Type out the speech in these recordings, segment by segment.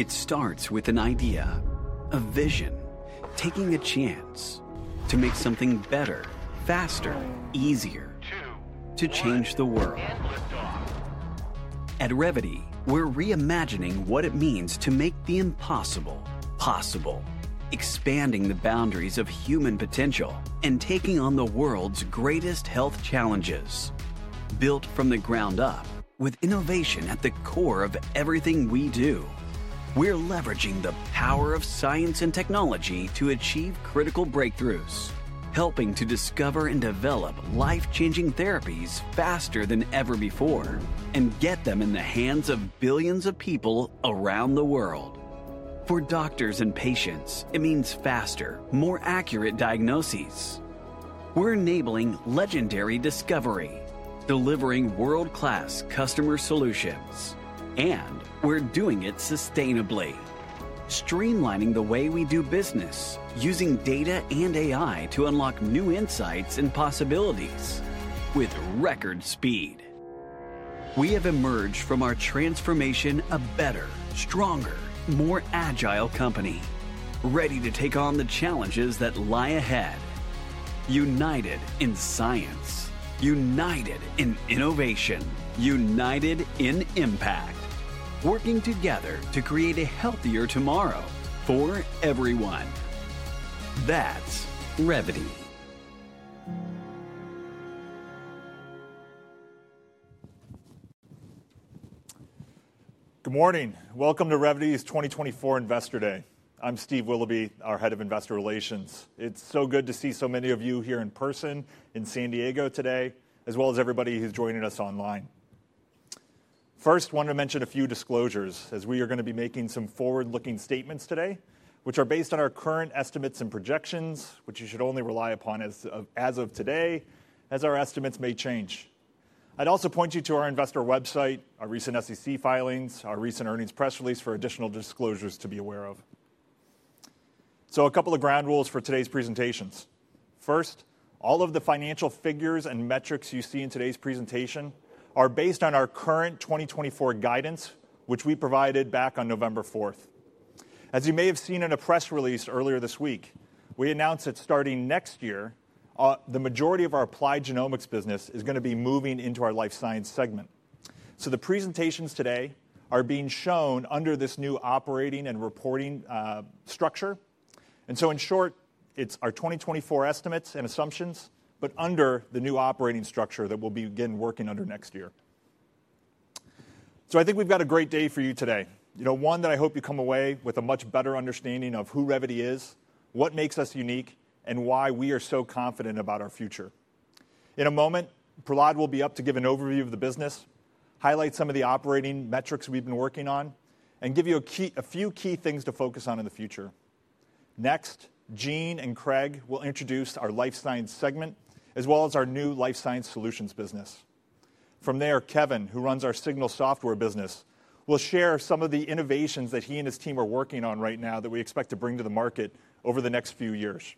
It starts with an idea, a vision, taking a chance to make something better, faster, easier To change the world. At Revvity, we're reimagining what it means to make the impossible possible, expanding the boundaries of human potential and taking on the world's greatest health challenges. Built from the ground up, with innovation at the core of everything we do, we're leveraging the power of science and technology to achieve critical breakthroughs, helping to discover and develop life-changing therapies faster than ever before and get them in the hands of billions of people around the world. For doctors and patients, it means faster, more accurate diagnoses. We're enabling legendary discovery, delivering world-class customer solutions, and we're doing it sustainably, streamlining the way we do business, using data and AI to unlock new insights and possibilities with record speed. We have emerged from our transformation a better, stronger, more agile company, ready to take on the challenges that lie ahead. United in science, united in innovation, united in impact, working together to create a healthier tomorrow for everyone. That's Revvity. Good morning. Welcome to Revvity's 2024 Investor Day. I'm Steve Willoughby, our head of investor relations. It's so good to see so many of you here in person in San Diego today, as well as everybody who's joining us online. First, I want to mention a few disclosures as we are going to be making some forward-looking statements today, which are based on our current estimates and projections, which you should only rely upon as of today, as our estimates may change. I'd also point you to our investor website, our recent SEC filings, our recent earnings press release for additional disclosures to be aware of. So, a couple of ground rules for today's presentations. First, all of the financial figures and metrics you see in today's presentation are based on our current 2024 guidance, which we provided back on November 4th. As you may have seen in a press release earlier this week, we announced that starting next year, the majority of our applied genomics business is going to be moving into our life science segment. So, the presentations today are being shown under this new operating and reporting structure. And so, in short, it's our 2024 estimates and assumptions, but under the new operating structure that we'll begin working under next year. So, I think we've got a great day for you today. You know, one that I hope you come away with a much better understanding of who Revvity is, what makes us unique, and why we are so confident about our future. In a moment, Prahlad will be up to give an overview of the business, highlight some of the operating metrics we've been working on, and give you a few key things to focus on in the future. Next, Gene and Craig will introduce our Life Sciences segment, as well as our new Life Sciences solutions business. From there, Kevin, who runs our Signals software business, will share some of the innovations that he and his team are working on right now that we expect to bring to the market over the next few years.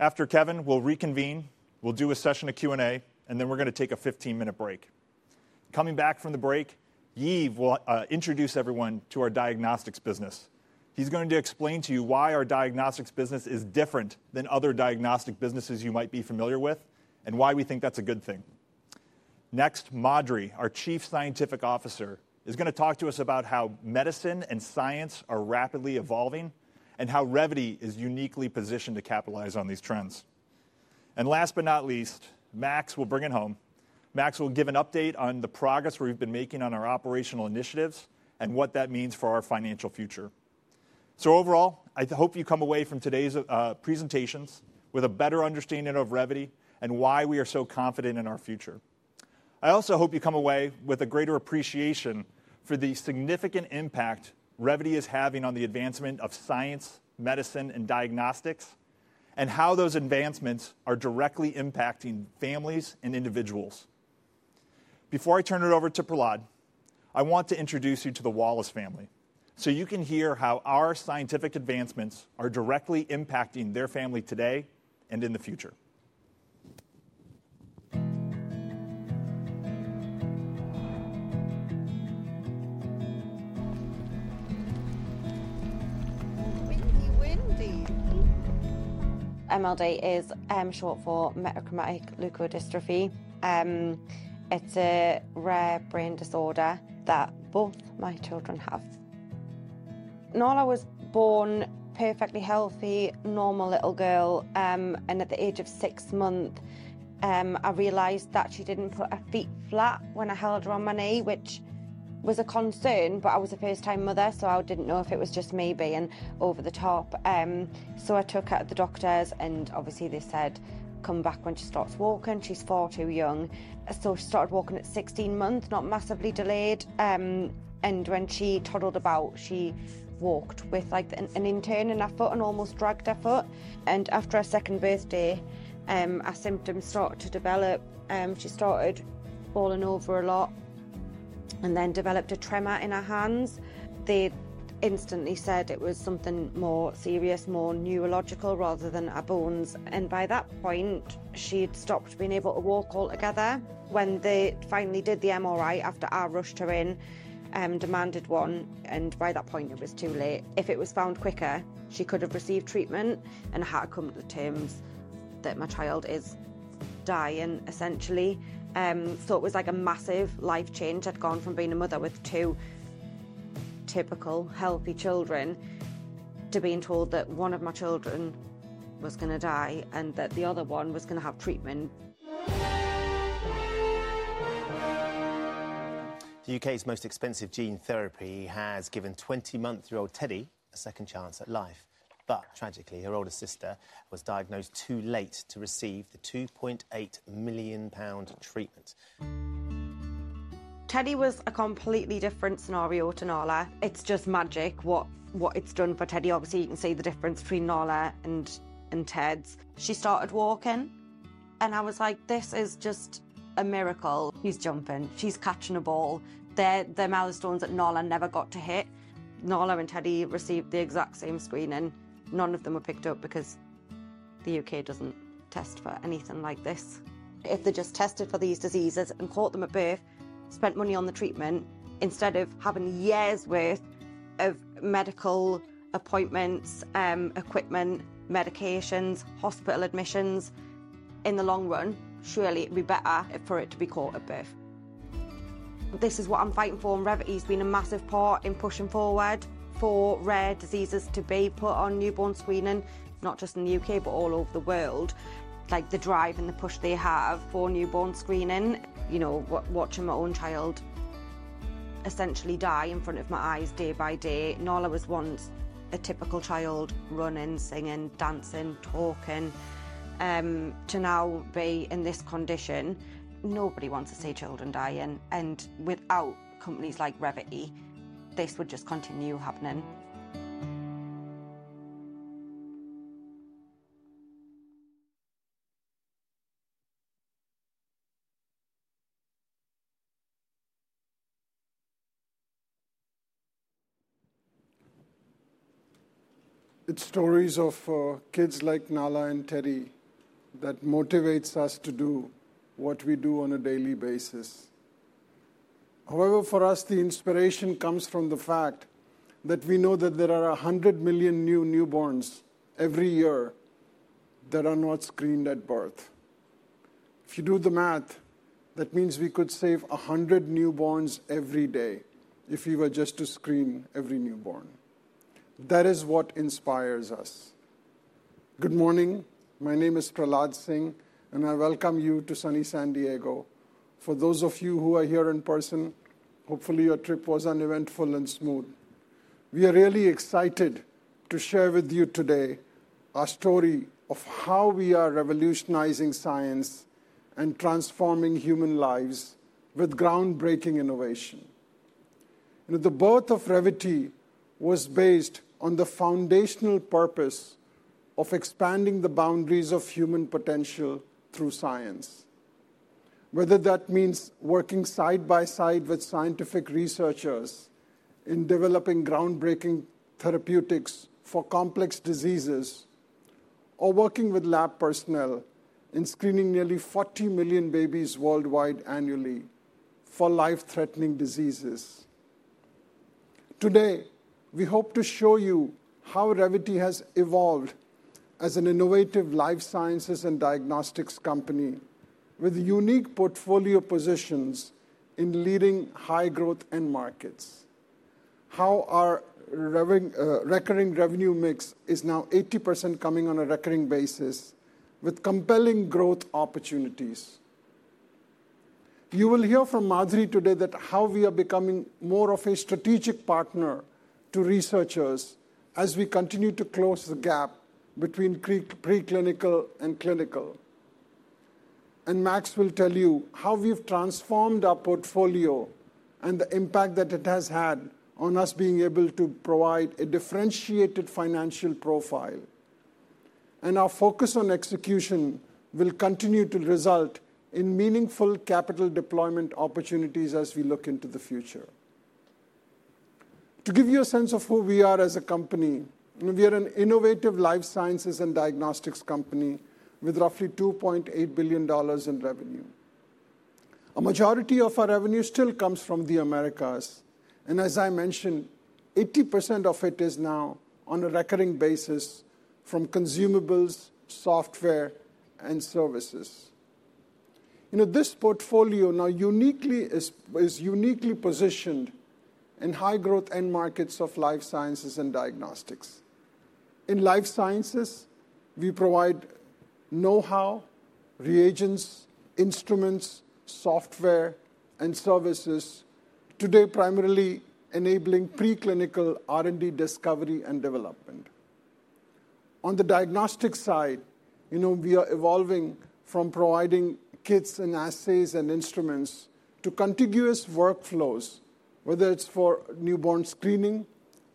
After Kevin, we'll reconvene, we'll do a session of Q&A, and then we're going to take a 15-minute break. Coming back from the break, Yves will introduce everyone to our diagnostics business. He's going to explain to you why our diagnostics business is different than other diagnostic businesses you might be familiar with, and why we think that's a good thing. Next, Madhuri, our Chief Scientific Officer, is going to talk to us about how medicine and science are rapidly evolving and how Revvity is uniquely positioned to capitalize on these trends. Last but not least, Max will bring it home. Max will give an update on the progress we've been making on our operational initiatives and what that means for our financial future. Overall, I hope you come away from today's presentations with a better understanding of Revvity and why we are so confident in our future. I also hope you come away with a greater appreciation for the significant impact Revvity is having on the advancement of science, medicine, and diagnostics, and how those advancements are directly impacting families and individuals. Before I turn it over to Prahlad, I want to introduce you to the Wallace family, so you can hear how our scientific advancements are directly impacting their family today and in the future. Wendy, Wendy. MLD is short for metachromatic leukodystrophy. It's a rare brain disorder that both my children have. Nala was born a perfectly healthy, normal little girl, and at the age of six months, I realized that she didn't put her feet flat when I held her on my knee, which was a concern, but I was a first-time mother, so I didn't know if it was just me being over the top, so I took her to the doctors, and obviously, they said, "Come back when she starts walking. She's far too young," so she started walking at 16 months, not massively delayed, and when she toddled about, she walked with an inversion in her foot and almost dragged her foot, and after her second birthday, her symptoms started to develop. She started falling over a lot and then developed a tremor in her hands. They instantly said it was something more serious, more neurological rather than her bones. By that point, she had stopped being able to walk altogether. When they finally did the MRI, after I rushed her in and demanded one, and by that point, it was too late. If it was found quicker, she could have received treatment, and I had to come to terms that my child is dying, essentially. It was like a massive life change. I'd gone from being a mother with two typical healthy children to being told that one of my children was going to die and that the other one was going to have treatment. The U.K.'s most expensive gene therapy has given 20-month-old Teddy a second chance at life, but tragically, her older sister was diagnosed too late to receive the 2.8 million pound treatment. Teddy was a completely different scenario to Nala. It's just magic what it's done for Teddy. Obviously, you can see the difference between Nala and Teddy's. She started walking, and I was like, "This is just a miracle. She's jumping. She's catching a ball." They're milestones that Nala never got to hit. Nala and Teddy received the exact same screening. None of them were picked up because the U.K. doesn't test for anything like this. If they just tested for these diseases and caught them at birth, spent money on the treatment, instead of having years' worth of medical appointments, equipment, medications, hospital admissions, in the long run, surely it would be better for it to be caught at birth. This is what I'm fighting for, and Revvity has been a massive part in pushing forward for rare diseases to be put on newborn screening, not just in the U.K., but all over the world. Like the drive and the push they have for newborn screening. You know, watching my own child essentially die in front of my eyes day by day. Nala was once a typical child running, singing, dancing, talking, to now be in this condition. Nobody wants to see children dying. And without companies like Revvity, this would just continue happening. It's stories of kids like Nala and Teddy that motivates us to do what we do on a daily basis. However, for us, the inspiration comes from the fact that we know that there are 100 million new newborns every year that are not screened at birth. If you do the math, that means we could save 100 newborns every day if we were just to screen every newborn. That is what inspires us. Good morning. My name is Prahlad Singh, and I welcome you to sunny San Diego. For those of you who are here in person, hopefully your trip was uneventful and smooth. We are really excited to share with you today our story of how we are revolutionizing science and transforming human lives with groundbreaking innovation. The birth of Revvity was based on the foundational purpose of expanding the boundaries of human potential through science. Whether that means working side by side with scientific researchers in developing groundbreaking therapeutics for complex diseases or working with lab personnel in screening nearly 40 million babies worldwide annually for life-threatening diseases. Today, we hope to show you how Revvity has evolved as an innovative life sciences and diagnostics company with unique portfolio positions in leading high-growth end markets. How our recurring revenue mix is now 80% coming on a recurring basis with compelling growth opportunities. You will hear from Madhuri today how we are becoming more of a strategic partner to researchers as we continue to close the gap between preclinical and clinical. And Max will tell you how we've transformed our portfolio and the impact that it has had on us being able to provide a differentiated financial profile. Our focus on execution will continue to result in meaningful capital deployment opportunities as we look into the future. To give you a sense of who we are as a company, we are an innovative life sciences and diagnostics company with roughly $2.8 billion in revenue. A majority of our revenue still comes from the Americas. And as I mentioned, 80% of it is now on a recurring basis from consumables, software, and services. This portfolio now uniquely positioned in high-growth end markets of life sciences and diagnostics. In life sciences, we provide know-how, reagents, instruments, software, and services, today primarily enabling preclinical R&D discovery and development. On the diagnostic side, we are evolving from providing kits and assays and instruments to contiguous workflows, whether it's for newborn screening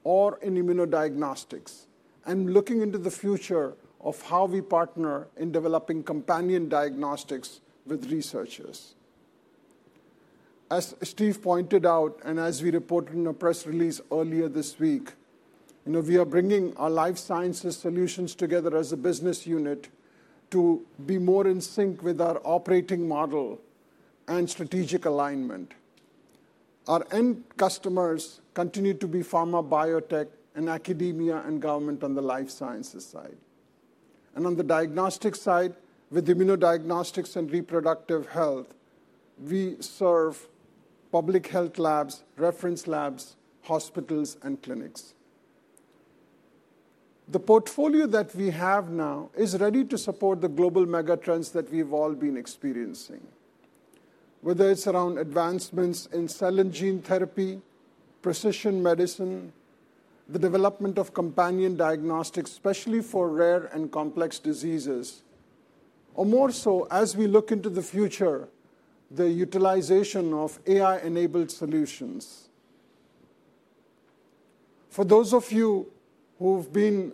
or in immunodiagnostics, and looking into the future of how we partner in developing companion diagnostics with researchers. As Steve pointed out, and as we reported in a press release earlier this week, we are bringing our life sciences solutions together as a business unit to be more in sync with our operating model and strategic alignment. Our end customers continue to be pharma biotech and academia and government on the life sciences side. And on the diagnostic side, with immunodiagnostics and reproductive health, we serve public health labs, reference labs, hospitals, and clinics. The portfolio that we have now is ready to support the global megatrends that we've all been experiencing. Whether it's around advancements in cell and gene therapy, precision medicine, the development of companion diagnostics, especially for rare and complex diseases, or more so, as we look into the future, the utilization of AI-enabled solutions. For those of you who've been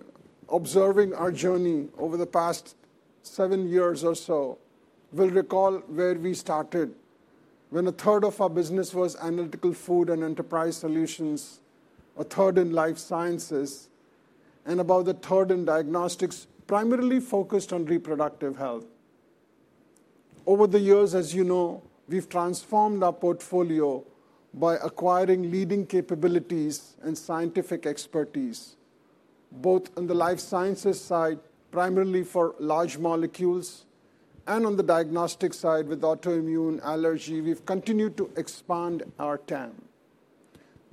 observing our journey over the past seven years or so, you'll recall where we started when a third of our business was analytical food and enterprise solutions, a third in life sciences, and about a third in diagnostics, primarily focused on reproductive health. Over the years, as you know, we've transformed our portfolio by acquiring leading capabilities and scientific expertise, both on the life sciences side, primarily for large molecules, and on the diagnostic side with autoimmune allergy. We've continued to expand our TAM,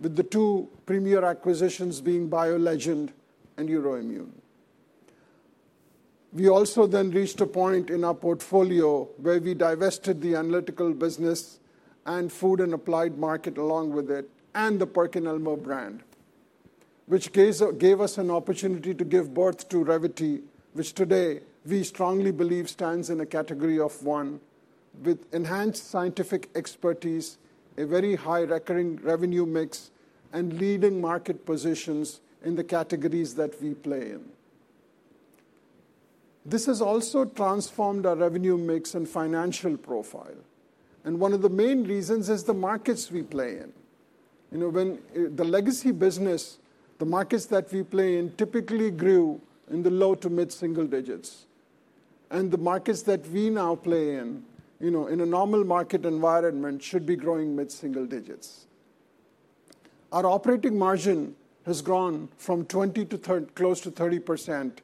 with the two premier acquisitions being BioLegend and Euroimmun. We also then reached a point in our portfolio where we divested the analytical business and food and applied market along with it, and the PerkinElmer brand, which gave us an opportunity to give birth to Revvity, which today we strongly believe stands in a category of one, with enhanced scientific expertise, a very high recurring revenue mix, and leading market positions in the categories that we play in. This has also transformed our revenue mix and financial profile. One of the main reasons is the markets we play in. The legacy business, the markets that we play in, typically grew in the low- to mid-single digits. The markets that we now play in, in a normal market environment, should be growing mid-single digits. Our operating margin has grown from 20% to close to 30%,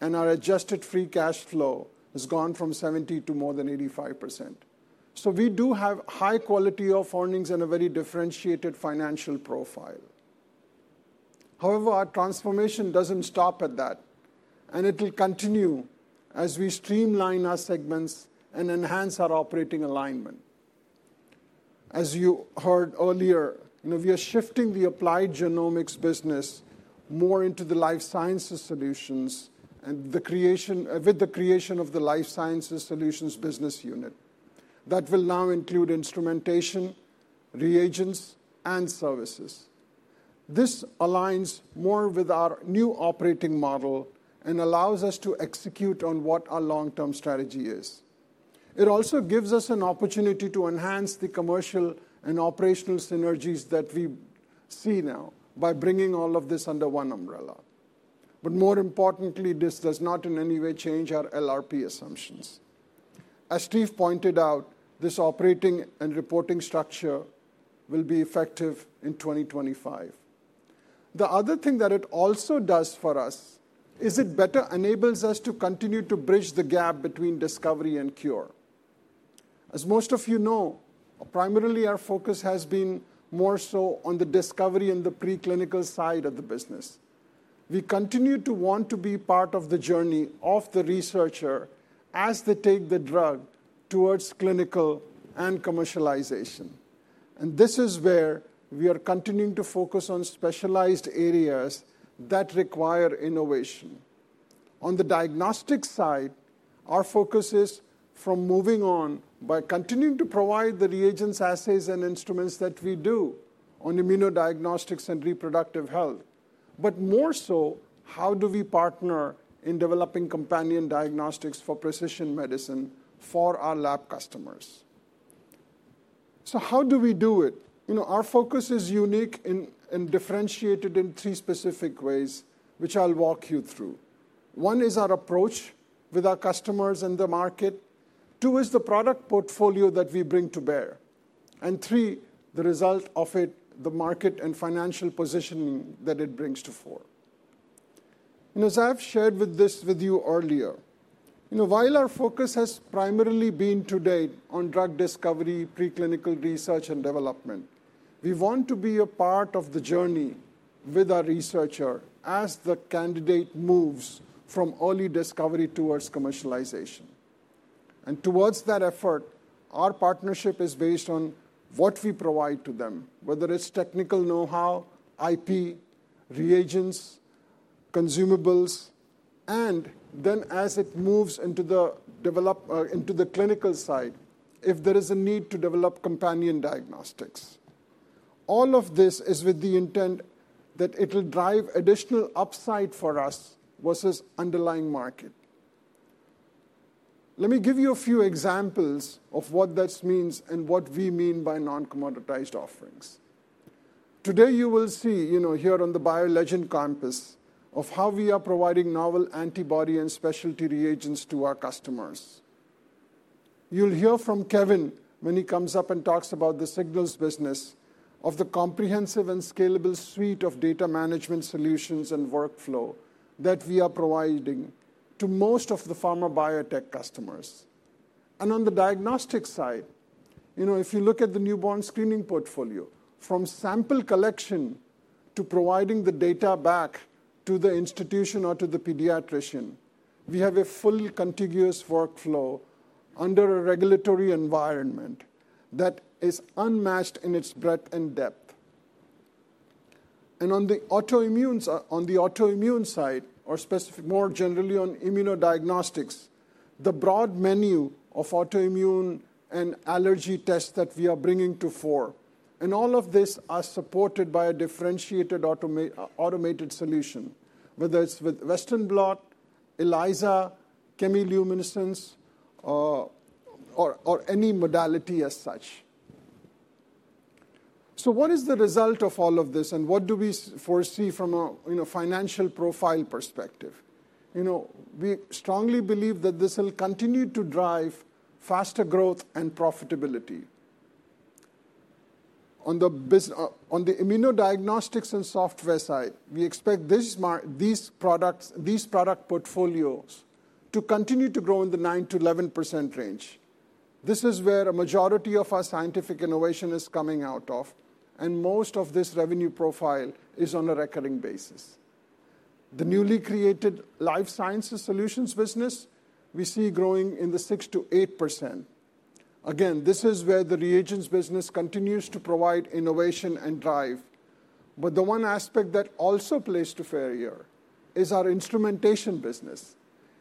and our adjusted free cash flow has gone from 70% to more than 85%. So we do have high quality of earnings and a very differentiated financial profile. However, our transformation doesn't stop at that, and it'll continue as we streamline our segments and enhance our operating alignment. As you heard earlier, we are shifting the applied genomics business more into the life sciences solutions and with the creation of the life sciences solutions business unit. That will now include instrumentation, reagents, and services. This aligns more with our new operating model and allows us to execute on what our long-term strategy is. It also gives us an opportunity to enhance the commercial and operational synergies that we see now by bringing all of this under one umbrella. But more importantly, this does not in any way change our LRP assumptions. As Steve pointed out, this operating and reporting structure will be effective in 2025. The other thing that it also does for us is it better enables us to continue to bridge the gap between discovery and cure. As most of you know, primarily our focus has been more so on the discovery and the preclinical side of the business. We continue to want to be part of the journey of the researcher as they take the drug towards clinical and commercialization. And this is where we are continuing to focus on specialized areas that require innovation. On the diagnostic side, our focus is from moving on by continuing to provide the reagents, assays, and instruments that we do on immunodiagnostics and reproductive health, but more so, how do we partner in developing companion diagnostics for precision medicine for our lab customers? So how do we do it? Our focus is unique and differentiated in three specific ways, which I'll walk you through. One is our approach with our customers and the market. Two is the product portfolio that we bring to bear. And three, the result of it, the market and financial positioning that it brings to the fore. As I've shared this with you earlier, while our focus has primarily been today on drug discovery, preclinical research, and development, we want to be a part of the journey with our researcher as the candidate moves from early discovery towards commercialization. Towards that effort, our partnership is based on what we provide to them, whether it's technical know-how, IP, reagents, consumables, and then as it moves into the clinical side, if there is a need to develop companion diagnostics. All of this is with the intent that it'll drive additional upside for us versus underlying market. Let me give you a few examples of what that means and what we mean by non-commoditized offerings. Today, you will see here on the BioLegend campus of how we are providing novel antibody and specialty reagents to our customers. You'll hear from Kevin when he comes up and talks about the Signals business of the comprehensive and scalable suite of data management solutions and workflow that we are providing to most of the pharma biotech customers. And on the diagnostic side, if you look at the newborn screening portfolio, from sample collection to providing the data back to the institution or to the pediatrician, we have a full contiguous workflow under a regulatory environment that is unmatched in its breadth and depth. On the autoimmune side, or more generally on immunodiagnostics, the broad menu of autoimmune and allergy tests that we are bringing to the fore. And all of this is supported by a differentiated automated solution, whether it's with Western blot, ELISA, chemiluminescence, or any modality as such. What is the result of all of this, and what do we foresee from a financial profile perspective? We strongly believe that this will continue to drive faster growth and profitability. On the immunodiagnostics and software side, we expect these product portfolios to continue to grow in the 9%-11% range. This is where a majority of our scientific innovation is coming out of, and most of this revenue profile is on a recurring basis. The newly created life sciences solutions business we see growing in the 6%-8%. Again, this is where the reagents business continues to provide innovation and drive. But the one aspect that also plays to our favor is our instrumentation business.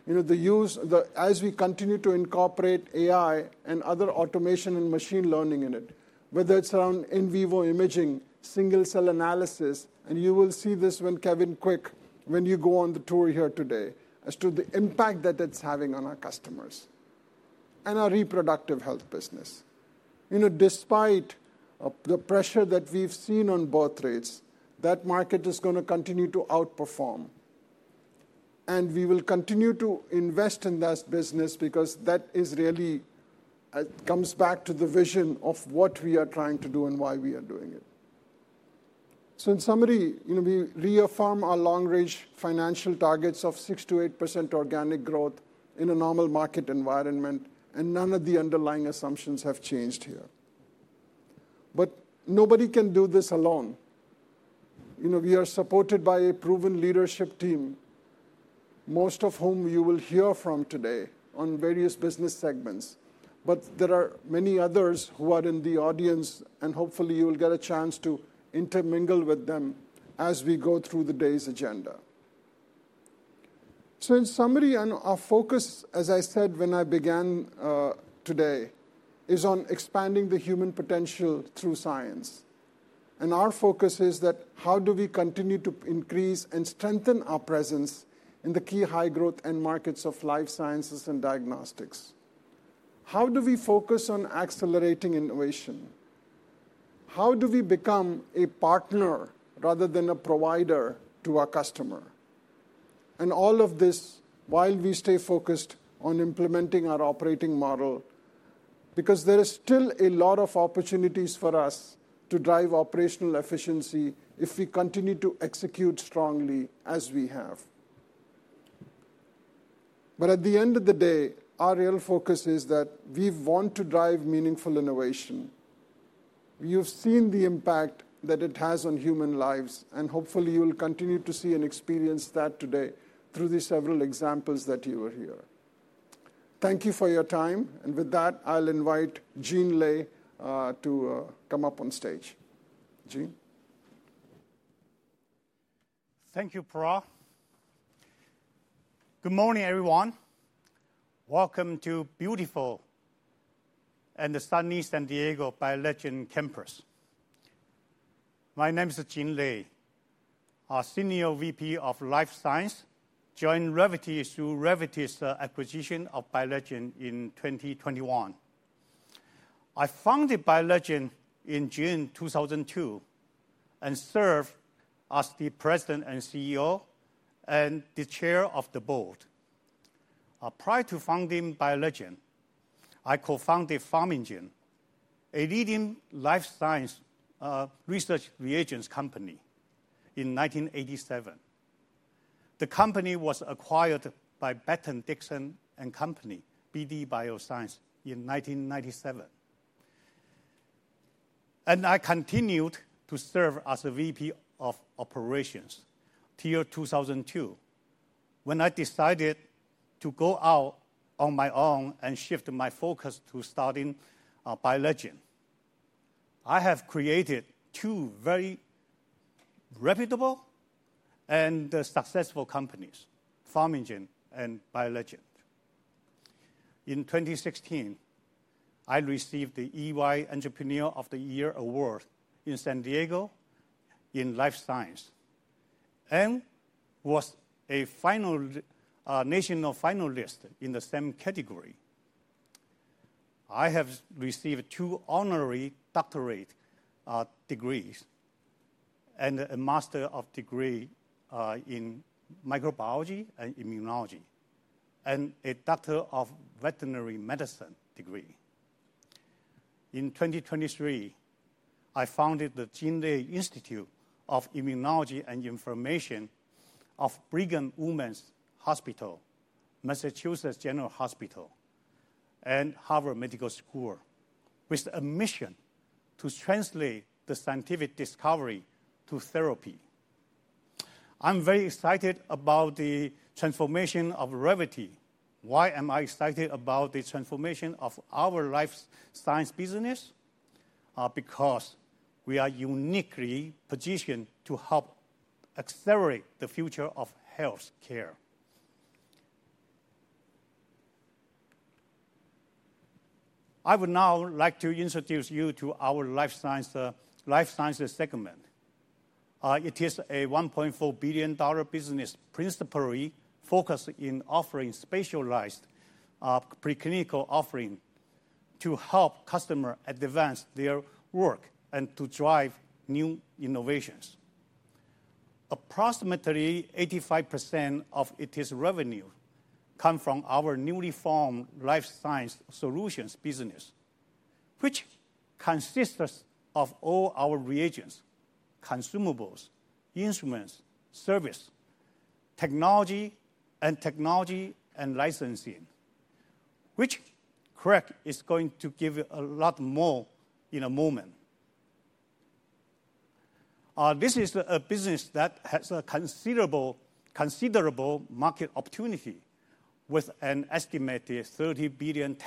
As we continue to incorporate AI and other automation and machine learning in it, whether it's around in vivo imaging, single-cell analysis, and you will see this when Kevin Willoe, when you go on the tour here today, as to the impact that it's having on our customers and our reproductive health business. Despite the pressure that we've seen on birth rates, that market is going to continue to outperform. We will continue to invest in that business because that really comes back to the vision of what we are trying to do and why we are doing it. In summary, we reaffirm our long-range financial targets of 6%-8% organic growth in a normal market environment, and none of the underlying assumptions have changed here. Nobody can do this alone. We are supported by a proven leadership team, most of whom you will hear from today on various business segments. There are many others who are in the audience, and hopefully you will get a chance to intermingle with them as we go through the day's agenda. In summary, our focus, as I said when I began today, is on expanding the human potential through science. And our focus is that how do we continue to increase and strengthen our presence in the key high-growth end markets of life sciences and diagnostics? How do we focus on accelerating innovation? How do we become a partner rather than a provider to our customer, and all of this while we stay focused on implementing our operating model, because there are still a lot of opportunities for us to drive operational efficiency if we continue to execute strongly as we have, but at the end of the day, our real focus is that we want to drive meaningful innovation. You've seen the impact that it has on human lives, and hopefully you'll continue to see and experience that today through these several examples that you will hear. Thank you for your time, and with that, I'll invite Gene Lay to come up on stage. Gene? Thank you, Prahlad. Good morning, everyone. Welcome to beautiful and sunny San Diego BioLegend campus. My name is Gene Lay, a senior VP of life sciences, joined Revvity through Revvity's acquisition of BioLegend in 2021. I founded BioLegend in June 2002 and served as the President and CEO and the Chair of the Board. Prior to founding BioLegend, I co-founded Pharmingen, a leading life science research reagents company in 1987. The company was acquired by Becton, Dickinson and Company, BD Bioscience, in 1997, and I continued to serve as a VP of operations till 2002 when I decided to go out on my own and shift my focus to starting BioLegend. I have created two very reputable and successful companies, Pharmingen and BioLegend. In 2016, I received the EY Entrepreneur of the Year award in San Diego in life sciences and was a national finalist in the same category. I have received two honorary doctorate degrees and a master's degree in microbiology and immunology and a Doctor of Veterinary Medicine degree. In 2023, I founded the Gene Lay Institute of Immunology and Inflammation of Brigham and Women's Hospital, Massachusetts General Hospital, and Harvard Medical School, with a mission to translate the scientific discovery to therapy. I'm very excited about the transformation of Revvity. Why am I excited about the transformation of our life sciences business? Because we are uniquely positioned to help accelerate the future of healthcare. I would now like to introduce you to our life sciences segment. It is a $1.4 billion business, principally focused in offering specialized preclinical offerings to help customers advance their work and to drive new innovations. Approximately 85% of its revenue comes from our newly formed life science solutions business, which consists of all our reagents, consumables, instruments, service, technology, and technology and licensing, which Craig is going to give you a lot more in a moment. This is a business that has a considerable market opportunity with an estimated $30 billion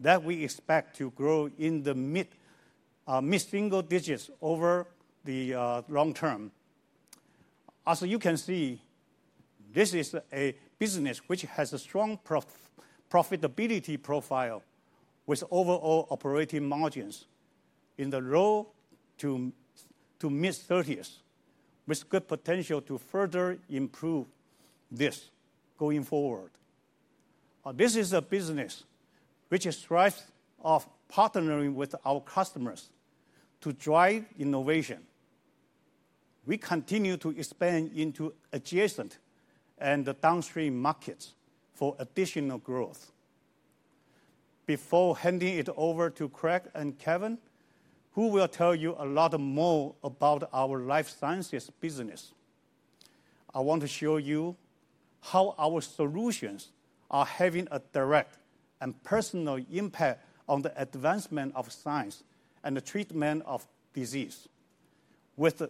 that we expect to grow in the mid-single digits over the long term. As you can see, this is a business which has a strong profitability profile with overall operating margins in the low- to mid-30s%, with good potential to further improve this going forward. This is a business which thrives on partnering with our customers to drive innovation. We continue to expand into adjacent and downstream markets for additional growth. Before handing it over to Craig and Kevin, who will tell you a lot more about our life sciences business, I want to show you how our solutions are having a direct and personal impact on the advancement of science and the treatment of disease with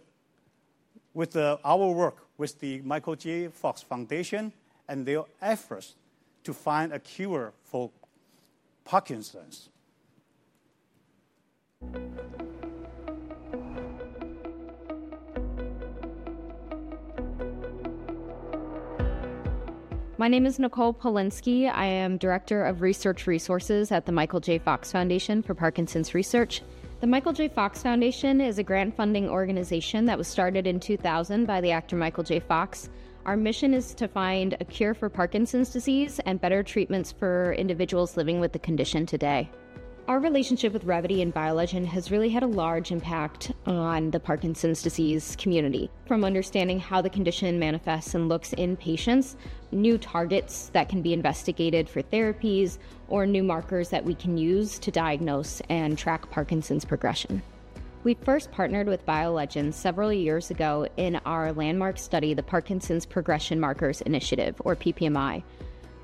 our work with the Michael J. Fox Foundation and their efforts to find a cure for Parkinson's. My name is Nicole Polinski. I am Director of Research Resources at The Michael J. Fox Foundation for Parkinson's Research. The Michael J. Fox Foundation is a grant-funding organization that was started in 2000 by the actor Michael J. Fox. Our mission is to find a cure for Parkinson's disease and better treatments for individuals living with the condition today. Our relationship with Revvity and BioLegend has really had a large impact on the Parkinson's disease community. From understanding how the condition manifests and looks in patients, new targets that can be investigated for therapies, or new markers that we can use to diagnose and track Parkinson's progression. We first partnered with BioLegend several years ago in our landmark study, the Parkinson's Progression Markers Initiative, or PPMI.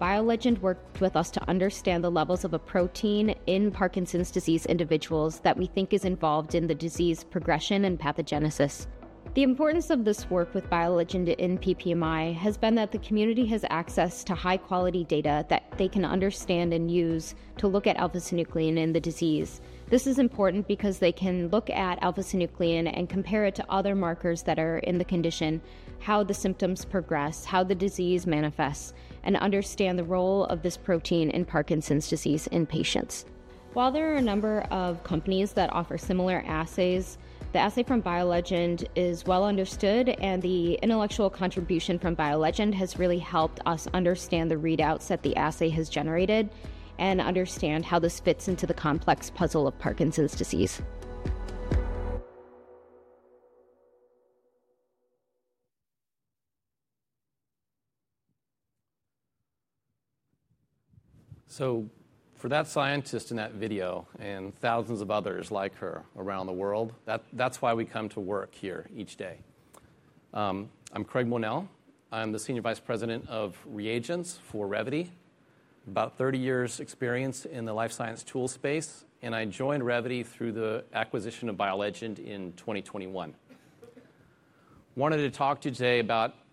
BioLegend worked with us to understand the levels of a protein in Parkinson's disease individuals that we think is involved in the disease progression and pathogenesis. The importance of this work with BioLegend and PPMI has been that the community has access to high-quality data that they can understand and use to look at alpha-synuclein in the disease. This is important because they can look at alpha-synuclein and compare it to other markers that are in the condition, how the symptoms progress, how the disease manifests, and understand the role of this protein in Parkinson's disease in patients. While there are a number of companies that offer similar assays, the assay from BioLegend is well understood, and the intellectual contribution from BioLegend has really helped us understand the readouts that the assay has generated and understand how this fits into the complex puzzle of Parkinson's disease. For that scientist in that video and thousands of others like her around the world, that's why we come to work here each day. I'm Craig Monell. I'm the Senior Vice President of Reagents for Revvity, about 30 years' experience in the life science tool space, and I joined Revvity through the acquisition of BioLegend in 2021. I wanted to talk to you today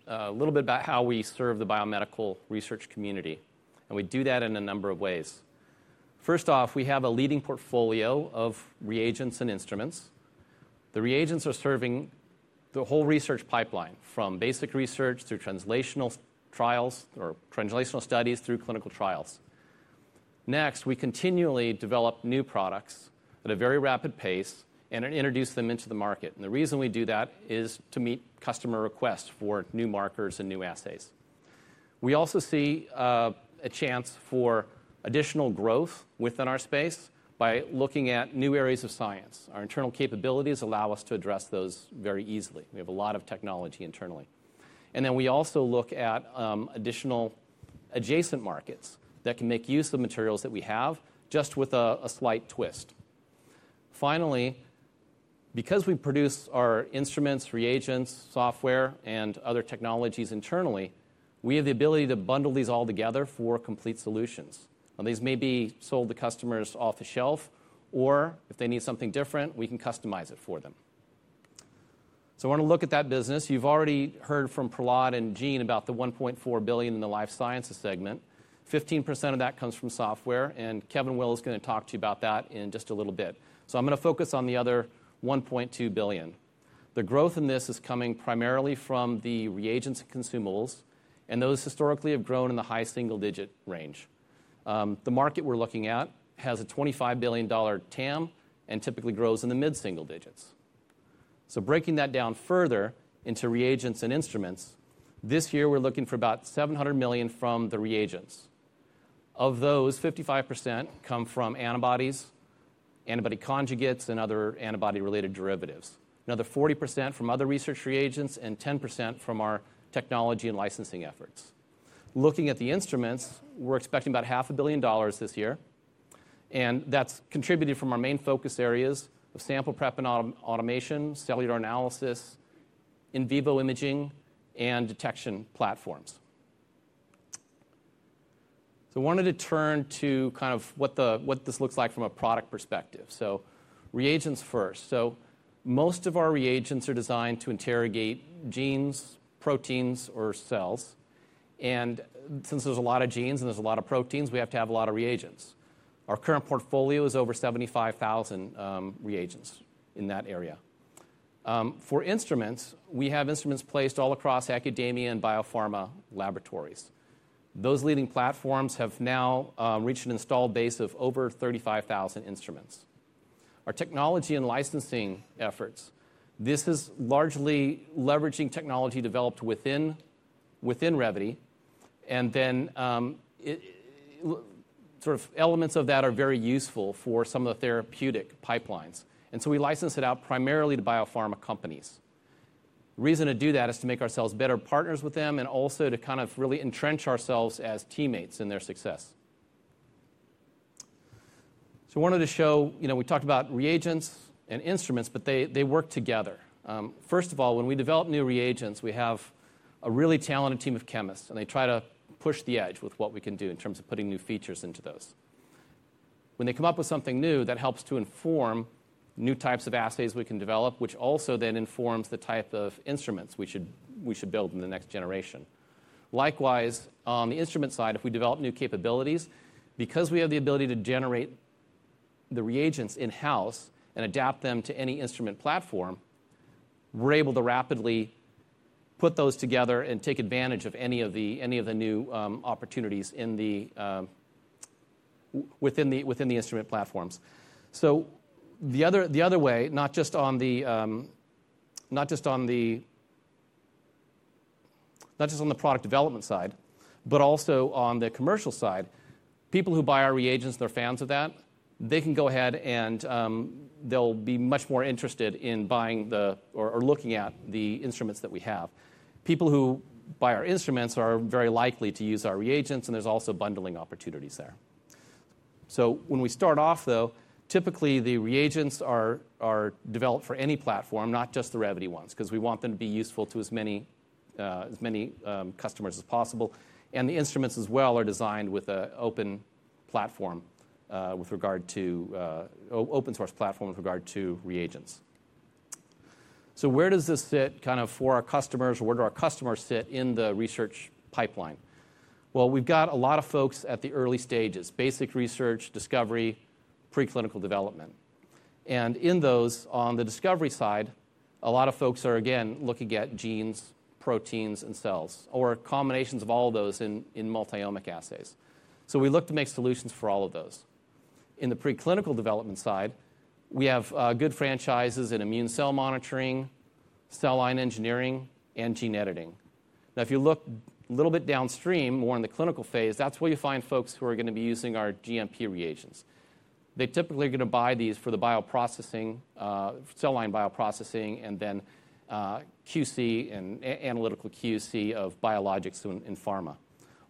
a little bit about how we serve the biomedical research community, and we do that in a number of ways. First off, we have a leading portfolio of reagents and instruments. The reagents are serving the whole research pipeline from basic research through translational trials or translational studies through clinical trials. Next, we continually develop new products at a very rapid pace and introduce them into the market. The reason we do that is to meet customer requests for new markers and new assays. We also see a chance for additional growth within our space by looking at new areas of science. Our internal capabilities allow us to address those very easily. We have a lot of technology internally. And then we also look at additional adjacent markets that can make use of materials that we have just with a slight twist. Finally, because we produce our instruments, reagents, software, and other technologies internally, we have the ability to bundle these all together for complete solutions. Now, these may be sold to customers off the shelf, or if they need something different, we can customize it for them. So I want to look at that business. You've already heard from Prahlad and Gene about the $1.4 billion in the life sciences segment. 15% of that comes from software, and Kevin Willoe is going to talk to you about that in just a little bit. So I'm going to focus on the other $1.2 billion. The growth in this is coming primarily from the reagents and consumables, and those historically have grown in the high single-digit range. The market we're looking at has a $25 billion TAM and typically grows in the mid-single digits. So breaking that down further into reagents and instruments, this year we're looking for about $700 million from the reagents. Of those, 55% come from antibodies, antibody conjugates, and other antibody-related derivatives. Another 40% from other research reagents and 10% from our technology and licensing efforts. Looking at the instruments, we're expecting about $500 million this year, and that's contributed from our main focus areas of sample prep and automation, cellular analysis, in vivo imaging, and detection platforms. So I wanted to turn to kind of what this looks like from a product perspective. So reagents first. Most of our reagents are designed to interrogate genes, proteins, or cells. Since there's a lot of genes and there's a lot of proteins, we have to have a lot of reagents. Our current portfolio is over 75,000 reagents in that area. For instruments, we have instruments placed all across academia and biopharma laboratories. Those leading platforms have now reached an installed base of over 35,000 instruments. Our technology and licensing efforts. This is largely leveraging technology developed within Revvity, and then sort of elements of that are very useful for some of the therapeutic pipelines. We license it out primarily to biopharma companies. The reason to do that is to make ourselves better partners with them and also to kind of really entrench ourselves as teammates in their success. So I wanted to show, you know, we talked about reagents and instruments, but they work together. First of all, when we develop new reagents, we have a really talented team of chemists, and they try to push the edge with what we can do in terms of putting new features into those. When they come up with something new, that helps to inform new types of assays we can develop, which also then informs the type of instruments we should build in the next generation. Likewise, on the instrument side, if we develop new capabilities, because we have the ability to generate the reagents in-house and adapt them to any instrument platform, we're able to rapidly put those together and take advantage of any of the new opportunities within the instrument platforms. So the other way, not just on the product development side, but also on the commercial side, people who buy our reagents, they're fans of that, they can go ahead and they'll be much more interested in buying or looking at the instruments that we have. People who buy our instruments are very likely to use our reagents, and there's also bundling opportunities there. So when we start off, though, typically the reagents are developed for any platform, not just the Revvity ones, because we want them to be useful to as many customers as possible. And the instruments as well are designed with an open platform with regard to open-source platform with regard to reagents. So where does this sit kind of for our customers? Where do our customers sit in the research pipeline? Well, we've got a lot of folks at the early stages, basic research, discovery, preclinical development. And in those, on the discovery side, a lot of folks are, again, looking at genes, proteins, and cells, or combinations of all those in multi-omics assays. So we look to make solutions for all of those. In the preclinical development side, we have good franchises in immune cell monitoring, cell line engineering, and gene editing. Now, if you look a little bit downstream, more in the clinical phase, that's where you find folks who are going to be using our GMP reagents. They typically are going to buy these for the cell line bioprocessing and then analytical QC of biologics in pharma.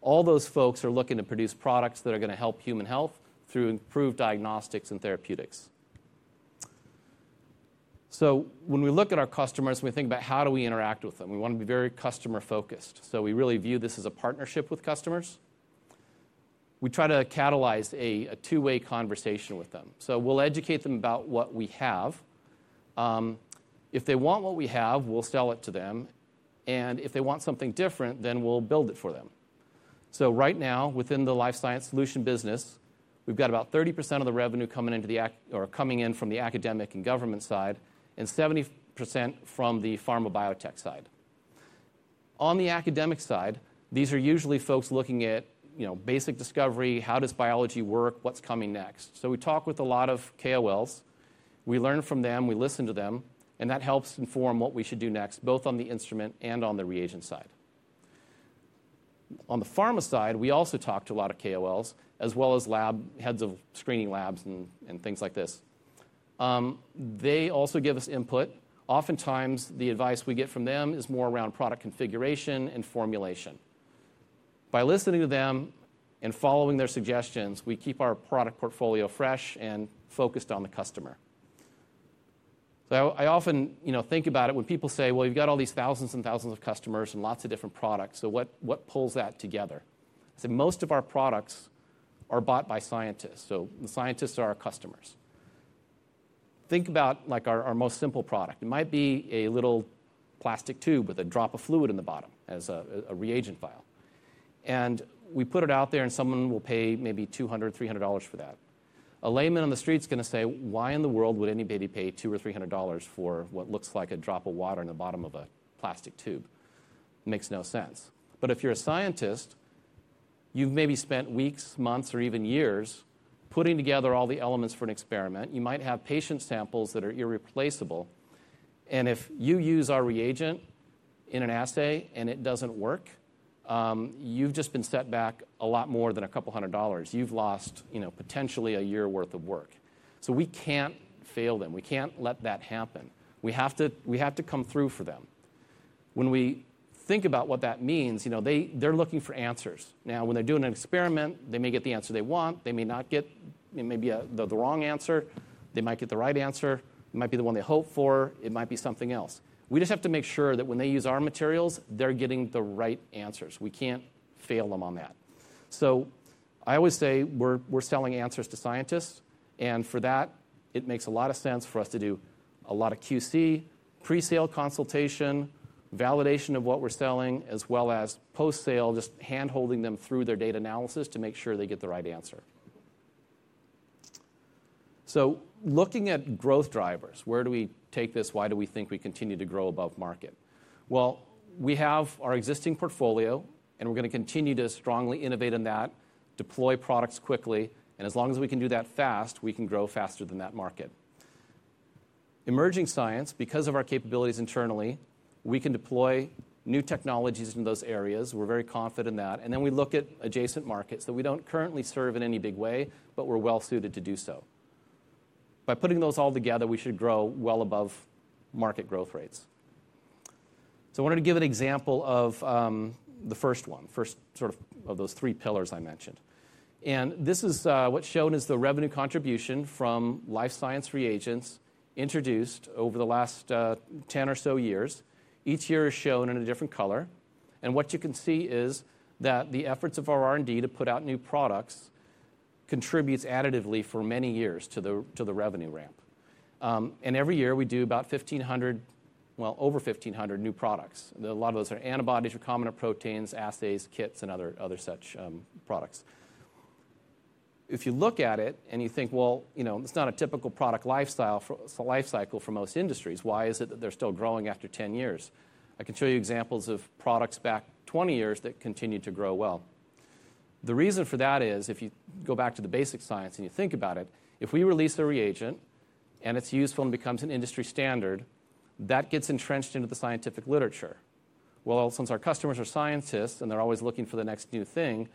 All those folks are looking to produce products that are going to help human health through improved diagnostics and therapeutics. So when we look at our customers, we think about how do we interact with them. We want to be very customer-focused. So we really view this as a partnership with customers. We try to catalyze a two-way conversation with them. So we'll educate them about what we have. If they want what we have, we'll sell it to them. And if they want something different, then we'll build it for them. So right now, within the life science solution business, we've got about 30% of the revenue coming in from the academic and government side and 70% from the pharma biotech side. On the academic side, these are usually folks looking at basic discovery, how does biology work, what's coming next. So we talk with a lot of KOLs. We learn from them, we listen to them, and that helps inform what we should do next, both on the instrument and on the reagent side. On the pharma side, we also talk to a lot of KOLs, as well as heads of screening labs and things like this. They also give us input. Oftentimes, the advice we get from them is more around product configuration and formulation. By listening to them and following their suggestions, we keep our product portfolio fresh and focused on the customer. So I often think about it when people say, "Well, you've got all these thousands and thousands of customers and lots of different products. So what pulls that together?" I say, "Most of our products are bought by scientists. So the scientists are our customers." Think about our most simple product. It might be a little plastic tube with a drop of fluid in the bottom as a reagent vial. And we put it out there, and someone will pay maybe $200, $300 for that. A layman on the street's going to say, "Why in the world would anybody pay $200 or $300 for what looks like a drop of water in the bottom of a plastic tube? Makes no sense." But if you're a scientist, you've maybe spent weeks, months, or even years putting together all the elements for an experiment. You might have patient samples that are irreplaceable. And if you use our reagent in an assay and it doesn't work, you've just been set back a lot more than a couple hundred dollars. You've lost potentially a year's worth of work. So we can't fail them. We can't let that happen. We have to come through for them. When we think about what that means, they're looking for answers. Now, when they're doing an experiment, they may get the answer they want. They may not get maybe the wrong answer. They might get the right answer. It might be the one they hope for. It might be something else. We just have to make sure that when they use our materials, they're getting the right answers. We can't fail them on that. So I always say we're selling answers to scientists. And for that, it makes a lot of sense for us to do a lot of QC, pre-sale consultation, validation of what we're selling, as well as post-sale, just hand-holding them through their data analysis to make sure they get the right answer. So looking at growth drivers, where do we take this? Why do we think we continue to grow above market? We have our existing portfolio, and we're going to continue to strongly innovate in that, deploy products quickly. As long as we can do that fast, we can grow faster than that market. Emerging science, because of our capabilities internally, we can deploy new technologies in those areas. We're very confident in that. We look at adjacent markets that we don't currently serve in any big way, but we're well-suited to do so. By putting those all together, we should grow well above market growth rates. I wanted to give an example of the first one, first sort of those three pillars I mentioned. This is what's shown as the revenue contribution from life science reagents introduced over the last 10 or so years. Each year is shown in a different color. What you can see is that the efforts of our R&D to put out new products contribute additively for many years to the revenue ramp. Every year, we do about 1,500, well, over 1,500 new products. A lot of those are antibodies, recombinant proteins, assays, kits, and other such products. If you look at it and you think, "Well, you know, it's not a typical product lifecycle for most industries, why is it that they're still growing after 10 years?" I can show you examples of products back 20 years that continue to grow well. The reason for that is, if you go back to the basic science and you think about it, if we release a reagent and it's useful and becomes an industry standard, that gets entrenched into the scientific literature. Since our customers are scientists and they're always looking for the next new thing,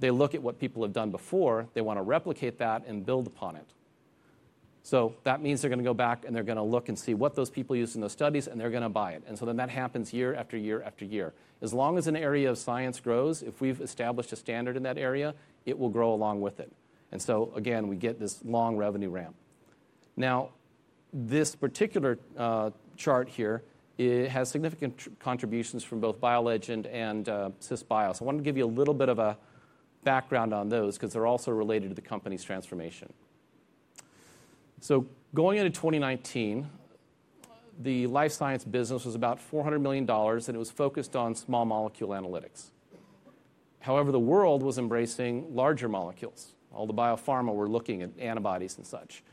they look at what people have done before. They want to replicate that and build upon it, so that means they're going to go back and they're going to look and see what those people used in those studies, and they're going to buy it, and so then that happens year after year after year. As long as an area of science grows, if we've established a standard in that area, it will grow along with it, and so, again, we get this long revenue ramp. Now, this particular chart here has significant contributions from both BioLegend and Cisbio, so I wanted to give you a little bit of a background on those because they're also related to the company's transformation. Going into 2019, the life science business was about $400 million, and it was focused on small molecule analytics. However, the world was embracing larger molecules. All the biopharma were looking at antibodies and such.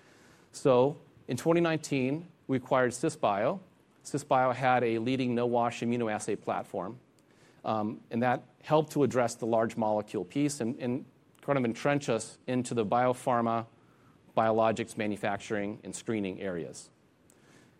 In 2019, we acquired Cisbio. Cisbio had a leading no-wash immunoassay platform, and that helped to address the large molecule piece and kind of entrench us into the biopharma, biologics, manufacturing, and screening areas.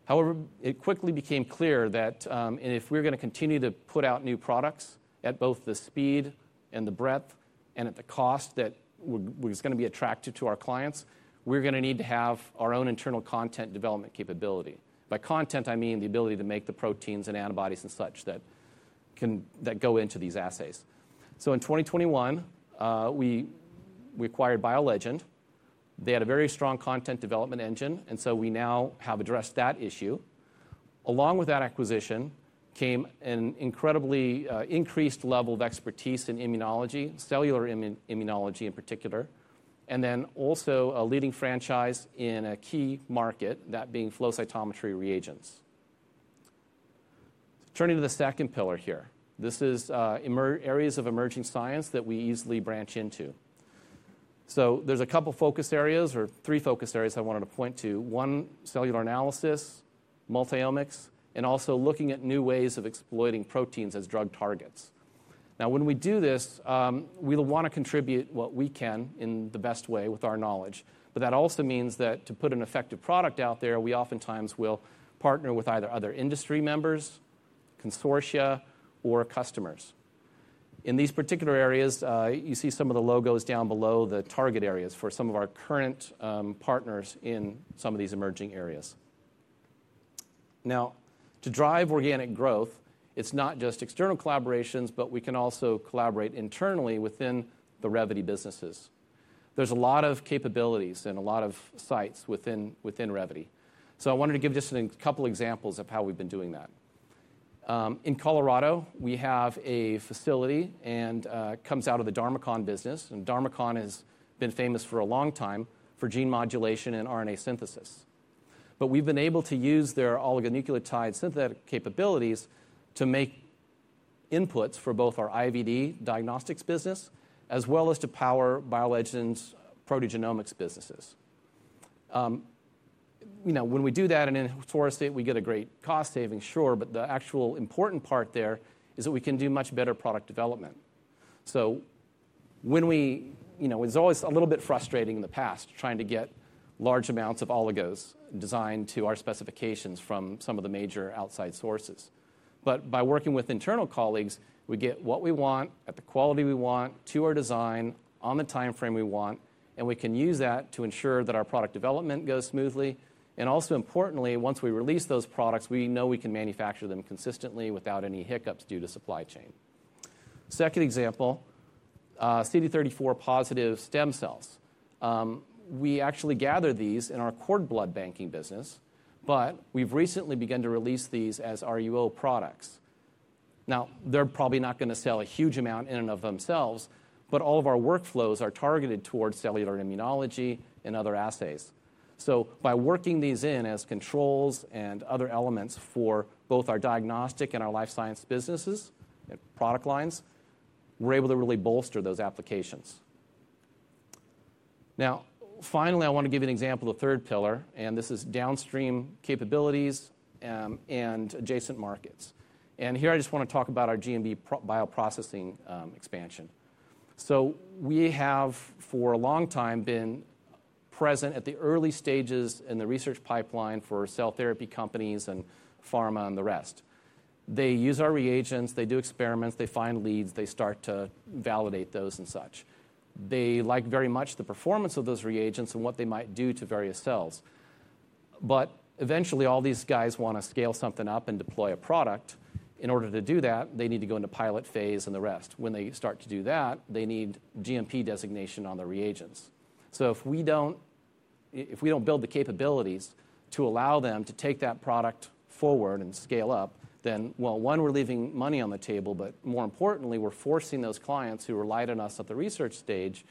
However, it quickly became clear that if we're going to continue to put out new products at both the speed and the breadth and at the cost that was going to be attractive to our clients, we're going to need to have our own internal content development capability. By content, I mean the ability to make the proteins and antibodies and such that go into these assays. In 2021, we acquired BioLegend. They had a very strong content development engine, and so we now have addressed that issue. Along with that acquisition came an incredibly increased level of expertise in immunology, cellular immunology in particular, and then also a leading franchise in a key market, that being flow cytometry reagents. Turning to the second pillar here, this is areas of emerging science that we easily branch into. So there's a couple focus areas or three focus areas I wanted to point to. One, cellular analysis, multi-omics, and also looking at new ways of exploiting proteins as drug targets. Now, when we do this, we'll want to contribute what we can in the best way with our knowledge. But that also means that to put an effective product out there, we oftentimes will partner with either other industry members, consortia, or customers. In these particular areas, you see some of the logos down below the target areas for some of our current partners in some of these emerging areas. Now, to drive organic growth, it's not just external collaborations, but we can also collaborate internally within the Revvity businesses. There's a lot of capabilities and a lot of sites within Revvity. So I wanted to give just a couple examples of how we've been doing that. In Colorado, we have a facility and it comes out of the Dharmacon business, and Dharmacon has been famous for a long time for gene modulation and RNA synthesis, but we've been able to use their oligonucleotide synthetic capabilities to make inputs for both our IVD diagnostics business as well as to power BioLegend's proteogenomics businesses. When we do that and enforce it, we get a great cost saving, sure, but the actual important part there is that we can do much better product development. So when it's always a little bit frustrating in the past trying to get large amounts of oligos designed to our specifications from some of the major outside sources. But by working with internal colleagues, we get what we want at the quality we want to our design on the time frame we want, and we can use that to ensure that our product development goes smoothly. And also, importantly, once we release those products, we know we can manufacture them consistently without any hiccups due to supply chain. Second example, CD34 positive stem cells. We actually gather these in our cord blood banking business, but we've recently begun to release these as RUO products. Now, they're probably not going to sell a huge amount in and of themselves, but all of our workflows are targeted towards cellular immunology and other assays. So by working these in as controls and other elements for both our diagnostic and our life science businesses and product lines, we're able to really bolster those applications. Now, finally, I want to give you an example of the third pillar, and this is downstream capabilities and adjacent markets, and here, I just want to talk about our GMP bioprocessing expansion. So we have, for a long time, been present at the early stages in the research pipeline for cell therapy companies and pharma and the rest. They use our reagents. They do experiments. They find leads. They start to validate those and such. They like very much the performance of those reagents and what they might do to various cells. But eventually, all these guys want to scale something up and deploy a product. In order to do that, they need to go into pilot phase and the rest. When they start to do that, they need GMP designation on their reagents. So if we don't build the capabilities to allow them to take that product forward and scale up, then, well, one, we're leaving money on the table, but more importantly, we're forcing those clients who relied on us at the research stage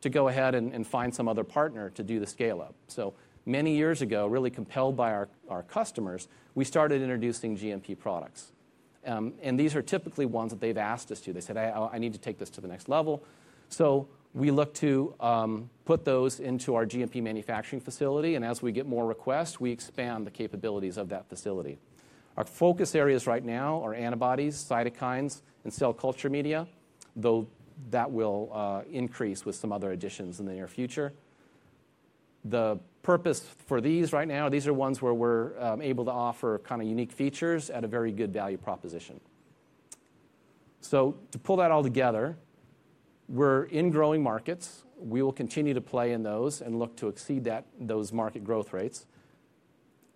to go ahead and find some other partner to do the scale-up. So many years ago, really compelled by our customers, we started introducing GMP products. And these are typically ones that they've asked us to. They said, "I need to take this to the next level." So we look to put those into our GMP manufacturing facility. And as we get more requests, we expand the capabilities of that facility. Our focus areas right now are antibodies, cytokines, and cell culture media, though that will increase with some other additions in the near future. The purpose for these right now, these are ones where we're able to offer kind of unique features at a very good value proposition. So to pull that all together, we're in growing markets. We will continue to play in those and look to exceed those market growth rates.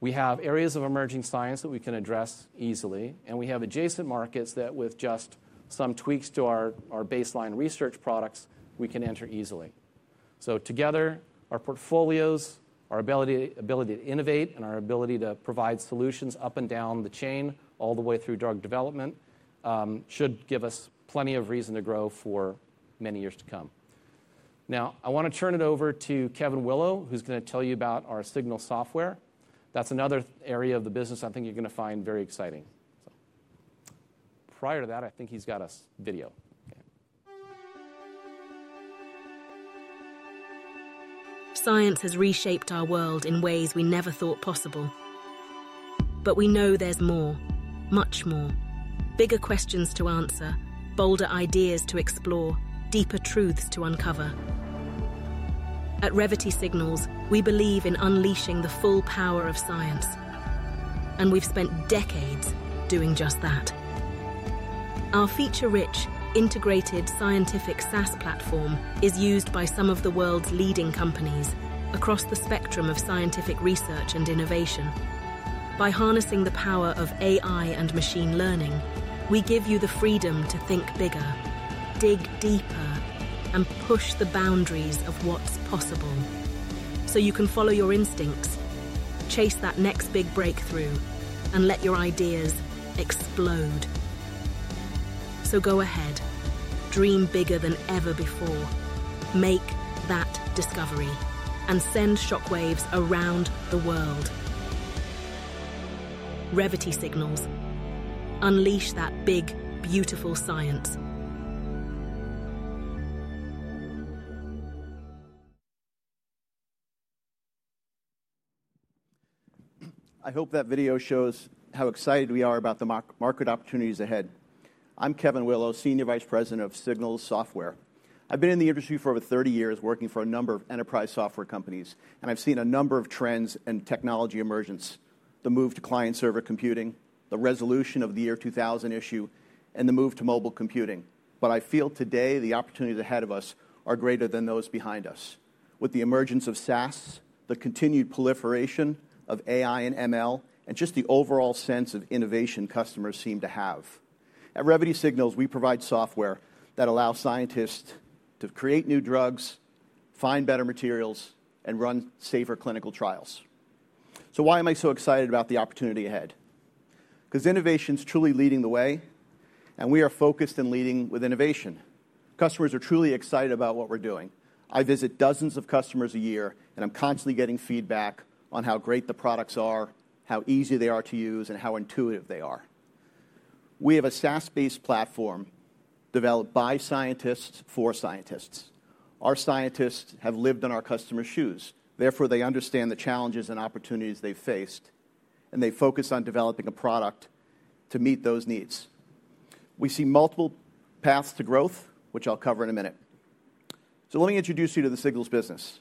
We have areas of emerging science that we can address easily, and we have adjacent markets that, with just some tweaks to our baseline research products, we can enter easily. Together, our portfolios, our ability to innovate, and our ability to provide solutions up and down the chain all the way through drug development should give us plenty of reason to grow for many years to come. Now, I want to turn it over to Kevin Willoe, who's going to tell you about our Signals software. That's another area of the business I think you're going to find very exciting. Prior to that, I think he's got a video. Science has reshaped our world in ways we never thought possible. But we know there's more, much more. Bigger questions to answer, bolder ideas to explore, deeper truths to uncover. At Revvity Signals, we believe in unleashing the full power of science, and we've spent decades doing just that. Our feature-rich, integrated scientific SaaS platform is used by some of the world's leading companies across the spectrum of scientific research and innovation. By harnessing the power of AI and machine learning, we give you the freedom to think bigger, dig deeper, and push the boundaries of what's possible. So you can follow your instincts, chase that next big breakthrough, and let your ideas explode. So go ahead. Dream bigger than ever before. Make that discovery. And send shockwaves around the world. Revvity Signals. Unleash that big, beautiful science. I hope that video shows how excited we are about the market opportunities ahead. I'm Kevin Willoe, Senior Vice President of Signals Software. I've been in the industry for over 30 years working for a number of enterprise software companies, and I've seen a number of trends and technology emergence: the move to client-server computing, the resolution of the year 2000 issue, and the move to mobile computing. But I feel today the opportunities ahead of us are greater than those behind us. With the emergence of SaaS, the continued proliferation of AI and ML, and just the overall sense of innovation customers seem to have. At Revvity Signals, we provide software that allows scientists to create new drugs, find better materials, and run safer clinical trials. So why am I so excited about the opportunity ahead? Because innovation is truly leading the way, and we are focused and leading with innovation. Customers are truly excited about what we're doing. I visit dozens of customers a year, and I'm constantly getting feedback on how great the products are, how easy they are to use, and how intuitive they are. We have a SaaS-based platform developed by scientists for scientists. Our scientists have lived in our customers' shoes. Therefore, they understand the challenges and opportunities they've faced, and they focus on developing a product to meet those needs. We see multiple paths to growth, which I'll cover in a minute, so let me introduce you to the Signals business.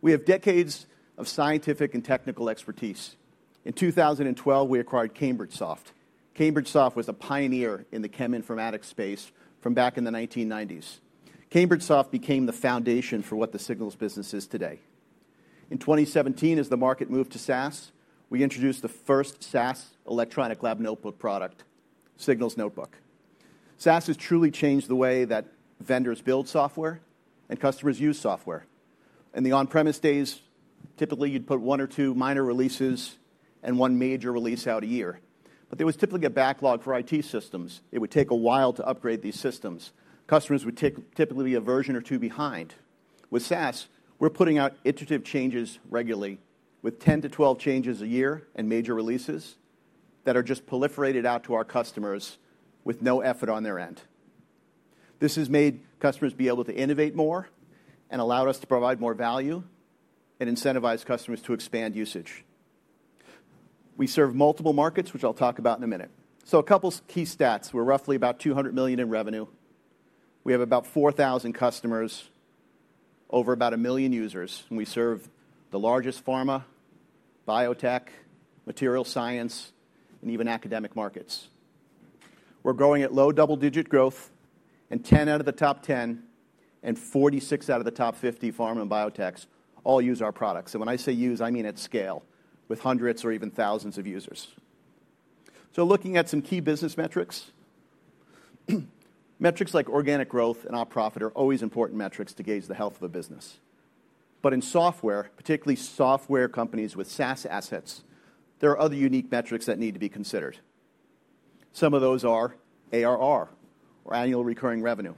We have decades of scientific and technical expertise. In 2012, we acquired CambridgeSoft. CambridgeSoft was a pioneer in the cheminformatics space from back in the 1990s. CambridgeSoft became the foundation for what the Signals business is today. In 2017, as the market moved to SaaS, we introduced the first SaaS electronic lab notebook product, Signals Notebook. SaaS has truly changed the way that vendors build software and customers use software. In the on-premise days, typically you'd put one or two minor releases and one major release out a year. But there was typically a backlog for IT systems. It would take a while to upgrade these systems. Customers would typically be a version or two behind. With SaaS, we're putting out iterative changes regularly, with 10-12 changes a year and major releases that are just proliferated out to our customers with no effort on their end. This has made customers be able to innovate more and allowed us to provide more value and incentivize customers to expand usage. We serve multiple markets, which I'll talk about in a minute. So a couple key stats. We're roughly about $200 million in revenue. We have about 4,000 customers, over about a million users, and we serve the largest pharma, biotech, material science, and even academic markets. We're growing at low double-digit growth, and 10 out of the top 10 and 46 out of the top 50 pharma and biotechs all use our products. And when I say use, I mean at scale, with hundreds or even thousands of users. So looking at some key business metrics, metrics like organic growth and our profit are always important metrics to gauge the health of a business. But in software, particularly software companies with SaaS assets, there are other unique metrics that need to be considered. Some of those are ARR, or annual recurring revenue.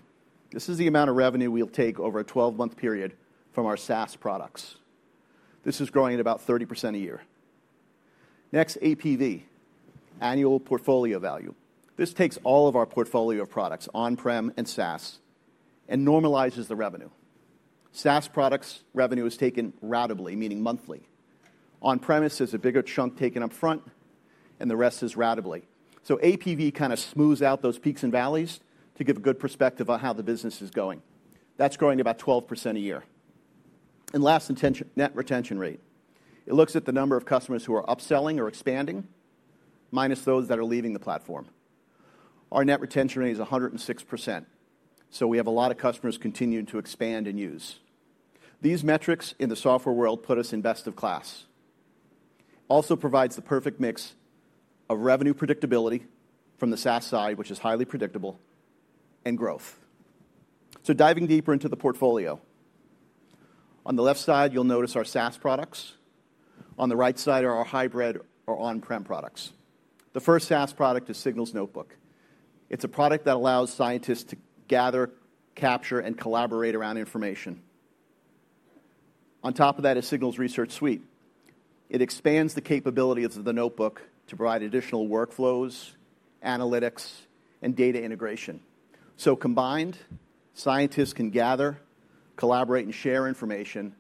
This is the amount of revenue we'll take over a 12-month period from our SaaS products. This is growing at about 30% a year. Next, APV, annual portfolio value. This takes all of our portfolio of products, on-prem and SaaS, and normalizes the revenue. SaaS products' revenue is taken ratably, meaning monthly. On-premise is a bigger chunk taken upfront, and the rest is ratably, so APV kind of smooths out those peaks and valleys to give a good perspective on how the business is going. That's growing about 12% a year, and last, net retention rate. It looks at the number of customers who are upselling or expanding, minus those that are leaving the platform. Our net retention rate is 106%, so we have a lot of customers continuing to expand and use. These metrics in the software world put us in best of class. It also provides the perfect mix of revenue predictability from the SaaS side, which is highly predictable, and growth, so diving deeper into the portfolio. On the left side, you'll notice our SaaS products. On the right side are our hybrid or on-prem products. The first SaaS product is Signals Notebook. It's a product that allows scientists to gather, capture, and collaborate around information. On top of that is Signals Research Suite. It expands the capabilities of the Notebook to provide additional workflows, analytics, and data integration. So combined, scientists can gather, collaborate, and share information,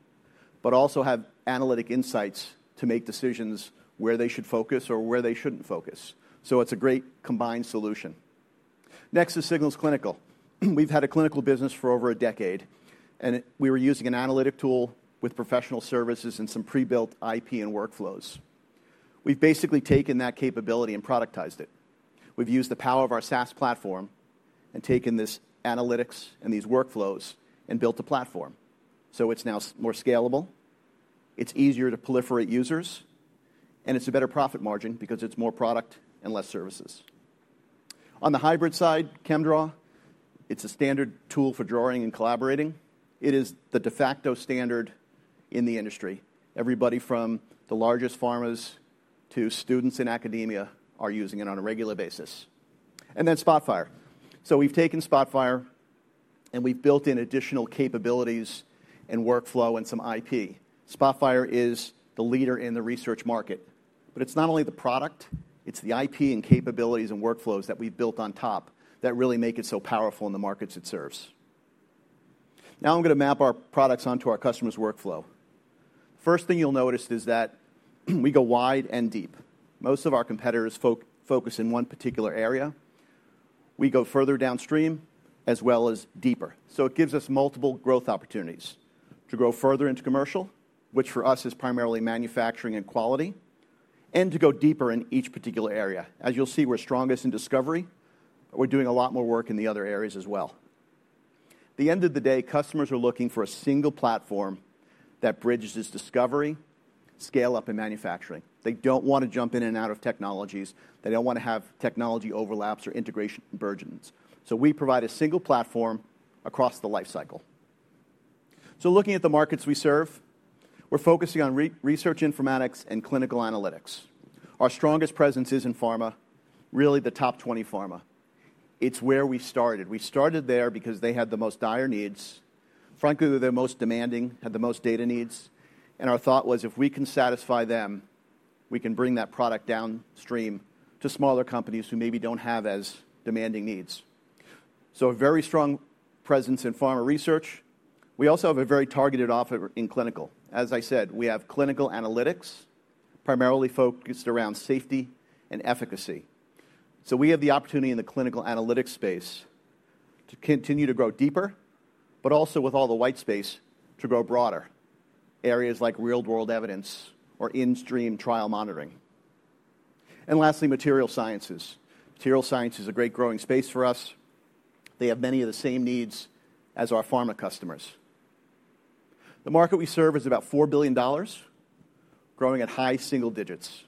but also have analytic insights to make decisions where they should focus or where they shouldn't focus. So it's a great combined solution. Next is Signals Clinical. We've had a clinical business for over a decade, and we were using an analytic tool with professional services and some pre-built IP and workflows. We've basically taken that capability and productized it. We've used the power of our SaaS platform and taken this analytics and these workflows and built a platform. So it's now more scalable. It's easier to proliferate users, and it's a better profit margin because it's more product and less services. On the hybrid side, ChemDraw. It's a standard tool for drawing and collaborating. It is the de facto standard in the industry. Everybody from the largest pharmas to students in academia are using it on a regular basis. And then Spotfire. So we've taken Spotfire, and we've built in additional capabilities and workflow and some IP. Spotfire is the leader in the research market. But it's not only the product. It's the IP and capabilities and workflows that we've built on top that really make it so powerful in the markets it serves. Now I'm going to map our products onto our customer's workflow. The first thing you'll notice is that we go wide and deep. Most of our competitors focus in one particular area. We go further downstream as well as deeper. So it gives us multiple growth opportunities to grow further into commercial, which for us is primarily manufacturing and quality, and to go deeper in each particular area. As you'll see, we're strongest in discovery, but we're doing a lot more work in the other areas as well. At the end of the day, customers are looking for a single platform that bridges discovery, scale-up, and manufacturing. They don't want to jump in and out of technologies. They don't want to have technology overlaps or integration convergence. So we provide a single platform across the lifecycle. So looking at the markets we serve, we're focusing on research informatics and clinical analytics. Our strongest presence is in pharma, really the top 20 pharma. It's where we started. We started there because they had the most dire needs. Frankly, they're most demanding, had the most data needs, and our thought was, if we can satisfy them, we can bring that product downstream to smaller companies who maybe don't have as demanding needs, so a very strong presence in pharma research. We also have a very targeted offer in clinical. As I said, we have clinical analytics primarily focused around safety and efficacy, so we have the opportunity in the clinical analytics space to continue to grow deeper, but also with all the white space to grow broader, areas like real-world evidence or in-stream trial monitoring, and lastly, materials science. Materials science is a great growing space for us. They have many of the same needs as our pharma customers. The market we serve is about $4 billion, growing at high single digits.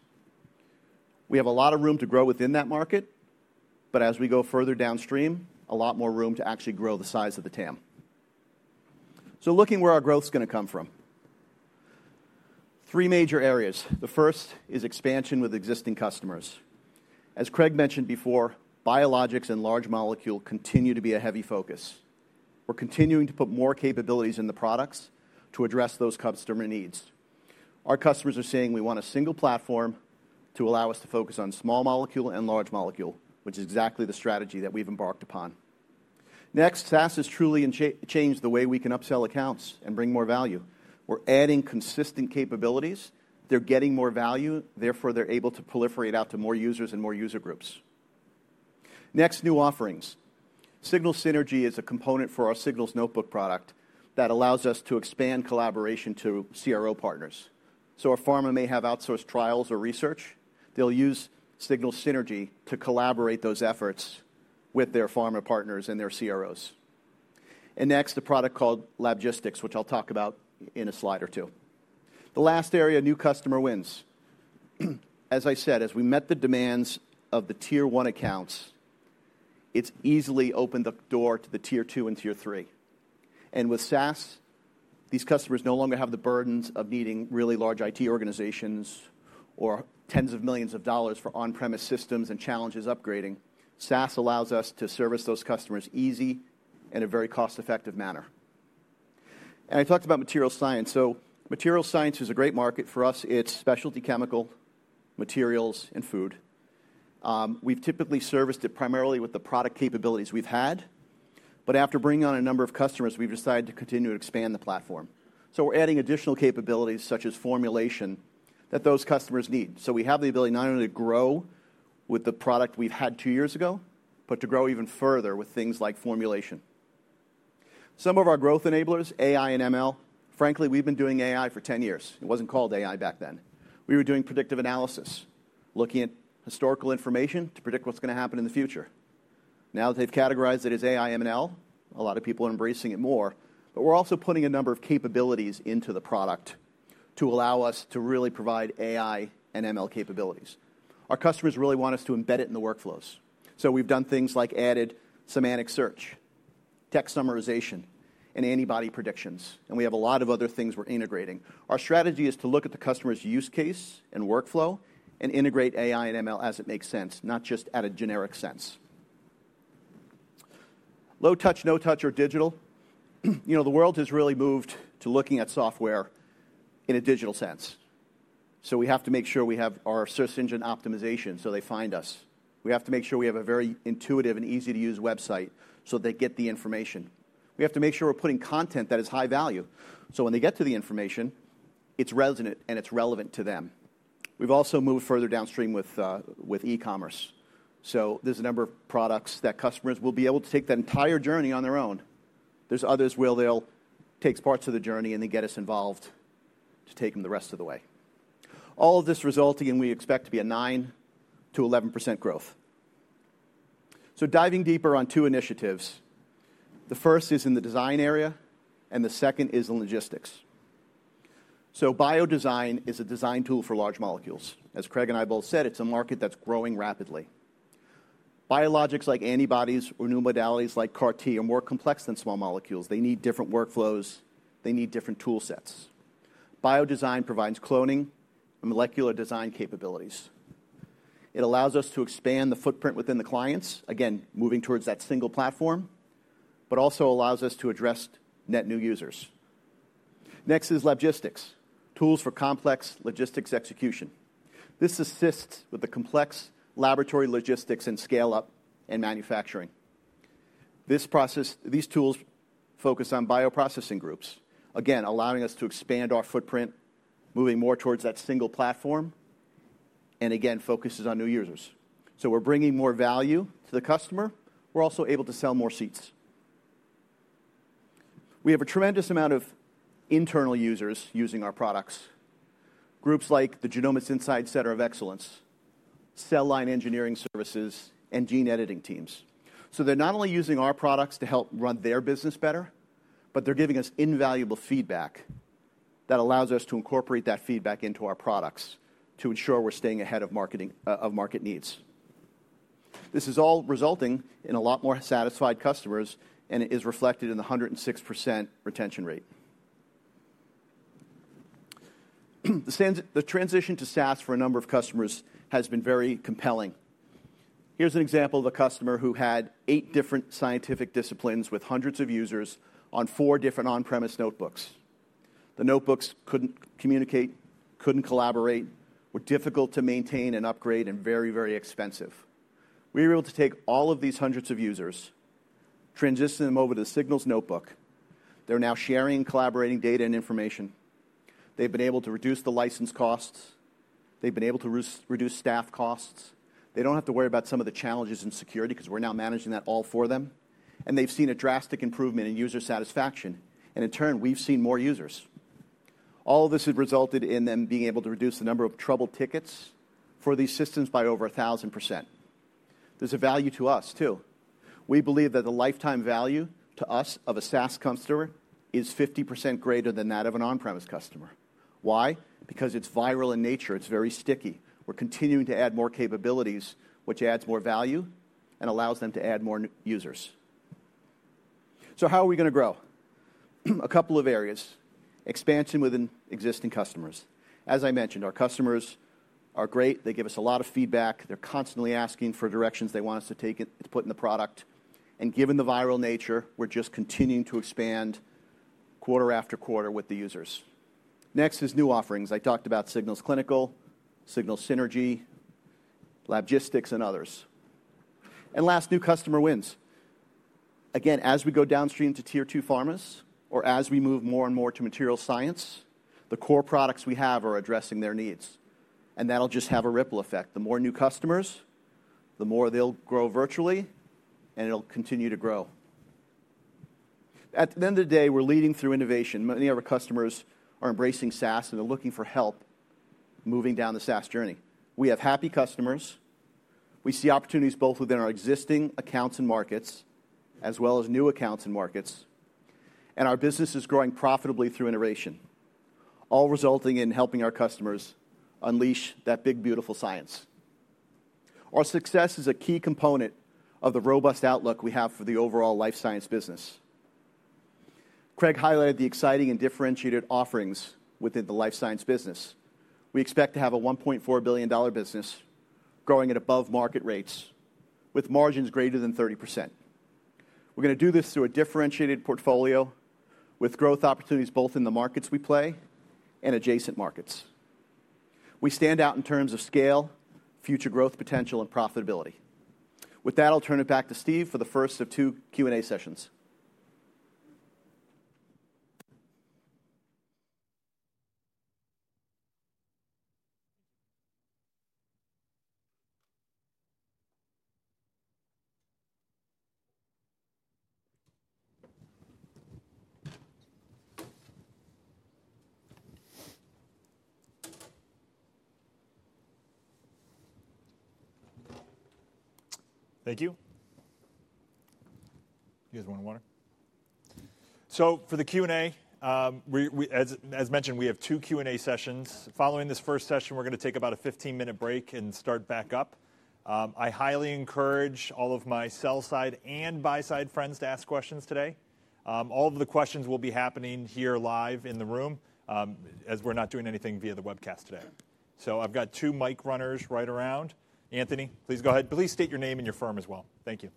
We have a lot of room to grow within that market, but as we go further downstream, a lot more room to actually grow the size of the TAM. So looking where our growth is going to come from. Three major areas. The first is expansion with existing customers. As Craig mentioned before, biologics and large molecules continue to be a heavy focus. We're continuing to put more capabilities in the products to address those customer needs. Our customers are saying we want a single platform to allow us to focus on small molecule and large molecule, which is exactly the strategy that we've embarked upon. Next, SaaS has truly changed the way we can upsell accounts and bring more value. We're adding consistent capabilities. They're getting more value. Therefore, they're able to proliferate out to more users and more user groups. Next, new offerings. Signals Synergy is a component for our Signals Notebook product that allows us to expand collaboration to CRO partners. So our pharma may have outsourced trials or research. They'll use Signals Synergy to collaborate those efforts with their pharma partners and their CROs. And next, a product called Labgistics, which I'll talk about in a slide or two. The last area, new customer wins. As I said, as we met the demands of the tier-one accounts, it's easily opened the door to the tier-two and tier-three. And with SaaS, these customers no longer have the burdens of needing really large IT organizations or tens of millions of dollars for on-premise systems and challenges upgrading. SaaS allows us to service those customers easy in a very cost-effective manner. And I talked about material science. So material science is a great market for us. It's specialty chemical, materials, and food. We've typically serviced it primarily with the product capabilities we've had. But after bringing on a number of customers, we've decided to continue to expand the platform. So we're adding additional capabilities such as formulation that those customers need. So we have the ability not only to grow with the product we've had two years ago, but to grow even further with things like formulation. Some of our growth enablers, AI and ML. Frankly, we've been doing AI for 10 years. It wasn't called AI back then. We were doing predictive analysis, looking at historical information to predict what's going to happen in the future. Now that they've categorized it as AI and ML, a lot of people are embracing it more. But we're also putting a number of capabilities into the product to allow us to really provide AI and ML capabilities. Our customers really want us to embed it in the workflows. So we've done things like added semantic search, text summarization, and antibody predictions. And we have a lot of other things we're integrating. Our strategy is to look at the customer's use case and workflow and integrate AI and ML as it makes sense, not just at a generic sense. Low touch, no touch, or digital. The world has really moved to looking at software in a digital sense. So we have to make sure we have our search engine optimization so they find us. We have to make sure we have a very intuitive and easy-to-use website so they get the information. We have to make sure we're putting content that is high value. So when they get to the information, it's resonant and it's relevant to them. We've also moved further downstream with e-commerce. So there's a number of products that customers will be able to take that entire journey on their own. There's others where they'll take parts of the journey and they get us involved to take them the rest of the way. All of this resulting in we expect to be a 9%-11% growth. So diving deeper on two initiatives. The first is in the design area, and the second is in logistics. So BioDesign is a design tool for large molecules. As Craig and I both said, it's a market that's growing rapidly. Biologics like antibodies or new modalities like CAR-T are more complex than small molecules. They need different workflows. They need different tool sets. BioDesign provides cloning and molecular design capabilities. It allows us to expand the footprint within the clients, again, moving towards that single platform, but also allows us to address net new users. Next is logistics, tools for complex logistics execution. This assists with the complex laboratory logistics and scale-up and manufacturing. These tools focus on bioprocessing groups, again, allowing us to expand our footprint, moving more towards that single platform, and again, focuses on new users. So we're bringing more value to the customer. We're also able to sell more seats. We have a tremendous amount of internal users using our products, groups like the Genomics Insights Center of Excellence, cell line engineering services, and gene editing teams. So they're not only using our products to help run their business better, but they're giving us invaluable feedback that allows us to incorporate that feedback into our products to ensure we're staying ahead of market needs. This is all resulting in a lot more satisfied customers, and it is reflected in the 106% retention rate. The transition to SaaS for a number of customers has been very compelling. Here's an example of a customer who had eight different scientific disciplines with hundreds of users on four different on-premise notebooks. The notebooks couldn't communicate, couldn't collaborate, were difficult to maintain and upgrade, and very, very expensive. We were able to take all of these hundreds of users, transition them over to the Signals Notebook. They're now sharing and collaborating data and information. They've been able to reduce the license costs. They've been able to reduce staff costs. They don't have to worry about some of the challenges in security because we're now managing that all for them, and they've seen a drastic improvement in user satisfaction, and in turn, we've seen more users. All of this has resulted in them being able to reduce the number of trouble tickets for these systems by over 1,000%. There's a value to us too. We believe that the lifetime value to us of a SaaS customer is 50% greater than that of an on-premise customer. Why? Because it's viral in nature. It's very sticky. We're continuing to add more capabilities, which adds more value and allows them to add more users. So how are we going to grow? A couple of areas. Expansion within existing customers. As I mentioned, our customers are great. They give us a lot of feedback. They're constantly asking for directions they want us to take it to put in the product. And given the viral nature, we're just continuing to expand quarter after quarter with the users. Next is new offerings. I talked about Signals Clinical, Signals Synergy, Labgistics, and others. Last, new customer wins. Again, as we go downstream to tier-two pharmas or as we move more and more to material science, the core products we have are addressing their needs. And that'll just have a ripple effect. The more new customers, the more they'll grow virtually, and it'll continue to grow. At the end of the day, we're leading through innovation. Many of our customers are embracing SaaS, and they're looking for help moving down the SaaS journey. We have happy customers. We see opportunities both within our existing accounts and markets as well as new accounts and markets. And our business is growing profitably through iteration, all resulting in helping our customers unleash that big, beautiful science. Our success is a key component of the robust outlook we have for the overall life science business. Craig highlighted the exciting and differentiated offerings within the life science business. We expect to have a $1.4 billion business growing at above market rates with margins greater than 30%. We're going to do this through a differentiated portfolio with growth opportunities both in the markets we play and adjacent markets. We stand out in terms of scale, future growth potential, and profitability. With that, I'll turn it back to Steve for the first of two Q&A sessions. Thank you. You guys want water? So for the Q&A, as mentioned, we have two Q&A sessions. Following this first session, we're going to take about a 15-minute break and start back up. I highly encourage all of my sell-side and buy-side friends to ask questions today. All of the questions will be happening here live in the room as we're not doing anything via the webcast today. So I've got two mic runners right around. Anthony, please go ahead. Please state your name and your firm as well. Thank you.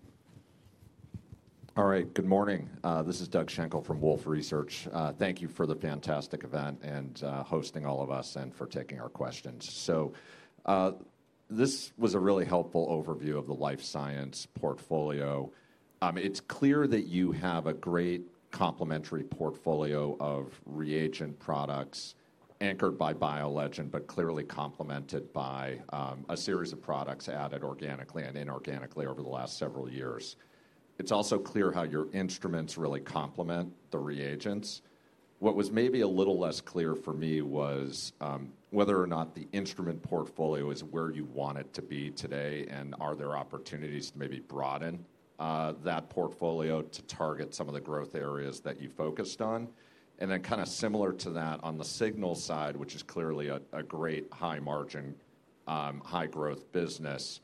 All right. Good morning. This is Doug Schenkel from Wolfe Research. Thank you for the fantastic event and hosting all of us and for taking our questions. So this was a really helpful overview of the life science portfolio. It's clear that you have a great complementary portfolio of reagent products anchored by BioLegend, but clearly complemented by a series of products added organically and inorganically over the last several years. It's also clear how your instruments really complement the reagents. What was maybe a little less clear for me was whether or not the instrument portfolio is where you want it to be today and are there opportunities to maybe broaden that portfolio to target some of the growth areas that you focused on? And then kind of similar to that on the Signals side, which is clearly a great high-margin, high-growth business,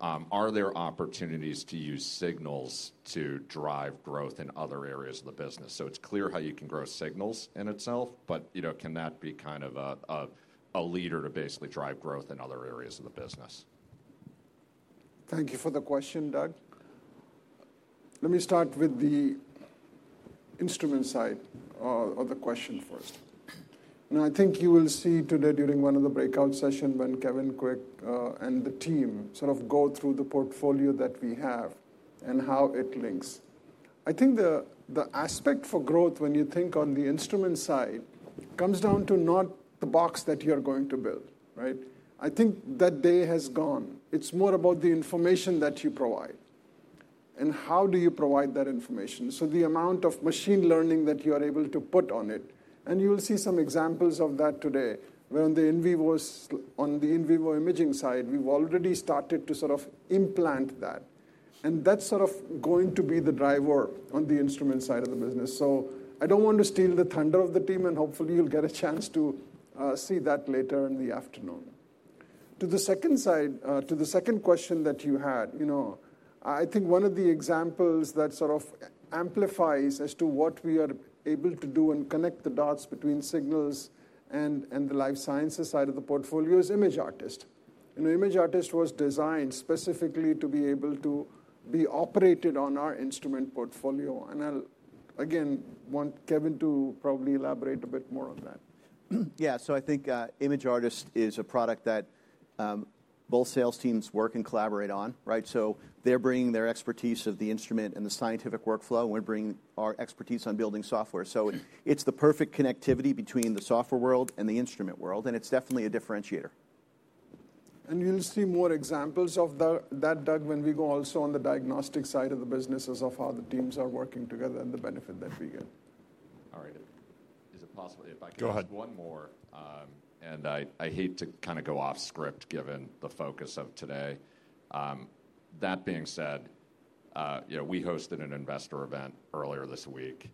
are there opportunities to use Signals to drive growth in other areas of the business? So it's clear how you can grow Signals in itself, but can that be kind of a leader to basically drive growth in other areas of the business? Thank you for the question, Doug. Let me start with the instrument side of the question first. And I think you will see today during one of the breakout sessions when Kevin Willoe and the team sort of go through the portfolio that we have and how it links. I think the aspect for growth when you think on the instrument side comes down to not the box that you're going to build, right? I think that day has gone. It's more about the information that you provide and how do you provide that information. So the amount of machine learning that you are able to put on it, and you will see some examples of that today where on the in vivo imaging side, we've already started to sort of implant that. And that's sort of going to be the driver on the instrument side of the business. So I don't want to steal the thunder of the team, and hopefully, you'll get a chance to see that later in the afternoon. To the second question that you had, I think one of the examples that sort of amplifies as to what we are able to do and connect the dots between Signals and the Life Sciences side of the portfolio is Image Artist. Image Artist was designed specifically to be able to be operated on our instrument portfolio. I'll, again, want Kevin to probably elaborate a bit more on that. Yeah. So I think Image Artist is a product that both sales teams work and collaborate on, right? So they're bringing their expertise of the instrument and the scientific workflow, and we're bringing our expertise on building softwar e. So it's the perfect connectivity between the software world and the instrument world, and it's definitely a differentiator. And you'll see more examples of that, Doug, when we go also on the diagnostic side of the businesses of how the teams are working together and the benefit that we get. All right. Is it possible if I can ask one more? And I hate to kind of go off script given the focus of today. That being said, we hosted an investor event earlier this week.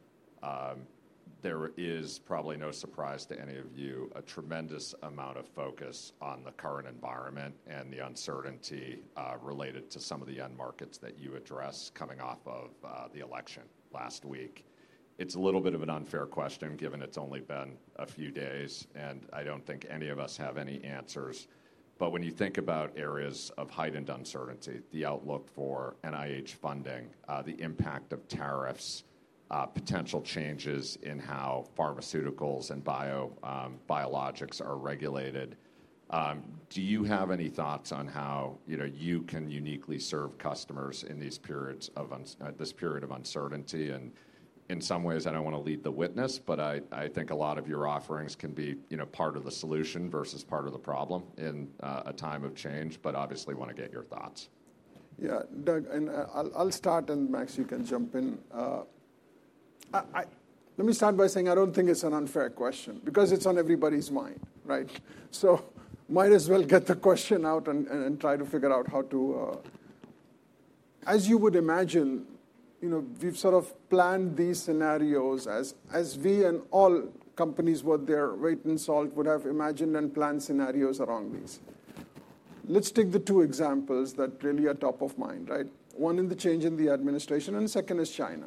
There is probably no surprise to any of you. A tremendous amount of focus on the current environment and the uncertainty related to some of the end markets that you address coming off of the election last week. It's a little bit of an unfair question given it's only been a few days, and I don't think any of us have any answers, but when you think about areas of heightened uncertainty, the outlook for NIH funding, the impact of tariffs, potential changes in how pharmaceuticals and biologics are regulated, do you have any thoughts on how you can uniquely serve customers in this period of uncertainty, and in some ways, I don't want to lead the witness, but I think a lot of your offerings can be part of the solution versus part of the problem in a time of change, but obviously want to get your thoughts. Yeah. Doug, and I'll start, and Max, you can jump in. Let me start by saying I don't think it's an unfair question because it's on everybody's mind, right? So might as well get the question out and try to figure out how to. As you would imagine, we've sort of planned these scenarios as we and all companies with their worth and salt would have imagined and planned scenarios around these. Let's take the two examples that really are top of mind, right? One is the change in the administration, and the second is China.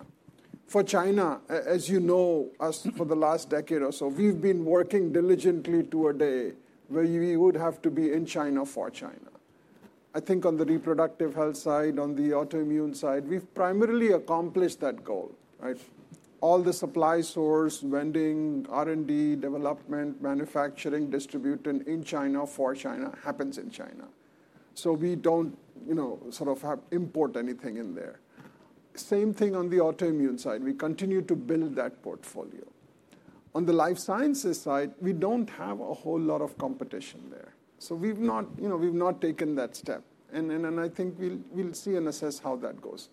For China, as you know, for the last decade or so, we've been working diligently to a day where we would have to be in China for China. I think on the reproductive health side, on the autoimmune side, we've primarily accomplished that goal, right? All the supply sourcing, R&D, development, manufacturing, distribution in China for China happens in China. So we don't sort of import anything in there. Same thing on the autoimmune side. We continue to build that portfolio. On the life sciences side, we don't have a whole lot of competition there. So we've not taken that step. And I think we'll see and assess how that goes.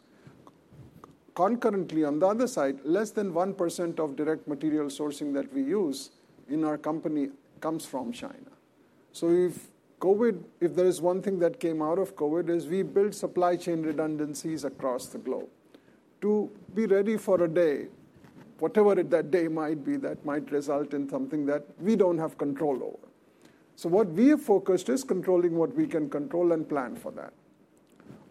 Concurrently, on the other side, less than 1% of direct material sourcing that we use in our company comes from China. So if there is one thing that came out of COVID is we built supply chain redundancies across the globe to be ready for a day, whatever that day might be, that might result in something that we don't have control over. So what we have focused is controlling what we can control and plan for that.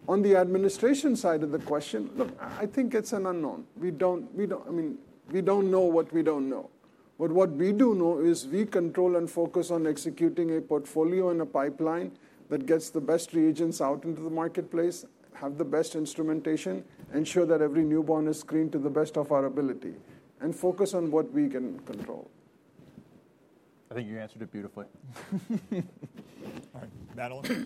On the administration side of the question, look, I think it's an unknown. I mean, we don't know what we don't know. But what we do know is we control and focus on executing a portfolio and a pipeline that gets the best reagents out into the marketplace, have the best instrumentation, ensure that every newborn is screened to the best of our ability, and focus on what we can control. I think you answered it beautifully. All right.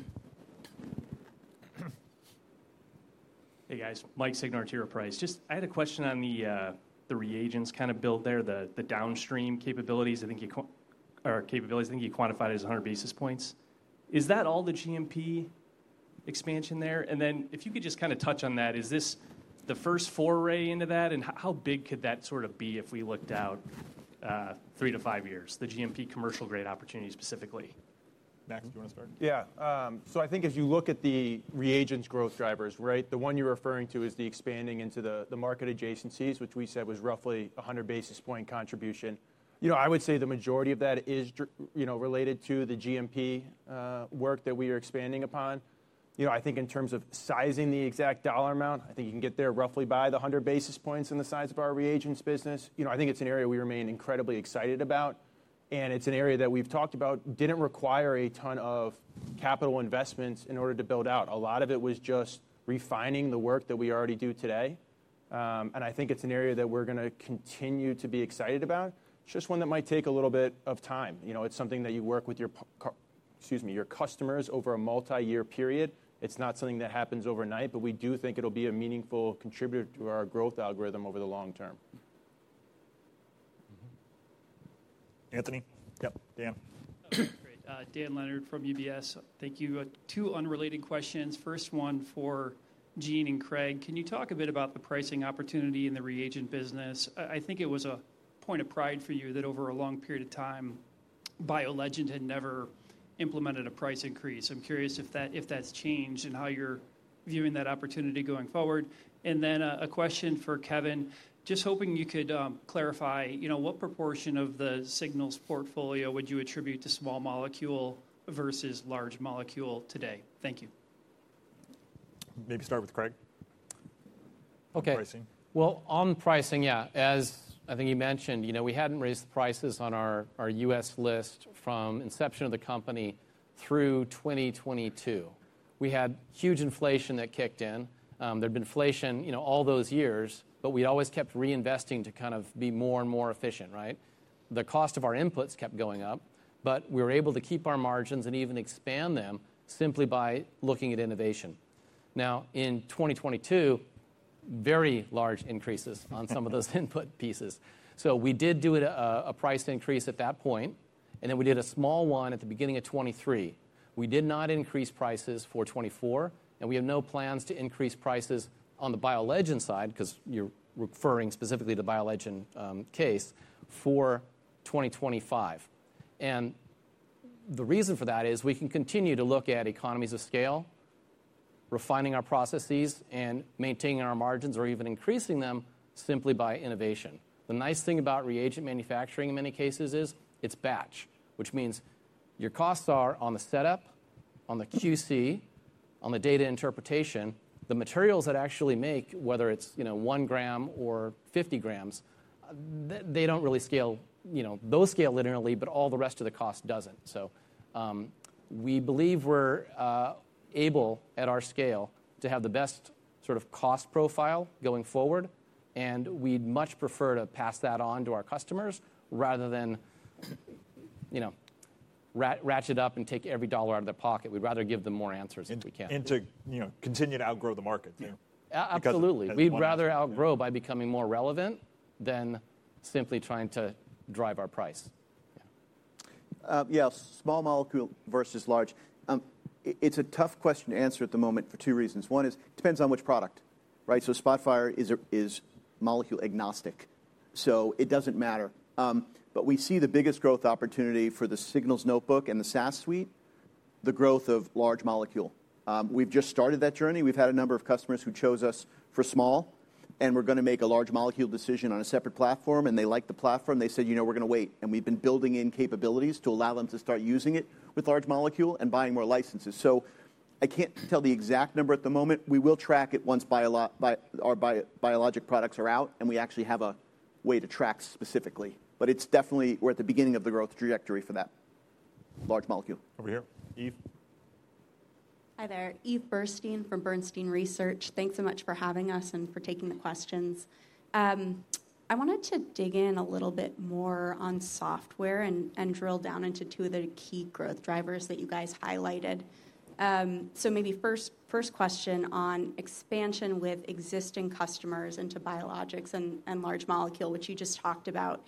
Hey, guys. Mike Seigner at T. Rowe Price. Just, I had a question on the reagents kind of build there, the downstream capabilities. I think you quantified it as 100 basis points. Is that all the GMP expansion there? And then if you could just kind of touch on that, is this the first foray into that? And how big could that sort of be if we looked out three to five years, the GMP commercial-grade opportunity specifically? Maxwell, do you want to start? Yeah. So I think if you look at the reagents growth drivers, right, the one you're referring to is the expanding into the market adjacencies, which we said was roughly 100 basis points contribution. I would say the majority of that is related to the GMP work that we are expanding upon. I think in terms of sizing the exact dollar amount, I think you can get there roughly by the 100 basis points in the size of our reagents business. I think it's an area we remain incredibly excited about. And it's an area that we've talked about didn't require a ton of capital investments in order to build out. A lot of it was just refining the work that we already do today, and I think it's an area that we're going to continue to be excited about. It's just one that might take a little bit of time. It's something that you work with your customers over a multi-year period. It's not something that happens overnight, but we do think it'll be a meaningful contributor to our growth algorithm over the long term. Anthony? Yep. Dan Leonard from UBS. Thank you. Two unrelated questions. First one for Gene and Craig. Can you talk a bit about the pricing opportunity in the reagent business? I think it was a point of pride for you that over a long period of time, BioLegend had never implemented a price increase. I'm curious if that's changed and how you're viewing that opportunity going forward, and then a question for Kevin. Just hoping you could clarify what proportion of the Signals portfolio would you attribute to small molecule versus large molecule today? Thank you. Maybe start with Craig. Okay. Pricing. Well, on pricing, yeah. As I think you mentioned, we hadn't raised prices on our U.S. list from inception of the company through 2022. We had huge inflation that kicked in. There had been inflation all those years, but we'd always kept reinvesting to kind of be more and more efficient, right? The cost of our inputs kept going up, but we were able to keep our margins and even expand them simply by looking at innovation. Now, in 2022, very large increases on some of those input pieces. So we did do a price increase at that point, and then we did a small one at the beginning of 2023. We did not increase prices for 2024, and we have no plans to increase prices on the BioLegend side because you're referring specifically to the BioLegend case for 2025, and the reason for that is we can continue to look at economies of scale, refining our processes, and maintaining our margins or even increasing them simply by innovation. The nice thing about reagent manufacturing in many cases is it's batch, which means your costs are on the setup, on the QC, on the data interpretation. The materials that actually make, whether it's one gram or 50 grams, they don't really scale. Those scale linearly, but all the rest of the cost doesn't. So we believe we're able at our scale to have the best sort of cost profile going forward, and we'd much prefer to pass that on to our customers rather than ratchet up and take every dollar out of their pocket. We'd rather give them more answers if we can. And to continue to outgrow the market too. Absolutely. We'd rather outgrow by becoming more relevant than simply trying to drive our price. Yeah. Small molecule versus large. It's a tough question to answer at the moment for two reasons. One is it depends on which product, right? So Spotfire is molecule agnostic, so it doesn't matter. But we see the biggest growth opportunity for the Signals Notebook and the SaaS suite, the growth of large molecule. We've just started that journey. We've had a number of customers who chose us for small, and we're going to make a large molecule decision on a separate platform, and they liked the platform. They said, "We're going to wait." And we've been building in capabilities to allow them to start using it with large molecule and buying more licenses. So I can't tell the exact number at the moment. We will track it once our biologic products are out, and we actually have a way to track specifically. But we're at the beginning of the growth trajectory for that large molecule. Over here. Eve. Hi there. Eve Burstein from Bernstein Research. Thanks so much for having us and for taking the questions. I wanted to dig in a little bit more on software and drill down into two of the key growth drivers that you guys highlighted. So maybe first question on expansion with existing customers into biologics and large molecule, which you just talked about.